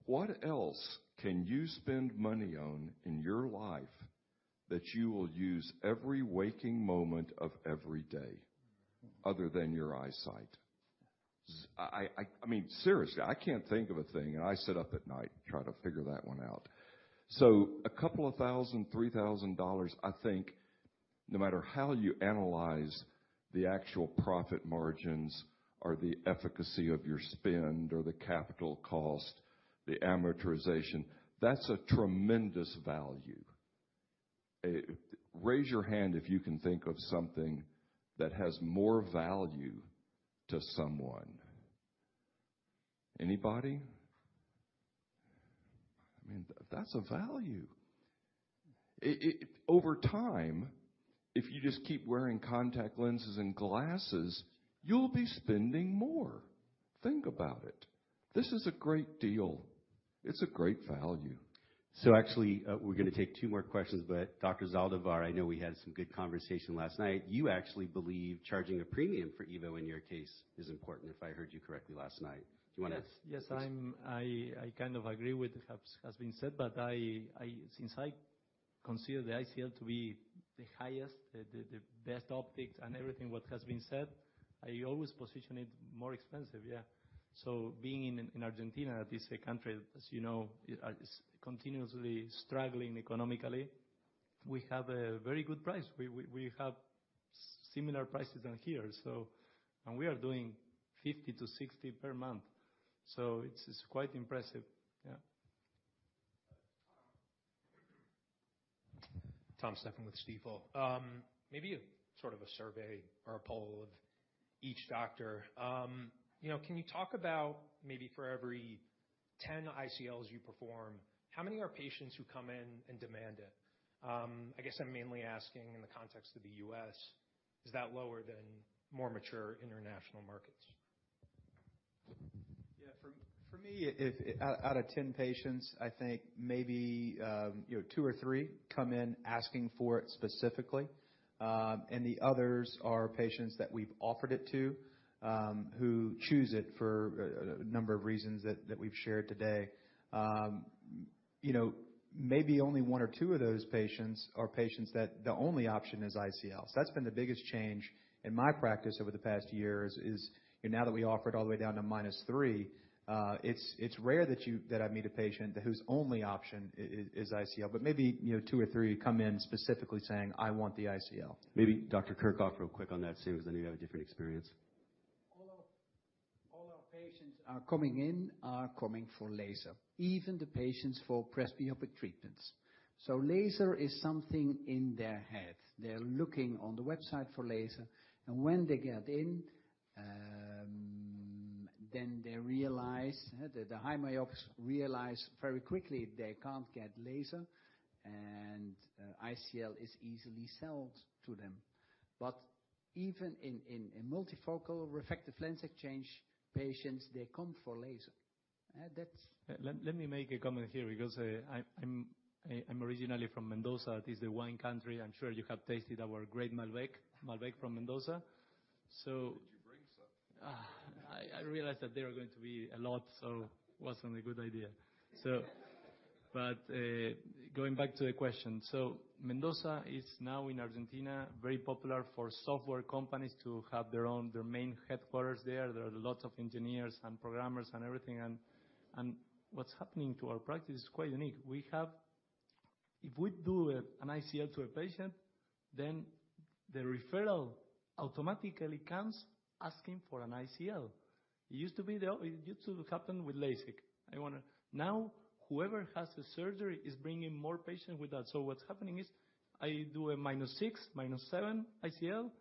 What else can you spend money on in your life that you will use every waking moment of every day other than your eyesight? So I mean, seriously, I can't think of a thing, and I sit up at night and try to figure that one out. So $2,000, $3,000, I think, no matter how you analyze the actual profit margins or the efficacy of your spend or the capital cost, the amortization, that's a tremendous value. Raise your hand if you can think of something that has more value to someone- Anybody? I mean, that's a value. It over time, if you just keep wearing contact lenses and glasses, you'll be spending more. Think about it. This is a great deal. It's a great value. So actually, we're gonna take two more questions, but Dr. Zaldivar, I know we had some good conversation last night. You actually believe charging a premium for EVO in your case is important, if I heard you correctly last night. Do you wanna- Yes, I kind of agree with what has been said, but I—since I consider the ICL to be the highest, the best optics and everything what has been said, I always position it more expensive. Yeah. So being in Argentina, this is a country, as you know, is continuously struggling economically. We have a very good price. We have similar prices than here, so. And we are doing 50-60 per month, so it's quite impressive. Yeah. Tom Stephan with Stifel. Maybe a sort of a survey or a poll of each doctor. You know, can you talk about maybe for every 10 ICLs you perform, how many are patients who come in and demand it? I guess I'm mainly asking in the context of the U.S. Is that lower than more mature international markets? Yeah. For me, out of 10 patients, I think maybe, you know, two or three come in asking for it specifically, and the others are patients that we've offered it to, who choose it for a number of reasons that we've shared today. You know, maybe only one or two of those patients are patients that the only option is ICL. So that's been the biggest change in my practice over the past years, is, you know, now that we offer it all the way down to -3, it's rare that I meet a patient whose only option is ICL, but maybe, you know, two or three come in specifically saying, "I want the ICL. Maybe Dr. Kerkhoff, real quick on that same, because I know you have a different experience. All our patients are coming in for laser, even the patients for presbyopic treatments. So laser is something in their head. They're looking on the website for laser, and when they get in, then they realize the high myops realize very quickly they can't get laser, and ICL is easily sold to them. But even in multifocal refractive lens exchange patients, they come for laser. That's- Let me make a comment here because I'm originally from Mendoza. It is a wine country. I'm sure you have tasted our great Malbec, Malbec from Mendoza. So- Did you bring some? I realized that they are going to be a lot, so it wasn't a good idea. But going back to the question, Mendoza is now in Argentina, very popular for software companies to have their own, their main headquarters there. There are a lot of engineers and programmers and everything, and what's happening to our practice is quite unique. We have—if we do an ICL to a patient, then the referral automatically comes asking for an ICL. It used to happen with LASIK. Now, whoever has the surgery is bringing more patients with that. So what's happening is, I do a -6, -7 ICL,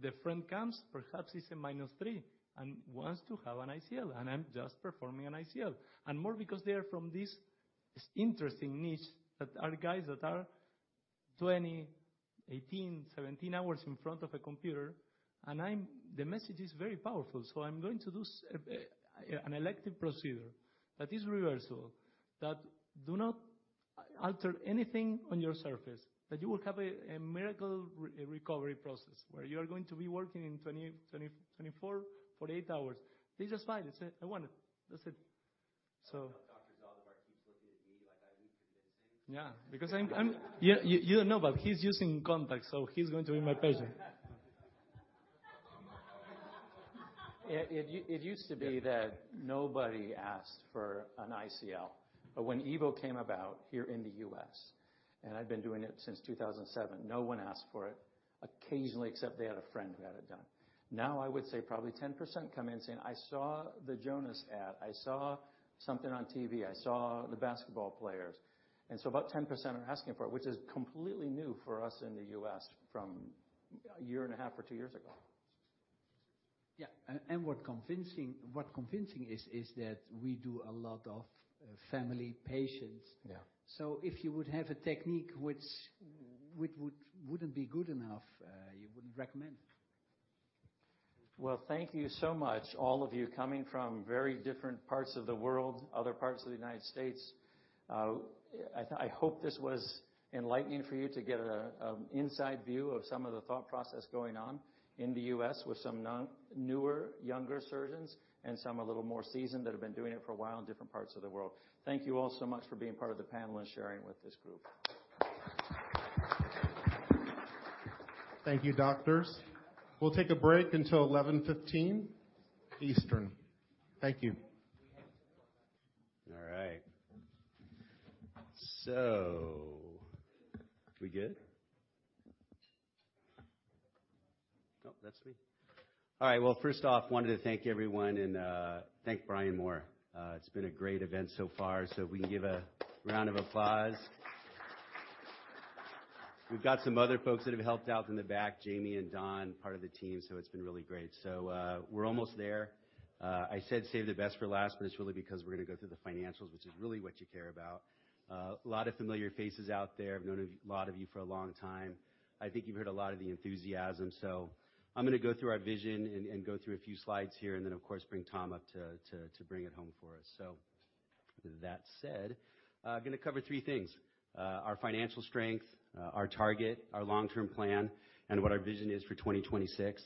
the friend comes, perhaps it's a -3 and wants to have an ICL, and I'm just performing an ICL. More because they are from this interesting niche that are guys that are 20, 18, 17 hours in front of a computer, and I'm the message is very powerful. So I'm going to do an elective procedure that is reversible, that do not alter anything on your surface, that you will have a miracle recovery process, where you are going to be working in 20, 24, 48 hours. "This is fine. It's, I want it." That's it. So- Dr. Zaldivar keeps looking at me like, are you convincing? Yeah, because I'm. You don't know, but he's using contacts, so he's going to be my patient. It used to be that nobody asked for an ICL, but when EVO came about here in the U.S., and I've been doing it since 2007, no one asked for it occasionally, except they had a friend who had it done. Now, I would say probably 10% come in saying, "I saw the Jonas ad," "I saw something on TV," "I saw the basketball players." And so about 10% are asking for it, which is completely new for us in the U.S. from a year and a half or two years ago. Yeah. And what convincing is that we do a lot of family patients. Yeah. If you would have a technique which wouldn't be good enough, you wouldn't recommend it. Well, thank you so much, all of you coming from very different parts of the world, other parts of the United States. I hope this was enlightening for you to get an inside view of some of the thought process going on in the U.S. with some newer, younger surgeons and some a little more seasoned that have been doing it for a while in different parts of the world. Thank you all so much for being part of the panel and sharing with this group. Thank you, doctors. We'll take a break until 11:15 Eastern. Thank you. All right. So we good? Oh, that's me. All right, well, first off, wanted to thank everyone and, thank Brian Moore. It's been a great event so far, so if we can give a round of applause. We've got some other folks that have helped out in the back, Jamie and Don, part of the team, so it's been really great. So, we're almost there. I said, save the best for last, but it's really because we're gonna go through the financials, which is really what you care about. A lot of familiar faces out there. I've known a lot of you for a long time. I think you've heard a lot of the enthusiasm. So I'm gonna go through our vision and go through a few slides here, and then, of course, bring Tom up to bring it home for us. So with that said, I'm gonna cover three things: our financial strength, our target, our long-term plan, and what our vision is for 2026,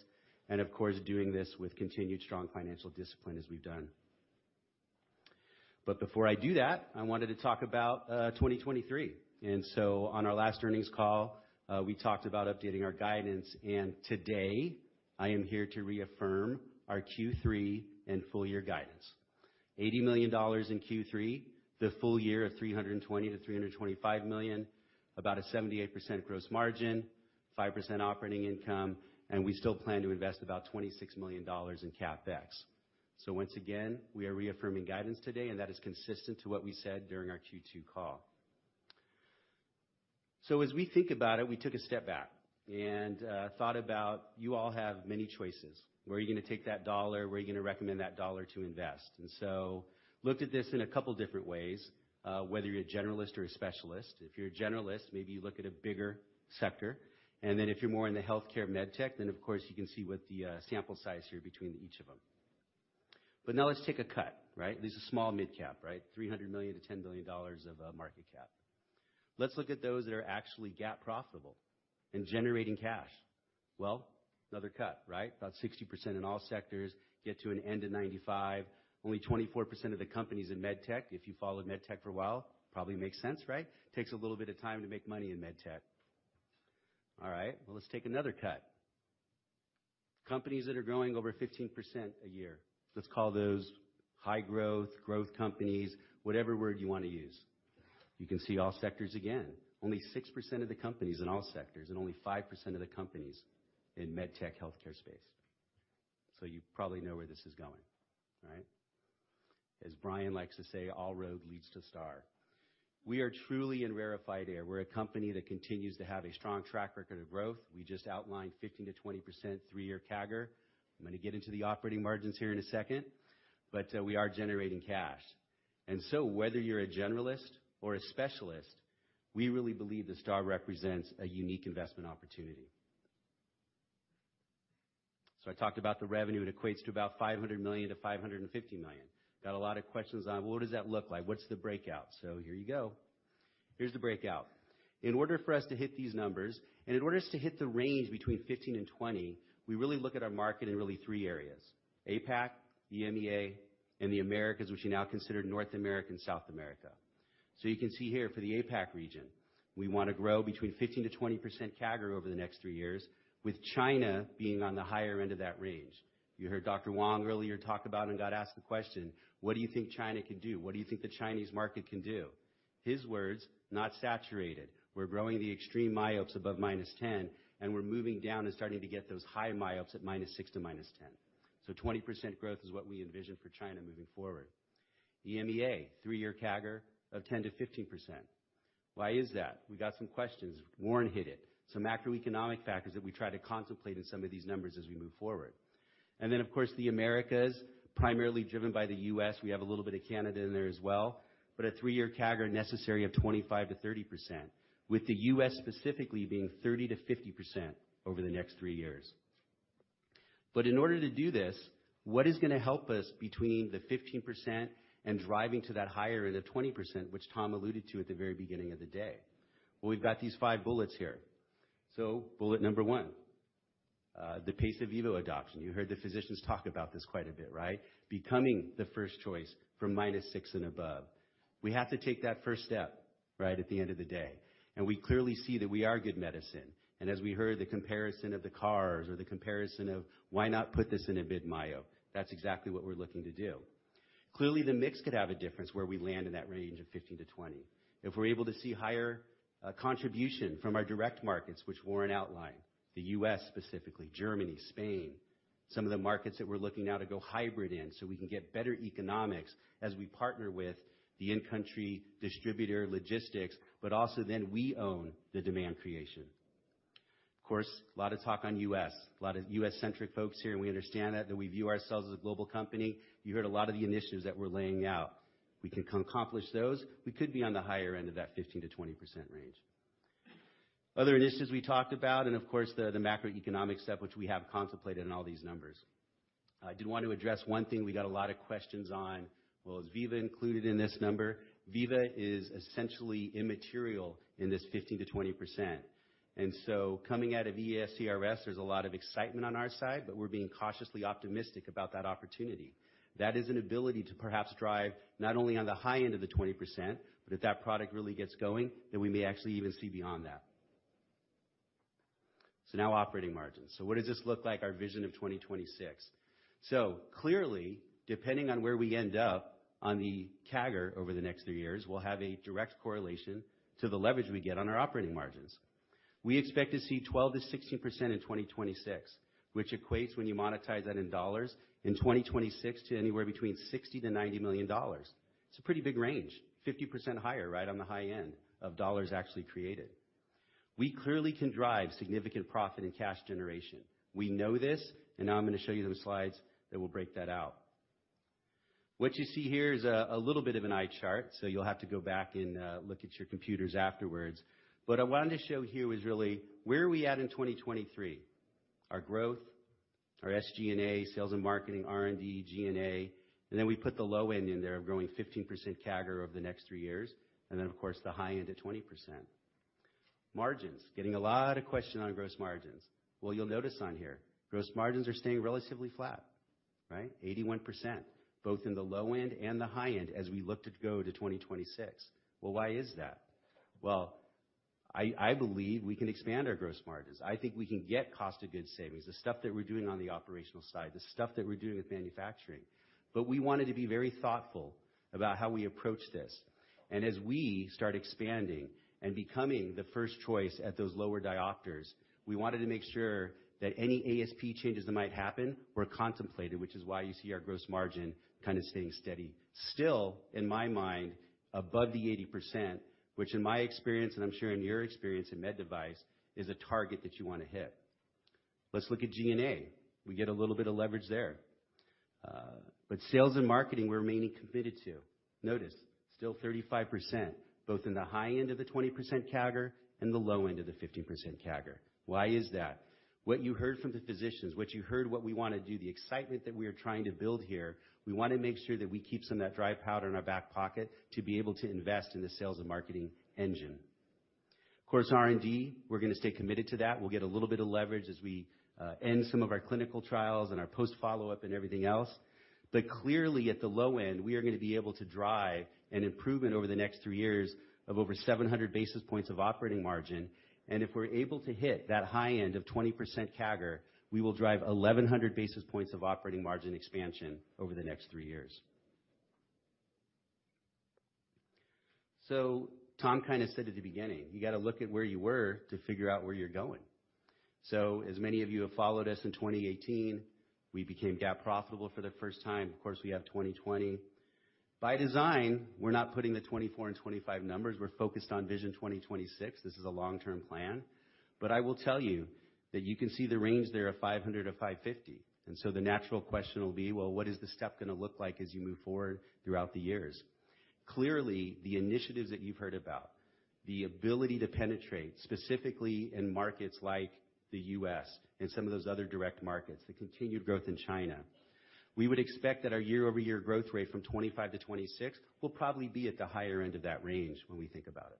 and of course, doing this with continued strong financial discipline as we've done. But before I do that, I wanted to talk about 2023. And so on our last earnings call, we talked about updating our guidance, and today I am here to reaffirm our Q3 and full year guidance. $80 million in Q3, the full year of $320 million-$325 million, about a 78% gross margin, 5% operating income, and we still plan to invest about $26 million in CapEx. So once again, we are reaffirming guidance today, and that is consistent to what we said during our Q2 call. So as we think about it, we took a step back and thought about you all have many choices. Where are you gonna take that dollar? Where are you gonna recommend that dollar to invest? And so looked at this in a couple different ways, whether you're a generalist or a specialist. If you're a generalist, maybe you look at a bigger sector, and then if you're more in the healthcare med tech, then, of course, you can see what the sample size here between each of them. But now let's take a cut, right? There's a small midcap, right? $300 million-$10 billion of market cap. Let's look at those that are actually GAAP profitable and generating cash. Well, another cut, right? About 60% in all sectors get to an end of 95. Only 24% of the companies in med tech. If you followed med tech for a while, probably makes sense, right? Takes a little bit of time to make money in med tech. All right, well, let's take another cut. Companies that are growing over 15% a year, let's call those high growth, growth companies, whatever word you wanna use. You can see all sectors, again, only 6% of the companies in all sectors and only 5% of the companies in med tech healthcare space. So you probably know where this is going, right? As Brian likes to say, "All road leads to STAAR." We are truly in rarefied air. We're a company that continues to have a strong track record of growth. We just outlined 15%-20%, three-year CAGR. I'm gonna get into the operating margins here in a second, but we are generating cash. And so whether you're a generalist or a specialist, we really believe that STAAR represents a unique investment opportunity. So I talked about the revenue. It equates to about $500 million-$550 million. Got a lot of questions on, Well, what does that look like? What's the breakout? So here you go. Here's the breakout. In order for us to hit these numbers, and in order to hit the range between 15 and 20, we really look at our market in really three areas: APAC, EMEA, and the Americas, which are now considered North America and South America. So you can see here for the APAC region, we wanna grow between 15%-20% CAGR over the next three years, with China being on the higher end of that range. You heard Dr. Wang earlier talk about and got asked the question: "What do you think China can do? What do you think the Chinese market can do?" His words, "Not saturated." We're growing the extreme myopes above -10, and we're moving down and starting to get those high myopes at -6 to -10. So 20% growth is what we envision for China moving forward. EMEA, three-year CAGR of 10%-15%. Why is that? We got some questions. Warren hit it. Some macroeconomic factors that we try to contemplate in some of these numbers as we move forward. And then, of course, the Americas, primarily driven by the U.S. We have a little bit of Canada in there as well, but a three-year CAGR necessary of 25%-30%, with the U.S. specifically being 30%-50% over the next three years. But in order to do this, what is gonna help us between the 15% and driving to that higher end of 20%, which Tom alluded to at the very beginning of the day? Well, we've got these five bullets here. So bullet number one, the pace of EVO adoption. You heard the physicians talk about this quite a bit, right? Becoming the first choice for -6 and above. We have to take that first step, right, at the end of the day, and we clearly see that we are good medicine. And as we heard, the comparison of the cars or the comparison of why not put this in a mid myope? That's exactly what we're looking to do. Clearly, the mix could have a difference where we land in that range of 15-20. If we're able to see higher contribution from our direct markets, which Warren outlined, the U.S., specifically Germany, Spain, some of the markets that we're looking now to go hybrid in, so we can get better economics as we partner with the in-country distributor logistics, but also then we own the demand creation. Of course, a lot of talk on U.S., a lot of U.S.-centric folks here, and we understand that we view ourselves as a global company. You heard a lot of the initiatives that we're laying out. We can accomplish those. We could be on the higher end of that 15%-20% range. Other initiatives we talked about, and of course, the macroeconomic step, which we have contemplated in all these numbers. I do want to address one thing we got a lot of questions on. Well, is Viva included in this number? Viva is essentially immaterial in this 15%-20%. And so coming out of ESCRS, there's a lot of excitement on our side, but we're being cautiously optimistic about that opportunity. That is an ability to perhaps drive not only on the high end of the 20%, but if that product really gets going, then we may actually even see beyond that. So now operating margins. So what does this look like, our vision of 2026? So clearly, depending on where we end up on the CAGR over the next three years, we'll have a direct correlation to the leverage we get on our operating margins. We expect to see 12%-16% in 2026, which equates when you monetize that in dollars in 2026 to anywhere between $60 million-$90 million. It's a pretty big range, 50% higher, right, on the high end of dollars actually created. We clearly can drive significant profit and cash generation. We know this, and now I'm gonna show you those slides that will break that out. What you see here is a little bit of an eye chart, so you'll have to go back and look at your computers afterwards. But I wanted to show here is really where are we at in 2023? Our growth, our SG&A, sales and marketing, R&D, G&A, and then we put the low end in there of growing 15% CAGR over the next three years, and then, of course, the high end at 20%. Margins. Getting a lot of question on gross margins. Well, you'll notice on here, gross margins are staying relatively flat, right? 81%, both in the low end and the high end, as we look to go to 2026. Well, why is that? Well, I believe we can expand our gross margins. I think we can get cost of goods savings, the stuff that we're doing on the operational side, the stuff that we're doing with manufacturing. But we wanted to be very thoughtful about how we approach this. And as we start expanding and becoming the first choice at those lower diopters, we wanted to make sure that any ASP changes that might happen were contemplated, which is why you see our gross margin kind of staying steady. Still, in my mind, above the 80%, which in my experience, and I'm sure in your experience in med device, is a target that you wanna hit. Let's look at G&A. We get a little bit of leverage there. But sales and marketing, we're remaining committed to. Notice, still 35%, both in the high end of the 20% CAGR and the low end of the 15% CAGR. Why is that? What you heard from the physicians, what you heard what we wanna do, the excitement that we are trying to build here, we wanna make sure that we keep some of that dry powder in our back pocket to be able to invest in the sales and marketing engine. Of course, R&D, we're gonna stay committed to that. We'll get a little bit of leverage as we end some of our clinical trials and our post-follow-up and everything else. But clearly, at the low end, we are gonna be able to drive an improvement over the next three years of over 700 basis points of operating margin, and if we're able to hit that high end of 20% CAGR, we will drive 1,100 basis points of operating margin expansion over the next three years. So Tom kind of said at the beginning, you gotta look at where you were to figure out where you're going. So as many of you have followed us, in 2018, we became GAAP profitable for the first time. Of course, we have 2020. By design, we're not putting the 2024 and 2025 numbers. We're focused on Vision 2026. This is a long-term plan. But I will tell you that you can see the range there of 500-550, and so the natural question will be, well, what is the step gonna look like as you move forward throughout the years? Clearly, the initiatives that you've heard about, the ability to penetrate, specifically in markets like the U.S. and some of those other direct markets, the continued growth in China, we would expect that our year-over-year growth rate from 2025 to 2026 will probably be at the higher end of that range when we think about it.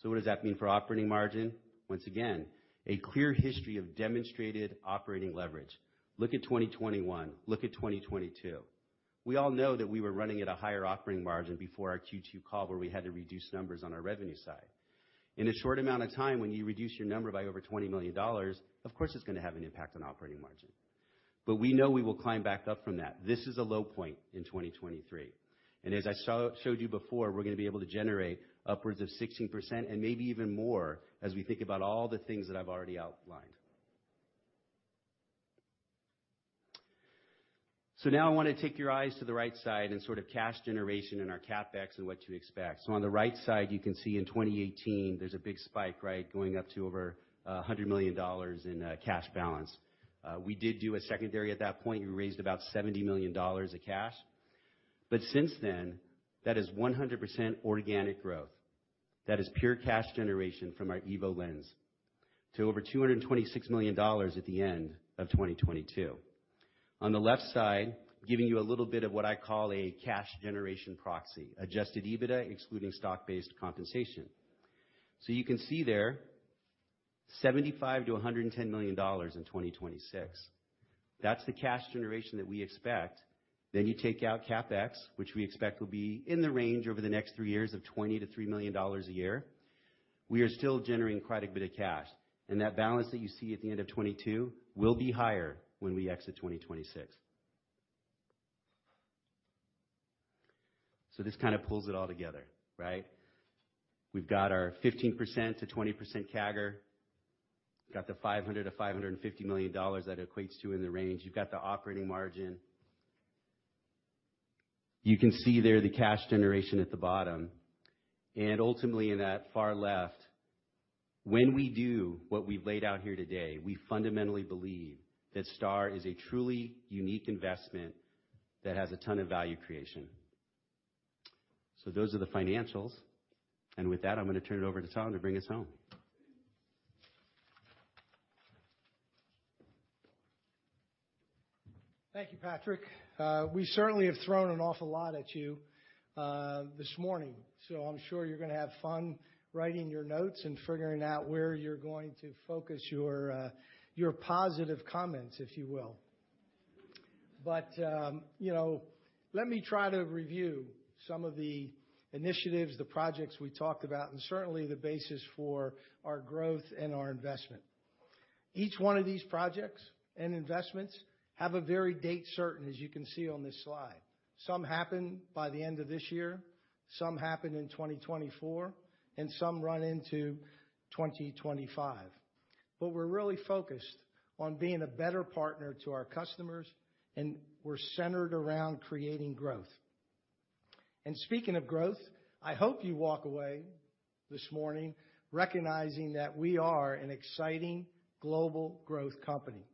So what does that mean for operating margin? Once again, a clear history of demonstrated operating leverage. Look at 2021. Look at 2022. We all know that we were running at a higher operating margin before our Q2 call, where we had to reduce numbers on our revenue side. In a short amount of time, when you reduce your number by over $20 million, of course, it's gonna have an impact on operating margin. But we know we will climb back up from that. This is a low point in 2023, and as I showed you before, we're gonna be able to generate upwards of 16% and maybe even more as we think about all the things that I've already outlined. So now I want to take your eyes to the right side and sort of cash generation and our CapEx and what to expect. So on the right side, you can see in 2018, there's a big spike, right? Going up to over $100 million in cash balance. We did do a secondary at that point. We raised about $70 million of cash. But since then, that is 100% organic growth. That is pure cash generation from our EVO lens to over $226 million at the end of 2022. On the left side, giving you a little bit of what I call a cash generation proxy, adjusted EBITDA, excluding stock-based compensation. So you can see there, $75 million-$110 million in 2026. That's the cash generation that we expect. Then you take out CapEx, which we expect will be in the range over the next three years of $20 million-$30 million a year. We are still generating quite a bit of cash, and that balance that you see at the end of 2022 will be higher when we exit 2026. So this kind of pulls it all together, right? We've got our 15%-20% CAGR. Got the $500 million-$550 million that equates to in the range. You've got the operating margin. You can see there the cash generation at the bottom. And ultimately, in that far left, when we do what we've laid out here today, we fundamentally believe that STAAR is a truly unique investment that has a ton of value creation. So those are the financials, and with that, I'm gonna turn it over to Tom to bring us home. Thank you, Patrick. We certainly have thrown an awful lot at you this morning, so I'm sure you're gonna have fun writing your notes and figuring out where you're going to focus your your positive comments, if you will. But you know, let me try to review some of the initiatives, the projects we talked about, and certainly the basis for our growth and our investment. Each one of these projects and investments have a very date certain, as you can see on this slide. Some happen by the end of this year, some happen in 2024, and some run into 2025. But we're really focused on being a better partner to our customers, and we're centered around creating growth. And speaking of growth, I hope you walk away this morning recognizing that we are an exciting global growth company.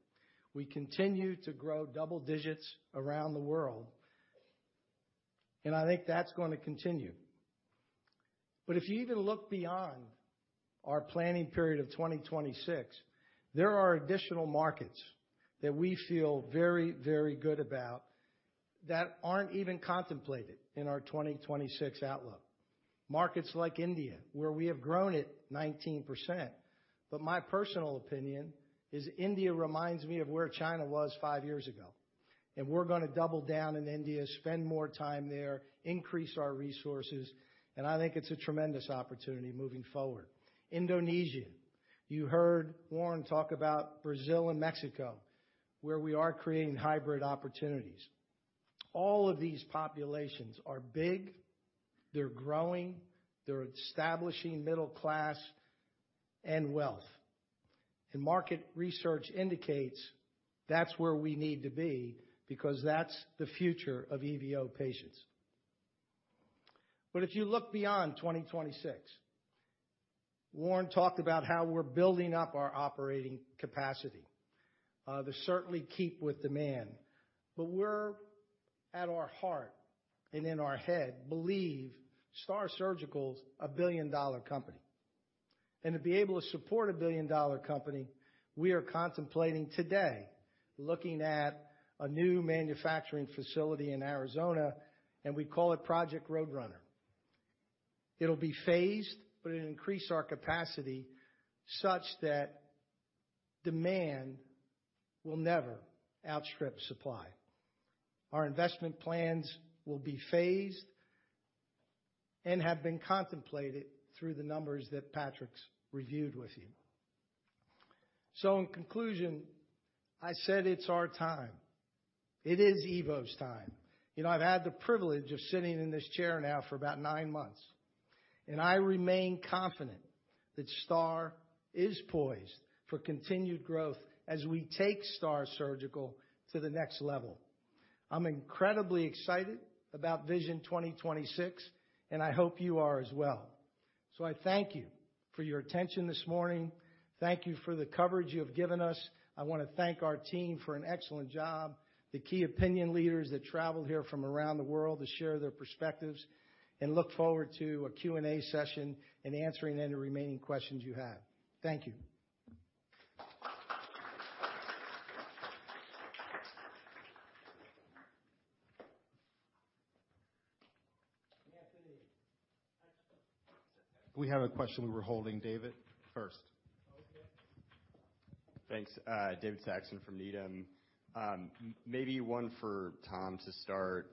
We continue to grow double digits around the world, and I think that's going to continue. But if you even look beyond our planning period of 2026, there are additional markets that we feel very, very good about that aren't even contemplated in our 2026 outlook. Markets like India, where we have grown at 19%. But my personal opinion is India reminds me of where China was 5 years ago, and we're gonna double down in India, spend more time there, increase our resources, and I think it's a tremendous opportunity moving forward. Indonesia, you heard Warren talk about Brazil and Mexico, where we are creating hybrid opportunities. All of these populations are big, they're growing, they're establishing middle class and wealth, and market research indicates that's where we need to be, because that's the future of EVO patients. But if you look beyond 2026, Warren talked about how we're building up our operating capacity to certainly keep with demand. But we're, at our heart and in our head, believe STAAR Surgical's a billion-dollar company. And to be able to support a billion-dollar company, we are contemplating today, looking at a new manufacturing facility in Arizona, and we call it Project Roadrunner. It'll be phased, but it'll increase our capacity such that demand will never outstrip supply. Our investment plans will be phased and have been contemplated through the numbers that Patrick's reviewed with you. So in conclusion, I said it's our time. It is EVO's time. You know, I've had the privilege of sitting in this chair now for about nine months, and I remain confident that STAAR is poised for continued growth as we take STAAR Surgical to the next level. I'm incredibly excited about Vision 2026, and I hope you are as well. So I thank you for your attention this morning. Thank you for the coverage you have given us. I want to thank our team for an excellent job, the key opinion leaders that traveled here from around the world to share their perspectives, and look forward to a Q&A session and answering any remaining questions you have. Thank you. We have a question we were holding, David, first. Okay. Thanks. David Saxon from Needham. Maybe one for Tom to start.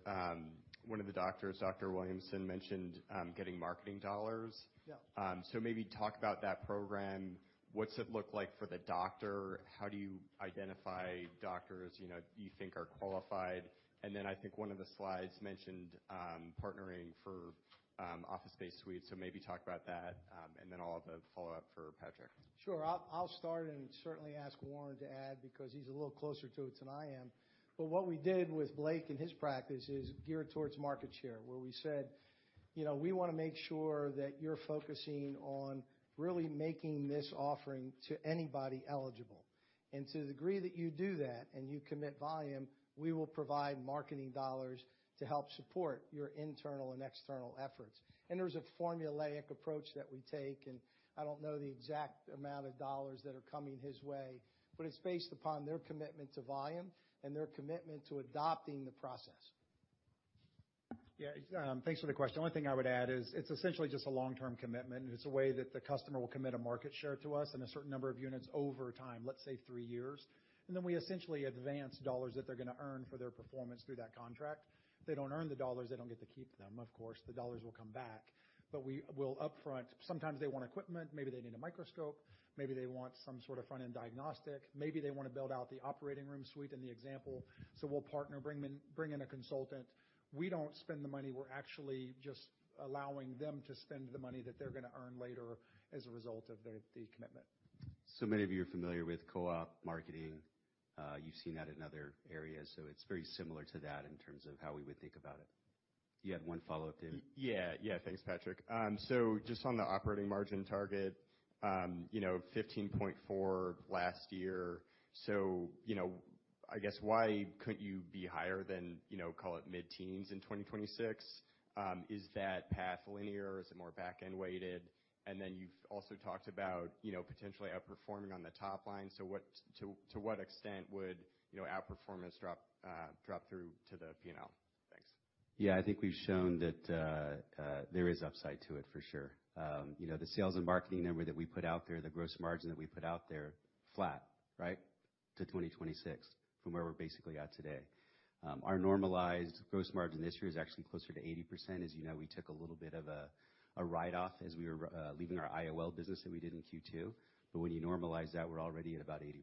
One of the doctors, Dr. Williamson, mentioned getting marketing dollars. Yeah. So maybe talk about that program. What's it look like for the doctor? How do you identify doctors, you know, you think are qualified? And then I think one of the slides mentioned partnering for office-based suites, so maybe talk about that. And then I'll have a follow-up for Patrick. Sure. I'll start and certainly ask Warren to add, because he's a little closer to it than I am. But what we did with Blake and his practice is geared towards market share, where we said, "You know, we wanna make sure that you're focusing on really making this offering to anybody eligible. And to the degree that you do that, and you commit volume, we will provide marketing dollars to help support your internal and external efforts." And there's a formulaic approach that we take, and I don't know the exact amount of dollars that are coming his way, but it's based upon their commitment to volume and their commitment to adopting the process. Yeah, thanks for the question. The only thing I would add is, it's essentially just a long-term commitment. It's a way that the customer will commit a market share to us and a certain number of units over time, let's say three years, and then we essentially advance dollars that they're gonna earn for their performance through that contract. If they don't earn the dollars, they don't get to keep them, of course. The dollars will come back. But we will upfront. Sometimes they want equipment, maybe they need a microscope, maybe they want some sort of front-end diagnostic, maybe they want to build out the operating room suite in the example. So we'll partner, bring in a consultant. We don't spend the money. We're actually just allowing them to spend the money that they're gonna earn later as a result of the commitment. So many of you are familiar with co-op marketing. You've seen that in other areas, so it's very similar to that in terms of how we would think about it. You had one follow-up, David? Yeah. Yeah, thanks, Patrick. So just on the operating margin target, you know, 15.4% last year. So, you know, I guess why couldn't you be higher than, you know, call it mid-teens in 2026? Is that path linear? Is it more back-end weighted? And then you've also talked about, you know, potentially outperforming on the top line. So to what extent would, you know, outperformance drop through to the P&L? Thanks. Yeah, I think we've shown that there is upside to it, for sure. You know, the sales and marketing number that we put out there, the gross margin that we put out there, flat, right? To 2026, from where we're basically at today. Our normalized gross margin this year is actually closer to 80%. As you know, we took a little bit of a write-off as we were leaving our IOL business that we did in Q2. But when you normalize that, we're already at about 80%.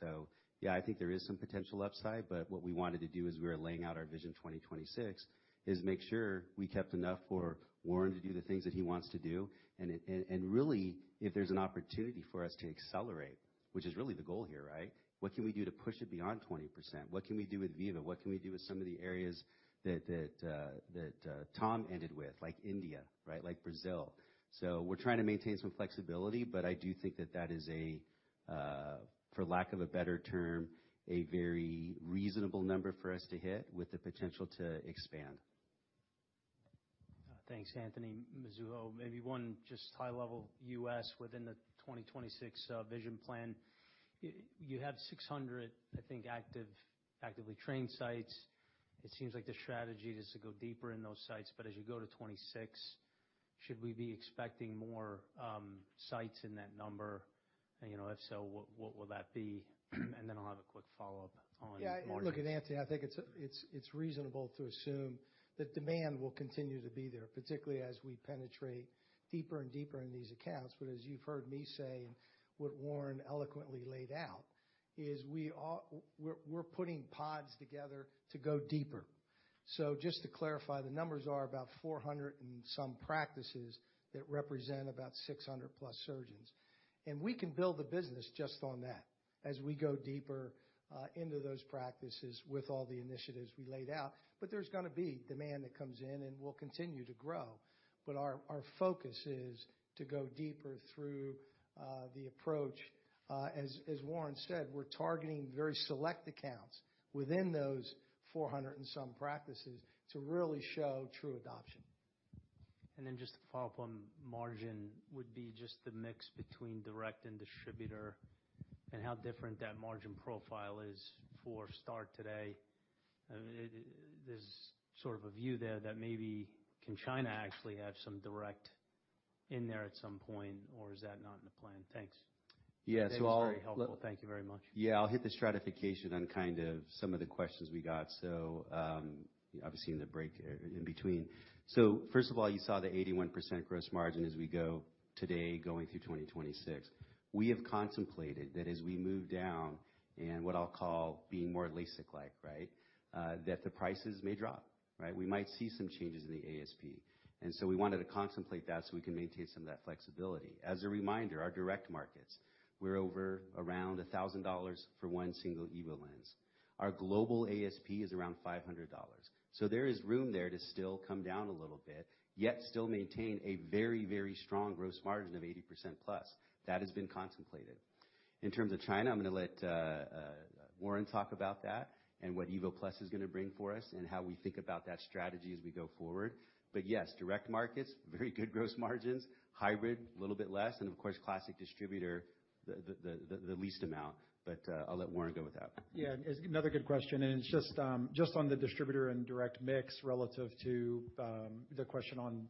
So yeah, I think there is some potential upside, but what we wanted to do as we were laying out our vision 2026, is make sure we kept enough for Warren to do the things that he wants to do, and it and really, if there's an opportunity for us to accelerate, which is really the goal here, right? What can we do to push it beyond 2026?. percent. What can we do with Viva? What can we do with some of the areas that Tom ended with, like India, right? Like Brazil. So we're trying to maintain some flexibility, but I do think that that is a, for lack of a better term, a very reasonable number for us to hit with the potential to expand. Thanks, Anthony. Mizuho, maybe one just high level U.S. within the 2026 vision plan. You have 600, I think, active, actively trained sites. It seems like the strategy is to go deeper in those sites, but as you go to 2026, should we be expecting more sites in that number? And, you know, if so, what will that be? And then I'll have a quick follow-up on margins. Yeah, look, Anthony, I think it's reasonable to assume that demand will continue to be there, particularly as we penetrate deeper and deeper in these accounts. But as you've heard me say, and what Warren eloquently laid out, is we're putting pods together to go deeper. So just to clarify, the numbers are about 400 and some practices that represent about 600+ surgeons. And we can build the business just on that as we go deeper into those practices with all the initiatives we laid out. But there's gonna be demand that comes in and will continue to grow. But our focus is to go deeper through the approach. As Warren said, we're targeting very select accounts within those 400 and some practices to really show true adoption. Then just to follow up on margin, would be just the mix between direct and distributor and how different that margin profile is for STAAR today. There's sort of a view there that maybe in China actually have some direct in there at some point, or is that not in the plan? Thanks. Yeah, so I'll- That's very helpful. Thank you very much. Yeah, I'll hit the stratification on kind of some of the questions we got. So, obviously, in the break, in between. So first of all, you saw the 81% gross margin as we go today, going through 2026. We have contemplated that as we move down and what I'll call being more LASIK-like, right? That the prices may drop, right? We might see some changes in the ASP, and so we wanted to contemplate that so we can maintain some of that flexibility. As a reminder, our direct markets, we're over around $1,000 for one single EVO lens. Our global ASP is around $500. So there is room there to still come down a little bit, yet still maintain a very, very strong gross margin of 80%+. That has been contemplated. In terms of China, I'm gonna let Warren talk about that and what EVO+ is gonna bring for us, and how we think about that strategy as we go forward. But yes, direct markets, very good gross margins, hybrid, a little bit less, and of course, classic distributor, the least amount. But, I'll let Warren go with that. Yeah, it's another good question, and it's just, just on the distributor and direct mix relative to, the question on,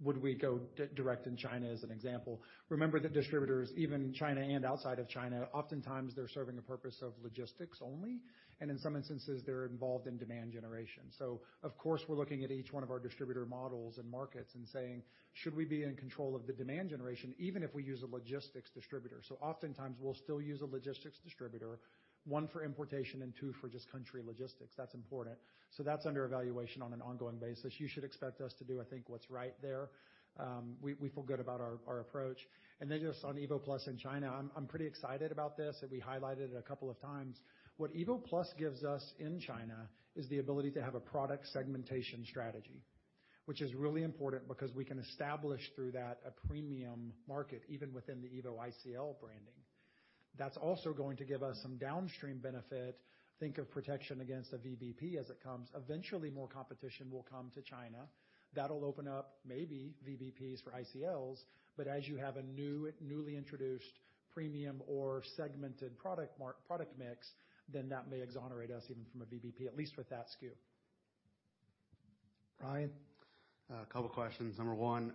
would we go direct in China, as an example. Remember that distributors, even in China and outside of China, oftentimes they're serving a purpose of logistics only, and in some instances, they're involved in demand generation. So of course, we're looking at each one of our distributor models and markets and saying: Should we be in control of the demand generation, even if we use a logistics distributor? So oftentimes, we'll still use a logistics distributor, one, for importation, and two, for just country logistics. That's important. So that's under evaluation on an ongoing basis. You should expect us to do, I think, what's right there. We feel good about our approach. Then just on EVO+ in China, I'm pretty excited about this, and we highlighted it a couple of times. What EVO+ gives us in China is the ability to have a product segmentation strategy, which is really important because we can establish through that a premium market, even within the EVO ICL branding. That's also going to give us some downstream benefit. Think of protection against a VBP as it comes. Eventually, more competition will come to China. That'll open up maybe VBPs for ICLs, but as you have a newly introduced premium or segmented product mix, then that may exonerate us even from a VBP, at least with that SKU. Ryan? A couple questions. Number one,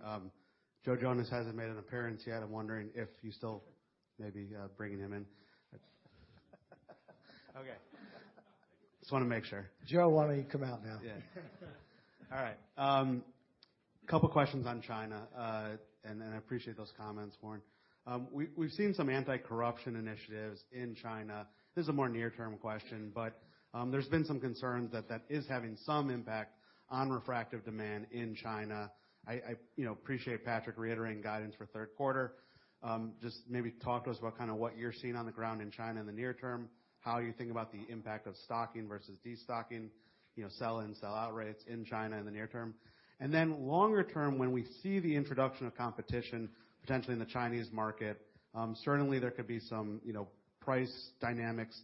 Joe Jonas hasn't made an appearance yet. I'm wondering if you still maybe bringing him in? Okay. Just wanna make sure. Joe, why don't you come out now? Yeah. All right. Couple questions on China, and then I appreciate those comments, Warren. We've seen some anti-corruption initiatives in China. This is a more near-term question, but there's been some concerns that that is having some impact on refractive demand in China. You know, appreciate Patrick reiterating guidance for third quarter. Just maybe talk to us about kind of what you're seeing on the ground in China in the near term, how you think about the impact of stocking versus destocking, you know, sell and sell out rates in China in the near term. And then longer term, when we see the introduction of competition, potentially in the Chinese market, certainly there could be some, you know, price dynamics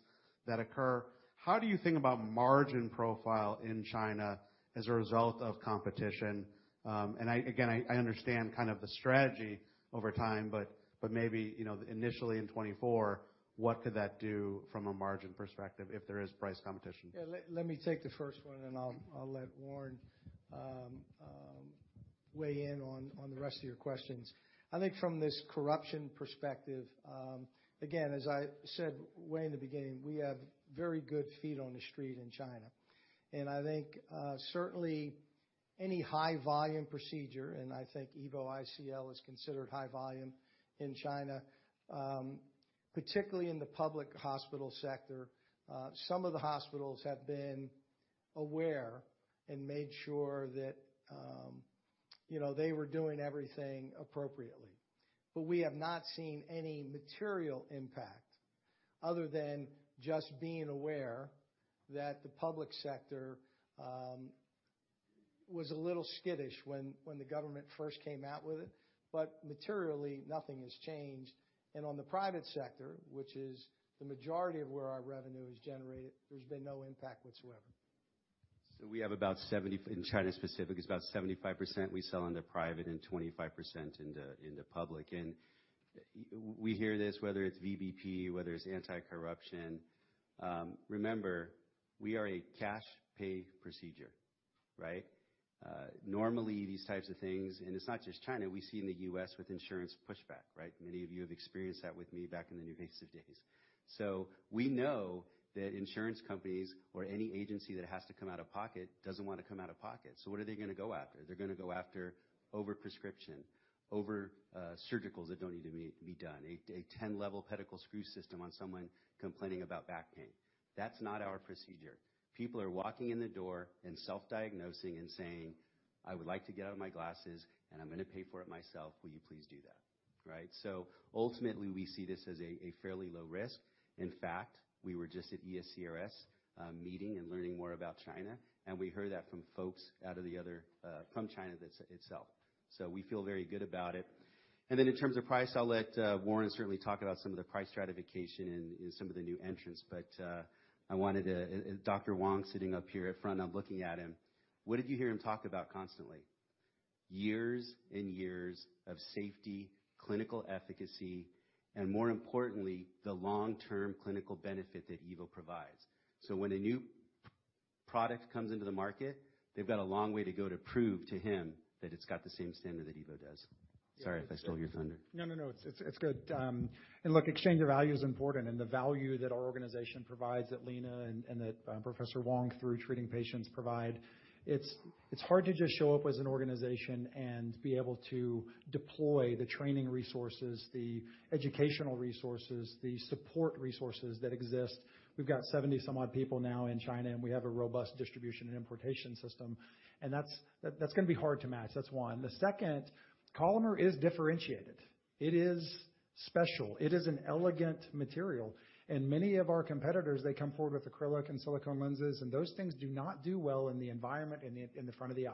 that occur. How do you think about margin profile in China as a result of competition? And again, I understand kind of the strategy over time, but maybe, you know, initially in 2024, what could that do from a margin perspective if there is price competition? Yeah, let me take the first one, and then I'll let Warren weigh in on the rest of your questions. I think from this corruption perspective, again, as I said way in the beginning, we have very good feet on the street in China. And I think certainly, any high volume procedure, and I think EVO ICL is considered high volume in China, particularly in the public hospital sector, some of the hospitals have been aware and made sure that, you know, they were doing everything appropriately. but we have not seen any material impact other than just being aware that the public sector was a little skittish when the government first came out with it. But materially, nothing has changed. On the private sector, which is the majority of where our revenue is generated, there's been no impact whatsoever. So we have about 70 – in China specific, it's about 75% we sell into private and 25% into, into public. And we hear this, whether it's VBP, whether it's anti-corruption. Remember, we are a cash pay procedure, right? Normally these types of things, and it's not just China, we see in the U.S. with insurance pushback, right? Many of you have experienced that with me back in the NuVasive days. So we know that insurance companies or any agency that has to come out of pocket, doesn't want to come out of pocket. So what are they gonna go after? They're gonna go after over-prescription, over, surgicals that don't need to be done. A 10-level pedicle screw system on someone complaining about back pain. That's not our procedure. People are walking in the door and self-diagnosing and saying, "I would like to get out of my glasses, and I'm gonna pay for it myself. Will you please do that?" Right? So ultimately, we see this as a fairly low risk. In fact, we were just at ESCRS meeting and learning more about China, and we heard that from folks out of the other from China itself, so we feel very good about it. And then in terms of price, I'll let Warren certainly talk about some of the price stratification and some of the new entrants. But I wanted to—and Dr. Wang sitting up here at front, I'm looking at him. What did you hear him talk about constantly? Years and years of safety, clinical efficacy, and more importantly, the long-term clinical benefit that EVO provides. When a new product comes into the market, they've got a long way to go to prove to him that it's got the same standard that EVO does. Sorry if I stole your thunder. No, no, no, it's, it's good. And look, exchange of value is important, and the value that our organization provides, that Lena and that Professor Wang, through treating patients, provide. It's hard to just show up as an organization and be able to deploy the training resources, the educational resources, the support resources that exist. We've got 70-some-odd people now in China, and we have a robust distribution and importation system, and that's gonna be hard to match. That's one. The second, Collamer is differentiated. It is special. It is an elegant material, and many of our competitors, they come forward with acrylic and silicone lenses, and those things do not do well in the environment, in the front of the eye.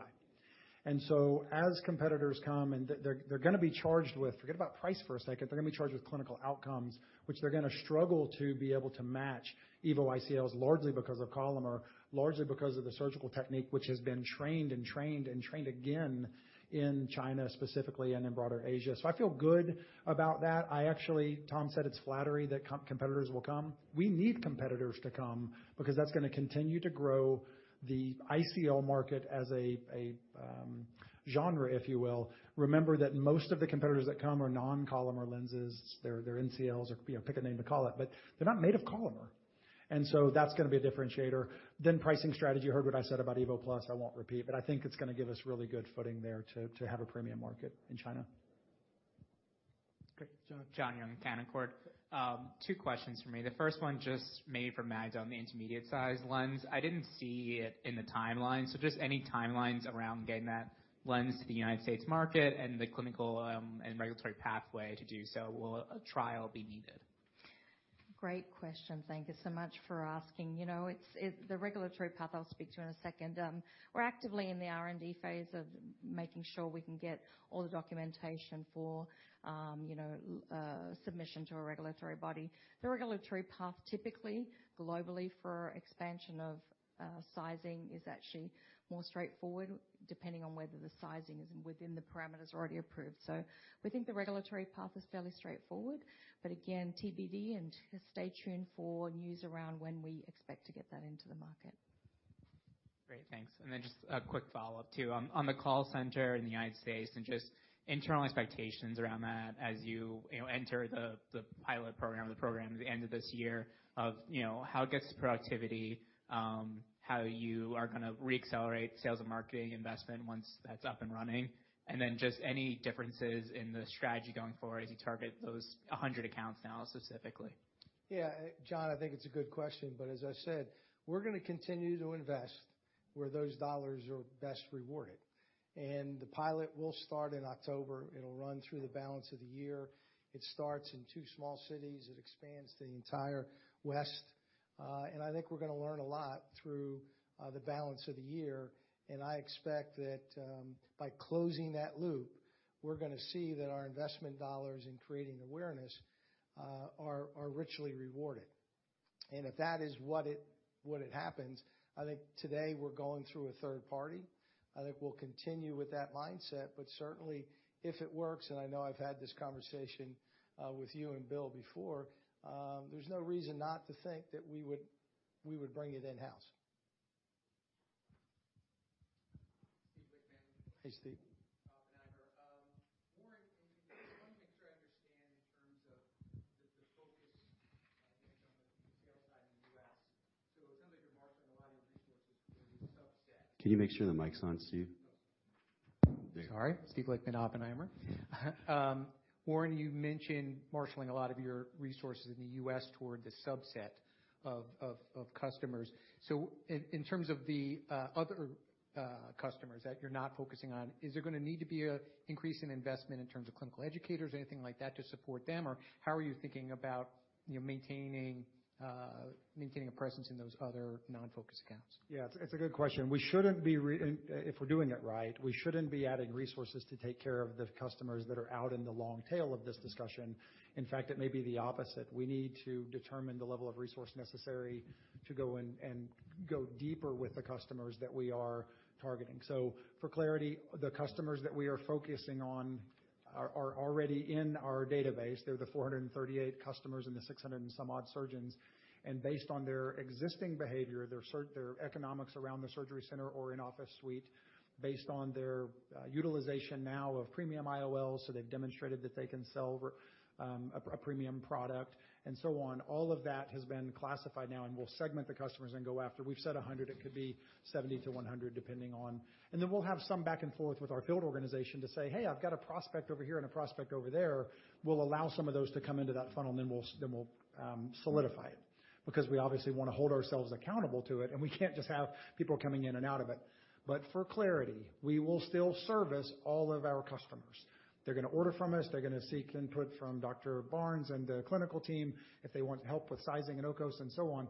And so as competitors come, and they're gonna be charged with. Forget about price for a second. They're gonna be charged with clinical outcomes, which they're gonna struggle to be able to match EVO ICLs, largely because of Collamer, largely because of the surgical technique, which has been trained and trained and trained again in China specifically and in broader Asia. So I feel good about that. I actually, Tom said it's flattery that competitors will come. We need competitors to come because that's gonna continue to grow the ICL market as a genre, if you will. Remember that most of the competitors that come are non-Collamer lenses. They're NCLs or, you know, pick a name to call it, but they're not made of Collamer, and so that's gonna be a differentiator. Then pricing strategy. You heard what I said about EVO+. I won't repeat, but I think it's gonna give us really good footing there to have a premium market in China. Great. John Young, Canaccord. Two questions for me. The first one just made from Magda on the intermediate-sized lens. I didn't see it in the timeline, so just any timelines around getting that lens to the United States market and the clinical, and regulatory pathway to do so. Will a trial be needed? Great question. Thank you so much for asking. You know, it's the regulatory path, I'll speak to in a second. We're actively in the R&D phase of making sure we can get all the documentation for, you know, submission to a regulatory body. The regulatory path, typically, globally, for expansion of sizing is actually more straightforward, depending on whether the sizing is within the parameters already approved. So we think the regulatory path is fairly straightforward, but again, TBD and stay tuned for news around when we expect to get that into the market. Great, thanks. And then just a quick follow-up, too. On the call center in the United States and just internal expectations around that as you, you know, enter the pilot program or the program at the end of this year, you know, how it gets to productivity, how you are gonna re-accelerate sales and marketing investment once that's up and running, and then just any differences in the strategy going forward as you target those 100 accounts now, specifically? Yeah, John, I think it's a good question, but as I said, we're gonna continue to invest where those dollars are best rewarded. And the pilot will start in October. It'll run through the balance of the year. It starts in two small cities, it expands to the entire West. And I think we're gonna learn a lot through the balance of the year, and I expect that by closing that loop, we're gonna see that our investment dollars in creating awareness are richly rewarded. And if that is what it happens, I think today we're going through a third party. I think we'll continue with that mindset, but certainly if it works, and I know I've had this conversation with you and Bill before, there's no reason not to think that we would bring it in-house. Hey, Steve. Warren, I just want to make sure I understand in terms of the focus, I think, on the sales side in the U.S. Can you make sure the mic's on, Steve? Sorry, speak like an Oppenheimer. Warren, you mentioned marshaling a lot of your resources in the U.S. toward the subset of customers. So in terms of the other customers that you're not focusing on, is there gonna need to be a increase in investment in terms of clinical educators or anything like that to support them? Or how are you thinking about, you know, maintaining a presence in those other non-focus accounts? Yeah, it's a good question. We shouldn't be. If we're doing it right, we shouldn't be adding resources to take care of the customers that are out in the long tail of this discussion. In fact, it may be the opposite. We need to determine the level of resource necessary to go in and go deeper with the customers that we are targeting. So for clarity, the customers that we are focusing on are already in our database. They're the 438 customers and the 600 and some odd surgeons, and based on their existing behavior, their economics around the surgery center or in-office suite, based on their utilization now of premium IOL, so they've demonstrated that they can sell over a premium product and so on. All of that has been classified now, and we'll segment the customers and go after. We've said 100, it could be 70-100, depending on. And then we'll have some back and forth with our field organization to say, "Hey, I've got a prospect over here and a prospect over there." We'll allow some of those to come into that funnel, and then we'll solidify it, because we obviously wanna hold ourselves accountable to it, and we can't just have people coming in and out of it. But for clarity, we will still service all of our customers. They're gonna order from us. They're gonna seek input from Dr. Barnes and the clinical team if they want help with sizing and OCOS and so on.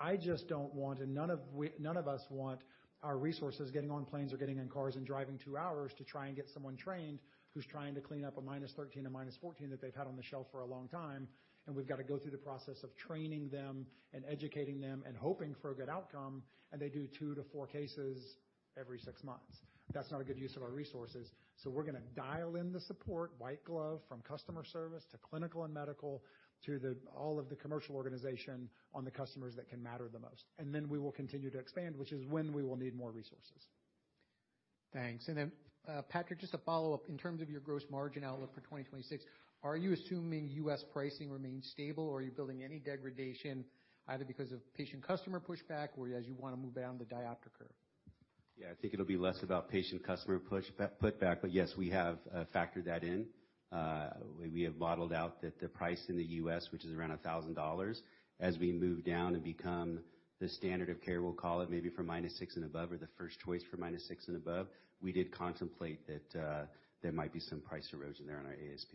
I just don't want, and none of us want our resources getting on planes or getting in cars and driving 2 hours to try and get someone trained who's trying to clean up a -13, a -14 that they've had on the shelf for a long time, and we've got to go through the process of training them and educating them and hoping for a good outcome, and they do 2-4 cases every 6 months. That's not a good use of our resources. So we're gonna dial in the support, white glove, from customer service to clinical and medical, to all of the commercial organization on the customers that can matter the most. And then we will continue to expand, which is when we will need more resources. Thanks. And then, Patrick, just a follow-up. In terms of your gross margin outlook for 2026, are you assuming U.S. pricing remains stable, or are you building any degradation, either because of patient customer pushback or as you want to move down the diopter curve? Yeah, I think it'll be less about patient customer pushback, but yes, we have factored that in. We have modeled out that the price in the U.S., which is around $1,000, as we move down and become the standard of care, we'll call it, maybe for minus six and above, or the first choice for minus six and above, we did contemplate that there might be some price erosion there on our ASP.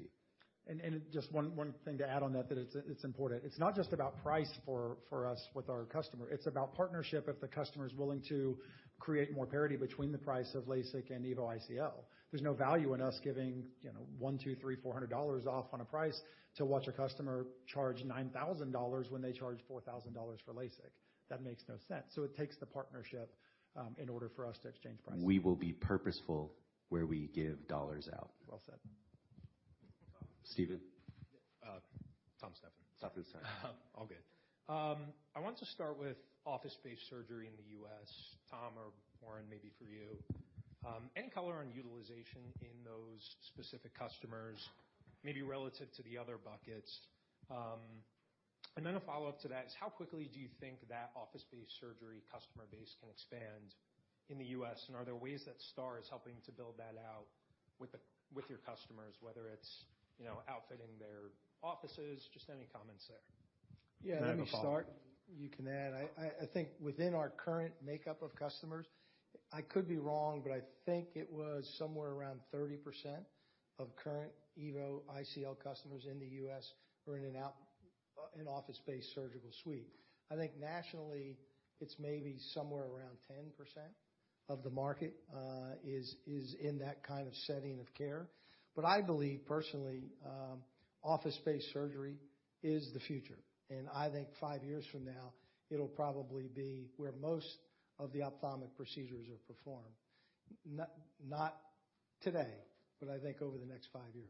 And just one thing to add on that, it's important. It's not just about price for us with our customer, it's about partnership if the customer is willing to create more parity between the price of LASIK and EVO ICL. There's no value in us giving, you know, 100, 200, 300, 400 dollars off on a price to watch a customer charge $9,000 when they charge $4,000 for LASIK. That makes no sense. So it takes the partnership in order for us to exchange prices. We will be purposeful where we give dollars out. Well said. Stephan? Tom Stephan. Tom, sorry. All good. I want to start with office-based surgery in the U.S. Tom or Warren, maybe for you. Any color on utilization in those specific customers, maybe relative to the other buckets? And then a follow-up to that is how quickly do you think that office-based surgery customer base can expand in the U.S., and are there ways that STAAR is helping to build that out with your customers, whether it's, you know, outfitting their offices? Just any comments there. Yeah, let me start. And then a follow-up. You can add. I think within our current makeup of customers, I could be wrong, but I think it was somewhere around 30% of current EVO ICL customers in the U.S. are in and out in office-based surgical suite. I think nationally, it's maybe somewhere around 10% of the market is in that kind of setting of care. But I believe personally, office-based surgery is the future, and I think five years from now, it'll probably be where most of the ophthalmic procedures are performed. Not today, but I think over the next five years.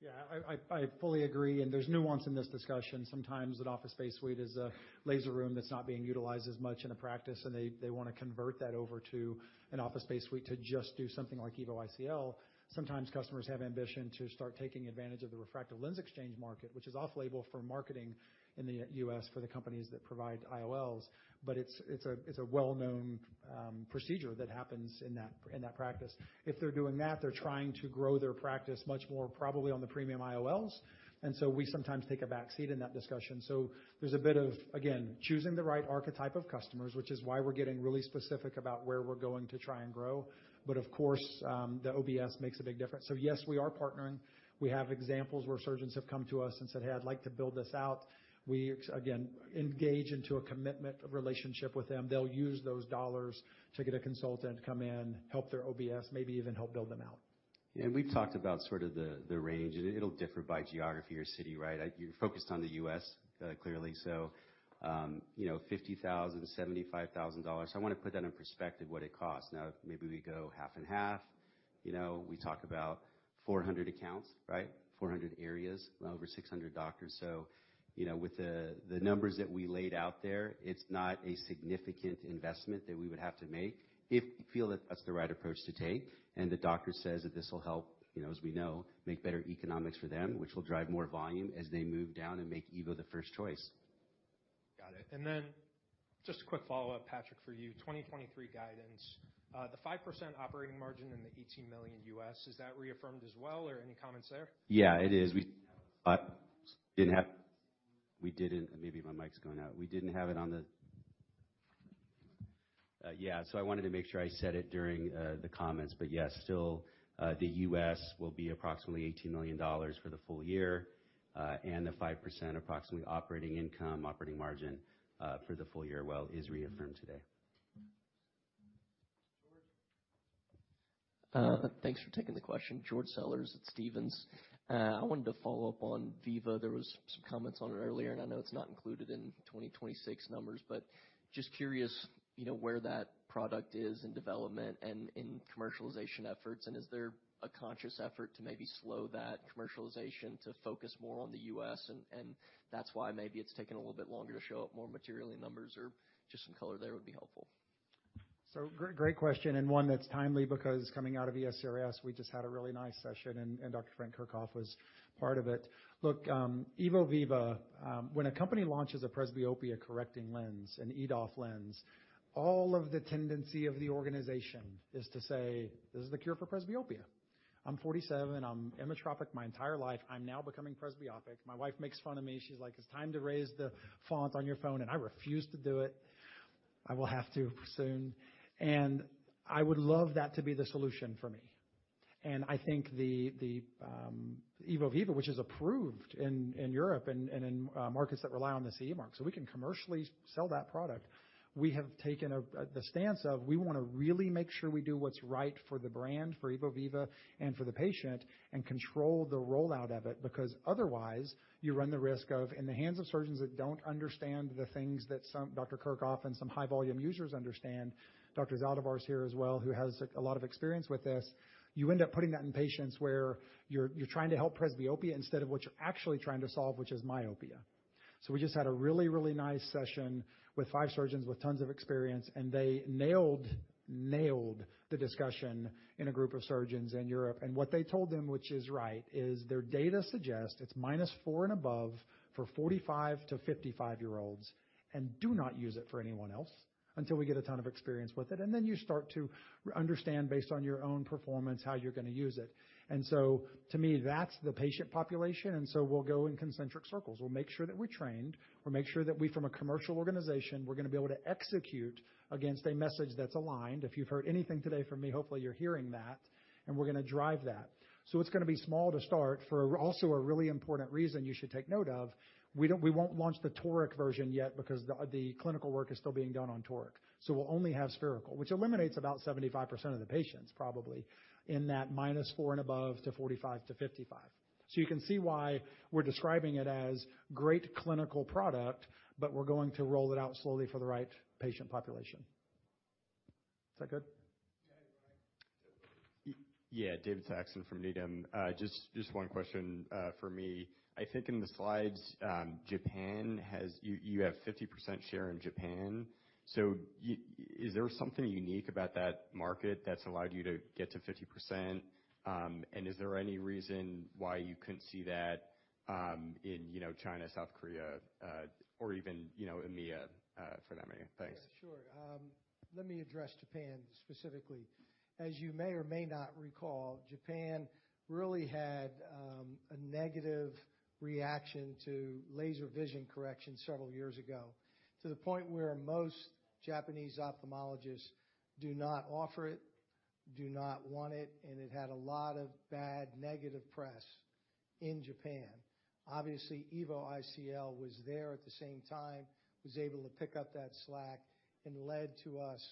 Yeah, I fully agree, and there's nuance in this discussion. Sometimes an office-based suite is a laser room that's not being utilized as much in a practice, and they wanna convert that over to an office-based suite to just do something like EVO ICL. Sometimes customers have ambition to start taking advantage of the refractive lens exchange market, which is off-label for marketing in the U.S. for the companies that provide IOLs, but it's a well-known procedure that happens in that practice. If they're doing that, they're trying to grow their practice much more probably on the premium IOLs, and so we sometimes take a backseat in that discussion. So there's a bit of, again, choosing the right archetype of customers, which is why we're getting really specific about where we're going to try and grow. But of course, the OBS makes a big difference. So yes, we are partnering. We have examples where surgeons have come to us and said, "Hey, I'd like to build this out." We again, engage into a commitment of relationship with them. They'll use those dollars to get a consultant to come in, help their OBS, maybe even help build them out. We've talked about sort of the range, and it'll differ by geography or city, right? You're focused on the U.S., clearly. So, you know, $50,000-$75,000. I wanna put that in perspective, what it costs. Now, maybe we go half and half. You know, we talk about 400 accounts, right? 400 areas, over 600 doctors. So, you know, with the numbers that we laid out there, it's not a significant investment that we would have to make. If we feel that that's the right approach to take, and the doctor says that this will help, you know, as we know, make better economics for them, which will drive more volume as they move down and make Evo the first choice. Got it. And then just a quick follow-up, Patrick, for you. 2023 guidance, the 5% operating margin and the $18 million, is that reaffirmed as well, or any comments there? Yeah, it is. So I wanted to make sure I said it during the comments, but, yes, still, the U.S. will be approximately $18 million for the full year, and the 5% approximately operating income, operating margin, for the full year well, is reaffirmed today. George? Thanks for taking the question. George Sellers at Stephens. I wanted to follow up on Viva. There was some comments on it earlier, and I know it's not included in 2026 numbers, but just curious, you know, where that product is in development and in commercialization efforts, and is there a conscious effort to maybe slow that commercialization to focus more on the U.S., and, and that's why maybe it's taking a little bit longer to show up more materially numbers or just some color there would be helpful. So great, great question, and one that's timely, because coming out of ESCRS, we just had a really nice session, and Dr. Frank Kerkhoff was part of it. Look, EVO Viva, when a company launches a presbyopia-correcting lens, an EDOF lens, all of the tendency of the organization is to say: This is the cure for presbyopia. I'm 47, I'm emmetropic my entire life. I'm now becoming presbyopic. My wife makes fun of me. She's like: "It's time to raise the font on your phone," and I refuse to do it. I will have to soon, and I would love that to be the solution for me. And I think the EVO Viva, which is approved in Europe and in markets that rely on the CE Mark, so we can commercially sell that product. We have taken a the stance of we wanna really make sure we do what's right for the brand, for EVO Viva and for the patient and control the rollout of it, because otherwise, you run the risk of, in the hands of surgeons that don't understand the things that some Dr. Kerkhoff and some high-volume users understand, Dr. Zaldivar is here as well, who has a lot of experience with this, you end up putting that in patients where you're, you're trying to help presbyopia instead of what you're actually trying to solve, which is myopia. So we just had a really, really nice session with five surgeons with tons of experience, and they nailed, nailed the discussion in a group of surgeons in Europe. And what they told them, which is right, is their data suggests it's -4 and above for 45- to 55-year-olds, and do not use it for anyone else until we get a ton of experience with it. And then you start to understand, based on your own performance, how you're gonna use it. And so to me, that's the patient population, and so we'll go in concentric circles. We'll make sure that we're trained. We'll make sure that we, from a commercial organization, we're gonna be able to execute against a message that's aligned. If you've heard anything today from me, hopefully, you're hearing that, and we're gonna drive that. So it's gonna be small to start for also a really important reason you should take note of, we won't launch the toric version yet because the clinical work is still being done on toric. So we'll only have spherical, which eliminates about 75% of the patients, probably in that -4 and above to -45 to -55. So you can see why we're describing it as great clinical product, but we're going to roll it out slowly for the right patient population. Is that good? Yeah. Yeah. David Saxon from Needham. Just one question for me. I think in the slides, Japan has. You have 50% share in Japan. So is there something unique about that market that's allowed you to get to 50%? And is there any reason why you couldn't see that in, you know, China, South Korea, or even, you know, EMEA, for that matter? Thanks. Yeah, sure. Let me address Japan specifically. As you may or may not recall, Japan really had a negative reaction to laser vision correction several years ago, to the point where most Japanese ophthalmologists do not offer it, do not want it, and it had a lot of bad, negative press in Japan. Obviously, EVO ICL was there at the same time, was able to pick up that slack, and led to us,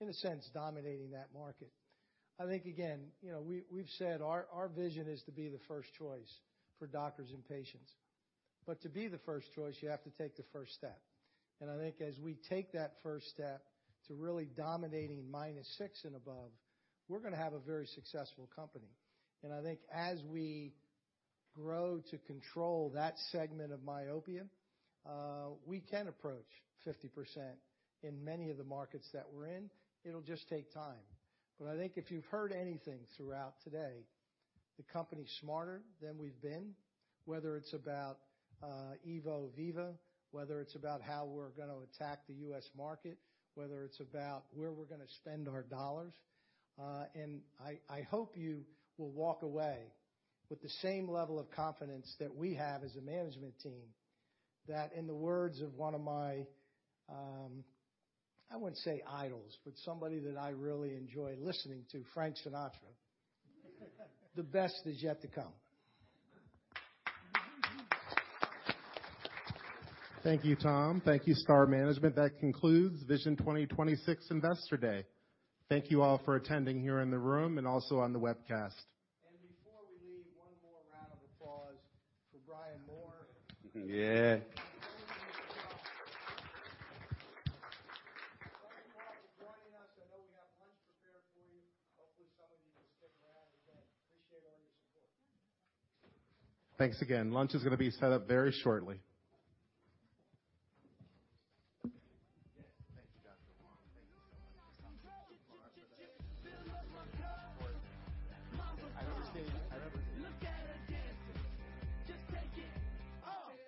in a sense, dominating that market. I think, again, you know, we, we've said our, our vision is to be the first choice for doctors and patients, but to be the first choice, you have to take the first step. I think as we take that first step to really dominating minus six and above, we're gonna have a very successful company. And I think as we grow to control that segment of myopia, we can approach 50% in many of the markets that we're in. It'll just take time. But I think if you've heard anything throughout today, the company's smarter than we've been, whether it's about EVO Viva, whether it's about how we're gonna attack the U.S. market, whether it's about where we're gonna spend our dollars, and I hope you will walk away with the same level of confidence that we have as a management team, that in the words of one of my, I wouldn't say idols, but somebody that I really enjoy listening to, Frank Sinatra, "The best is yet to come. Thank you, Tom. Thank you, STAAR Management. That concludes Vision 2026 Investor Day. Thank you all for attending here in the room and also on the webcast. Before we leave, one more round of applause for Brian Moore. Yeah.